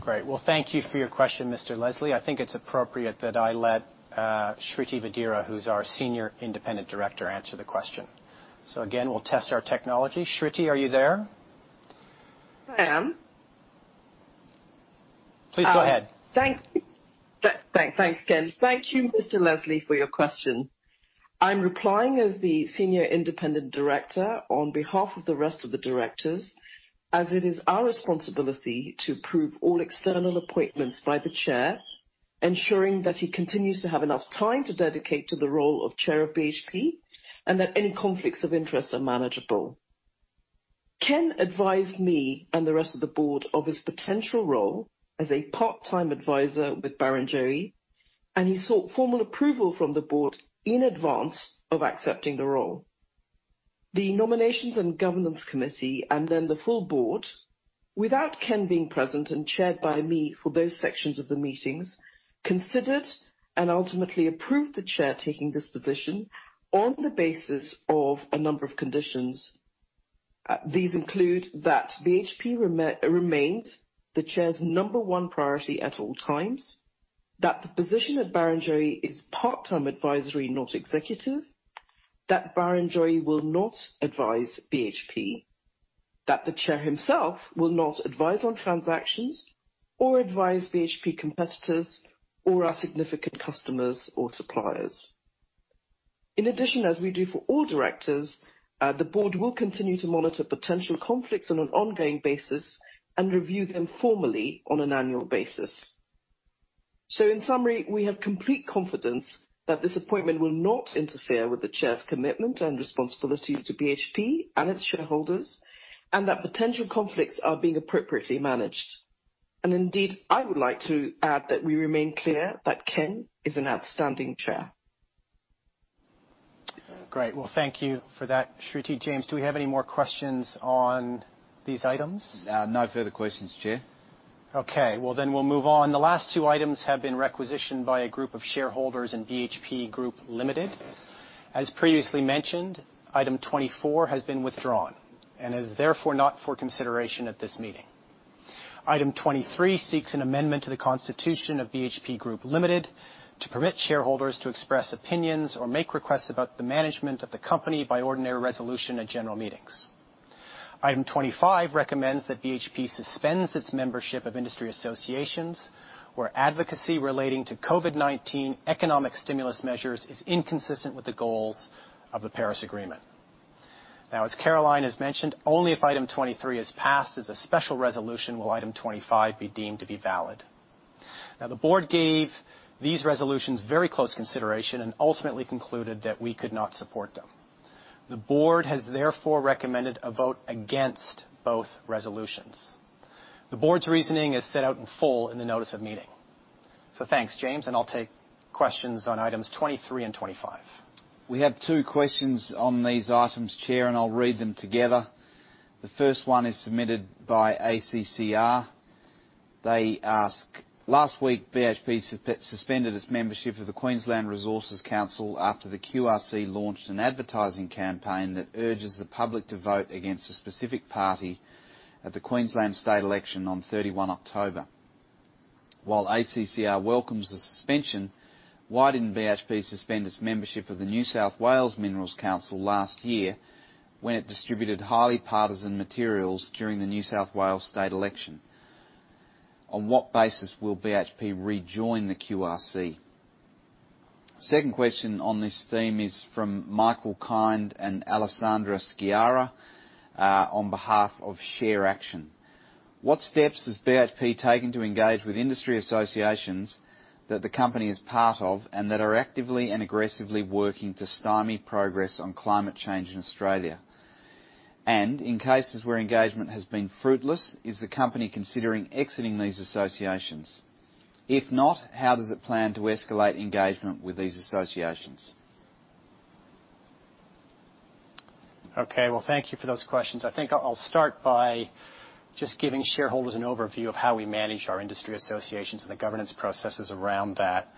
Great. Well, thank you for your question, Mr. Leslie. I think it's appropriate that I let Shriti Vadera, who's our Senior Independent Director, answer the question. Again, we'll test our technology. Shriti, are you there?
I am.
Please go ahead.
Thanks, Ken. Thank you, Mr. Leslie, for your question. I'm replying as the senior independent director on behalf of the rest of the directors, as it is our responsibility to approve all external appointments by the chair, ensuring that he continues to have enough time to dedicate to the role of chair of BHP and that any conflicts of interest are manageable. Ken advised me and the rest of the board of his potential role as a part-time advisor with Barrenjoey, and he sought formal approval from the board in advance of accepting the role. The nominations and governance committee, and then the full board, without Ken being present and chaired by me for those sections of the meetings, considered and ultimately approved the chair taking this position on the basis of a number of conditions. These include that BHP remains the chair's number one priority at all times, that the position at Barrenjoey is part-time advisory, not executive, that Barrenjoey will not advise BHP, that the chair himself will not advise on transactions or advise BHP competitors or our significant customers or suppliers. In addition, as we do for all directors, the board will continue to monitor potential conflicts on an ongoing basis and review them formally on an annual basis. In summary, we have complete confidence that this appointment will not interfere with the chair's commitment and responsibilities to BHP and its shareholders, and that potential conflicts are being appropriately managed. Indeed, I would like to add that we remain clear that Ken is an outstanding chair.
Great. Well, thank you for that, Shriti. James, do we have any more questions on these items?
No further questions, Chair.
Okay. Well, we'll move on. The last two items have been requisitioned by a group of shareholders in BHP Group Limited. As previously mentioned, item 24 has been withdrawn and is therefore not for consideration at this meeting. Item 23 seeks an amendment to the constitution of BHP Group Limited to permit shareholders to express opinions or make requests about the management of the company by ordinary resolution at general meetings. Item 25 recommends that BHP suspends its membership of industry associations where advocacy relating to COVID-19 economic stimulus measures is inconsistent with the goals of the Paris Agreement. Now, as Caroline has mentioned, only if item 23 is passed as a special resolution will item 25 be deemed to be valid. Now, the board gave these resolutions very close consideration and ultimately concluded that we could not support them. The board has therefore recommended a vote against both resolutions. The board's reasoning is set out in full in the notice of meeting. Thanks, James, and I'll take questions on items 23 and 25.
We have two questions on these items, Chair, and I'll read them together. The first one is submitted by ACCR. They ask, last week, BHP suspended its membership of the Queensland Resources Council after the QRC launched an advertising campaign that urges the public to vote against a specific party at the Queensland state election on 31 October. While ACCR welcomes the suspension, why didn't BHP suspend its membership of the New South Wales Minerals Council last year when it distributed highly partisan materials during the New South Wales state election? On what basis will BHP rejoin the QRC? Second question on this theme is from Michael Kind and Alessandra Chiara, on behalf of ShareAction. What steps has BHP taken to engage with industry associations that the company is part of, and that are actively and aggressively working to stymie progress on climate change in Australia? In cases where engagement has been fruitless, is the company considering exiting these associations? If not, how does it plan to escalate engagement with these associations?
Okay. Well, thank you for those questions. I think I'll start by just giving shareholders an overview of how we manage our industry associations and the governance processes around that.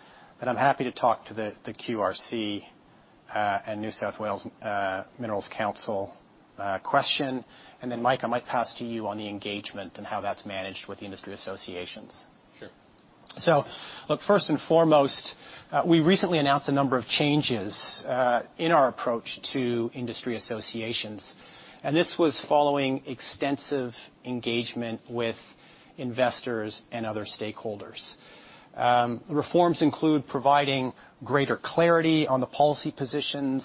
I'm happy to talk to the QRC, and New South Wales Minerals Council question. Mike, I might pass to you on the engagement and how that's managed with the industry associations.
Sure.
Look, first and foremost, we recently announced a number of changes in our approach to industry associations, and this was following extensive engagement with investors and other stakeholders. Reforms include providing greater clarity on the policy positions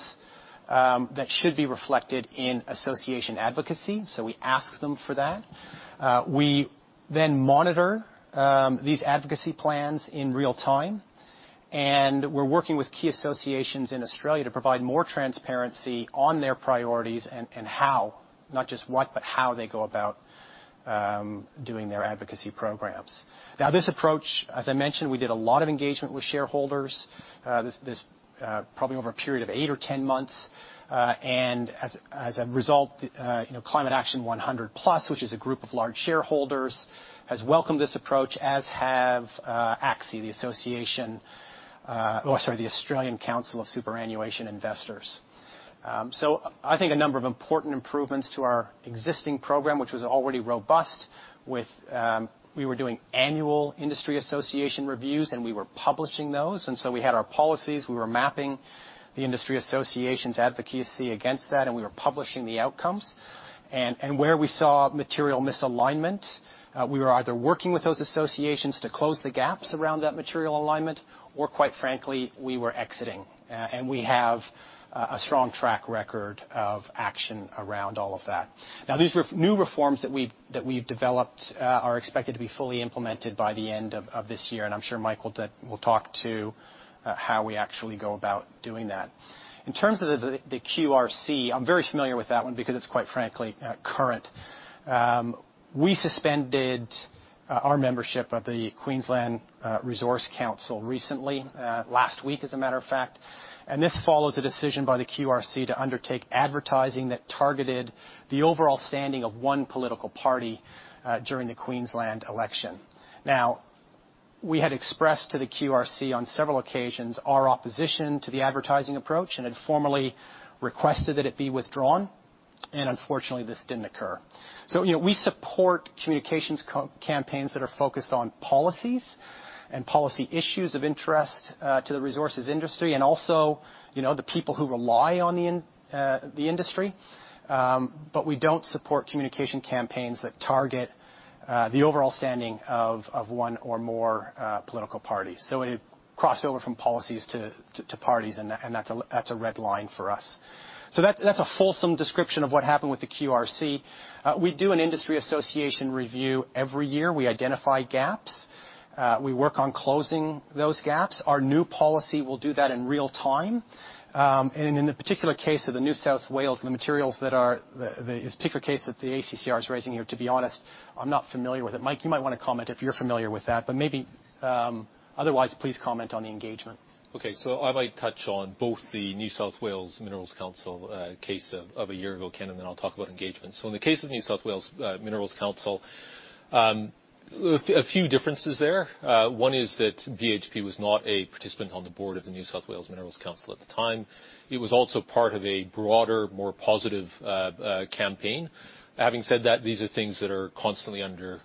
that should be reflected in association advocacy. We ask them for that. We then monitor these advocacy plans in real time, and we're working with key associations in Australia to provide more transparency on their priorities and how, not just what, but how they go about doing their advocacy programs. Now, this approach, as I mentioned, we did a lot of engagement with shareholders, this probably over a period of eight or 10 months. As a result, Climate Action 100+, which is a group of large shareholders, has welcomed this approach, as have ACSI, the Australian Council of Superannuation Investors. I think a number of important improvements to our existing program, which was already robust with, we were doing annual industry association reviews, and we were publishing those. We had our policies. We were mapping the industry associations advocacy against that, and we were publishing the outcomes. Where we saw material misalignment, we were either working with those associations to close the gaps around that material alignment, or quite frankly, we were exiting. We have a strong track record of action around all of that. Now, these new reforms that we've developed are expected to be fully implemented by the end of this year. I'm sure Mike will talk to how we actually go about doing that. In terms of the QRC, I'm very familiar with that one because it's quite frankly, current. We suspended our membership of the Queensland Resources Council recently, last week, as a matter of fact, and this follows a decision by the QRC to undertake advertising that targeted the overall standing of one political party during the Queensland election. Now, we had expressed to the QRC on several occasions our opposition to the advertising approach and had formally requested that it be withdrawn. Unfortunately, this didn't occur. We support communications campaigns that are focused on policies and policy issues of interest to the resources industry and also the people who rely on the industry. We don't support communication campaigns that target the overall standing of one or more political parties. It crossed over from policies to parties, and that's a red line for us. That's a fulsome description of what happened with the QRC. We do an industry association review every year. We identify gaps. We work on closing those gaps. Our new policy will do that in real time. In the particular case of the New South Wales, the particular case that the ACCR is raising here, to be honest, I'm not familiar with it. Mike, you might want to comment if you're familiar with that. Maybe, otherwise, please comment on the engagement.
Okay. I might touch on both the New South Wales Minerals Council case of a year ago, Ken, and then I'll talk about engagement. In the case of New South Wales Minerals Council, a few differences there. One is that BHP was not a participant on the board of the New South Wales Minerals Council at the time. It was also part of a broader, more positive campaign. Having said that, these are things that are constantly under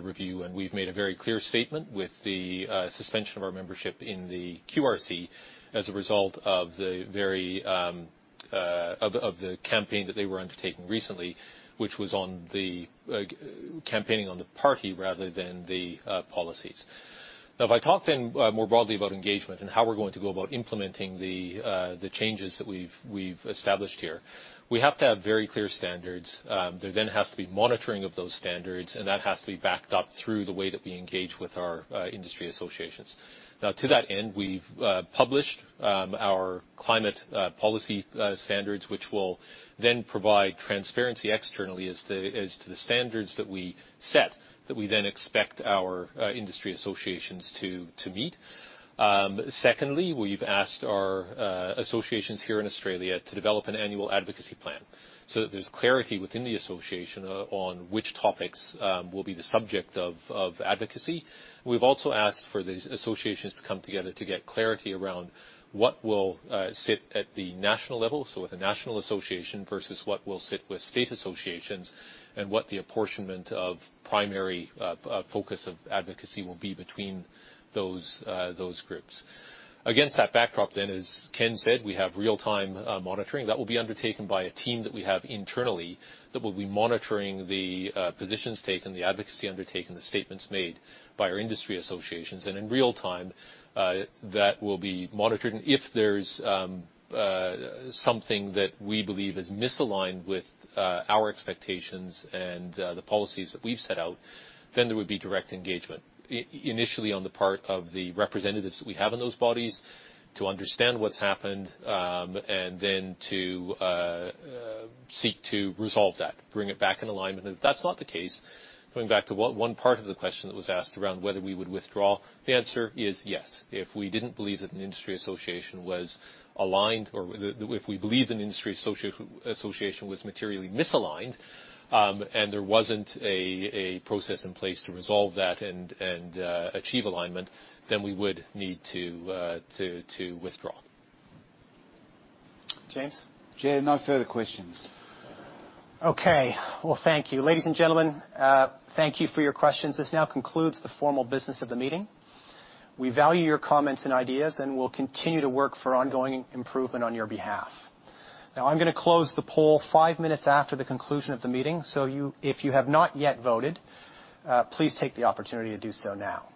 review, and we've made a very clear statement with the suspension of our membership in the QRC as a result of the campaign that they were undertaking recently, which was campaigning on the party rather than the policies. Now, if I talk then more broadly about engagement and how we're going to go about implementing the changes that we've established here. We have to have very clear standards. There then has to be monitoring of those standards, and that has to be backed up through the way that we engage with our industry associations. Now, to that end, we've published our climate policy standards, which will then provide transparency externally as to the standards that we set, that we then expect our industry associations to meet. Secondly, we've asked our associations here in Australia to develop an annual advocacy plan so that there's clarity within the association on which topics will be the subject of advocacy. We've also asked for these associations to come together to get clarity around what will sit at the national level, so with the national association, versus what will sit with state associations, and what the apportionment of primary focus of advocacy will be between those groups. Against that backdrop then, as Ken said, we have real-time monitoring. That will be undertaken by a team that we have internally that will be monitoring the positions taken, the advocacy undertaken, the statements made by our industry associations. In real time, that will be monitored, and if there's something that we believe is misaligned with our expectations and the policies that we've set out, then there would be direct engagement. Initially on the part of the representatives that we have on those bodies to understand what's happened, and then to seek to resolve that, bring it back in alignment. If that's not the case, going back to one part of the question that was asked around whether we would withdraw, the answer is yes. If we didn't believe that an industry association was aligned, or if we believed an industry association was materially misaligned, and there wasn't a process in place to resolve that and achieve alignment, then we would need to withdraw.
James?
Chair, no further questions.
Okay. Well, thank you. Ladies and gentlemen, thank you for your questions. This now concludes the formal business of the meeting. We value your comments and ideas, and we'll continue to work for ongoing improvement on your behalf. Now, I'm going to close the poll five minutes after the conclusion of the meeting, so if you have not yet voted, please take the opportunity to do so now.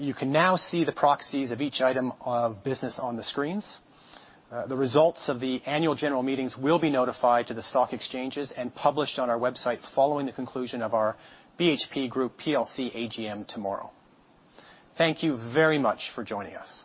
You can now see the proxies of each item of business on the screens. The results of the annual general meetings will be notified to the stock exchanges and published on our website following the conclusion of our BHP Group PLC AGM tomorrow. Thank you very much for joining us.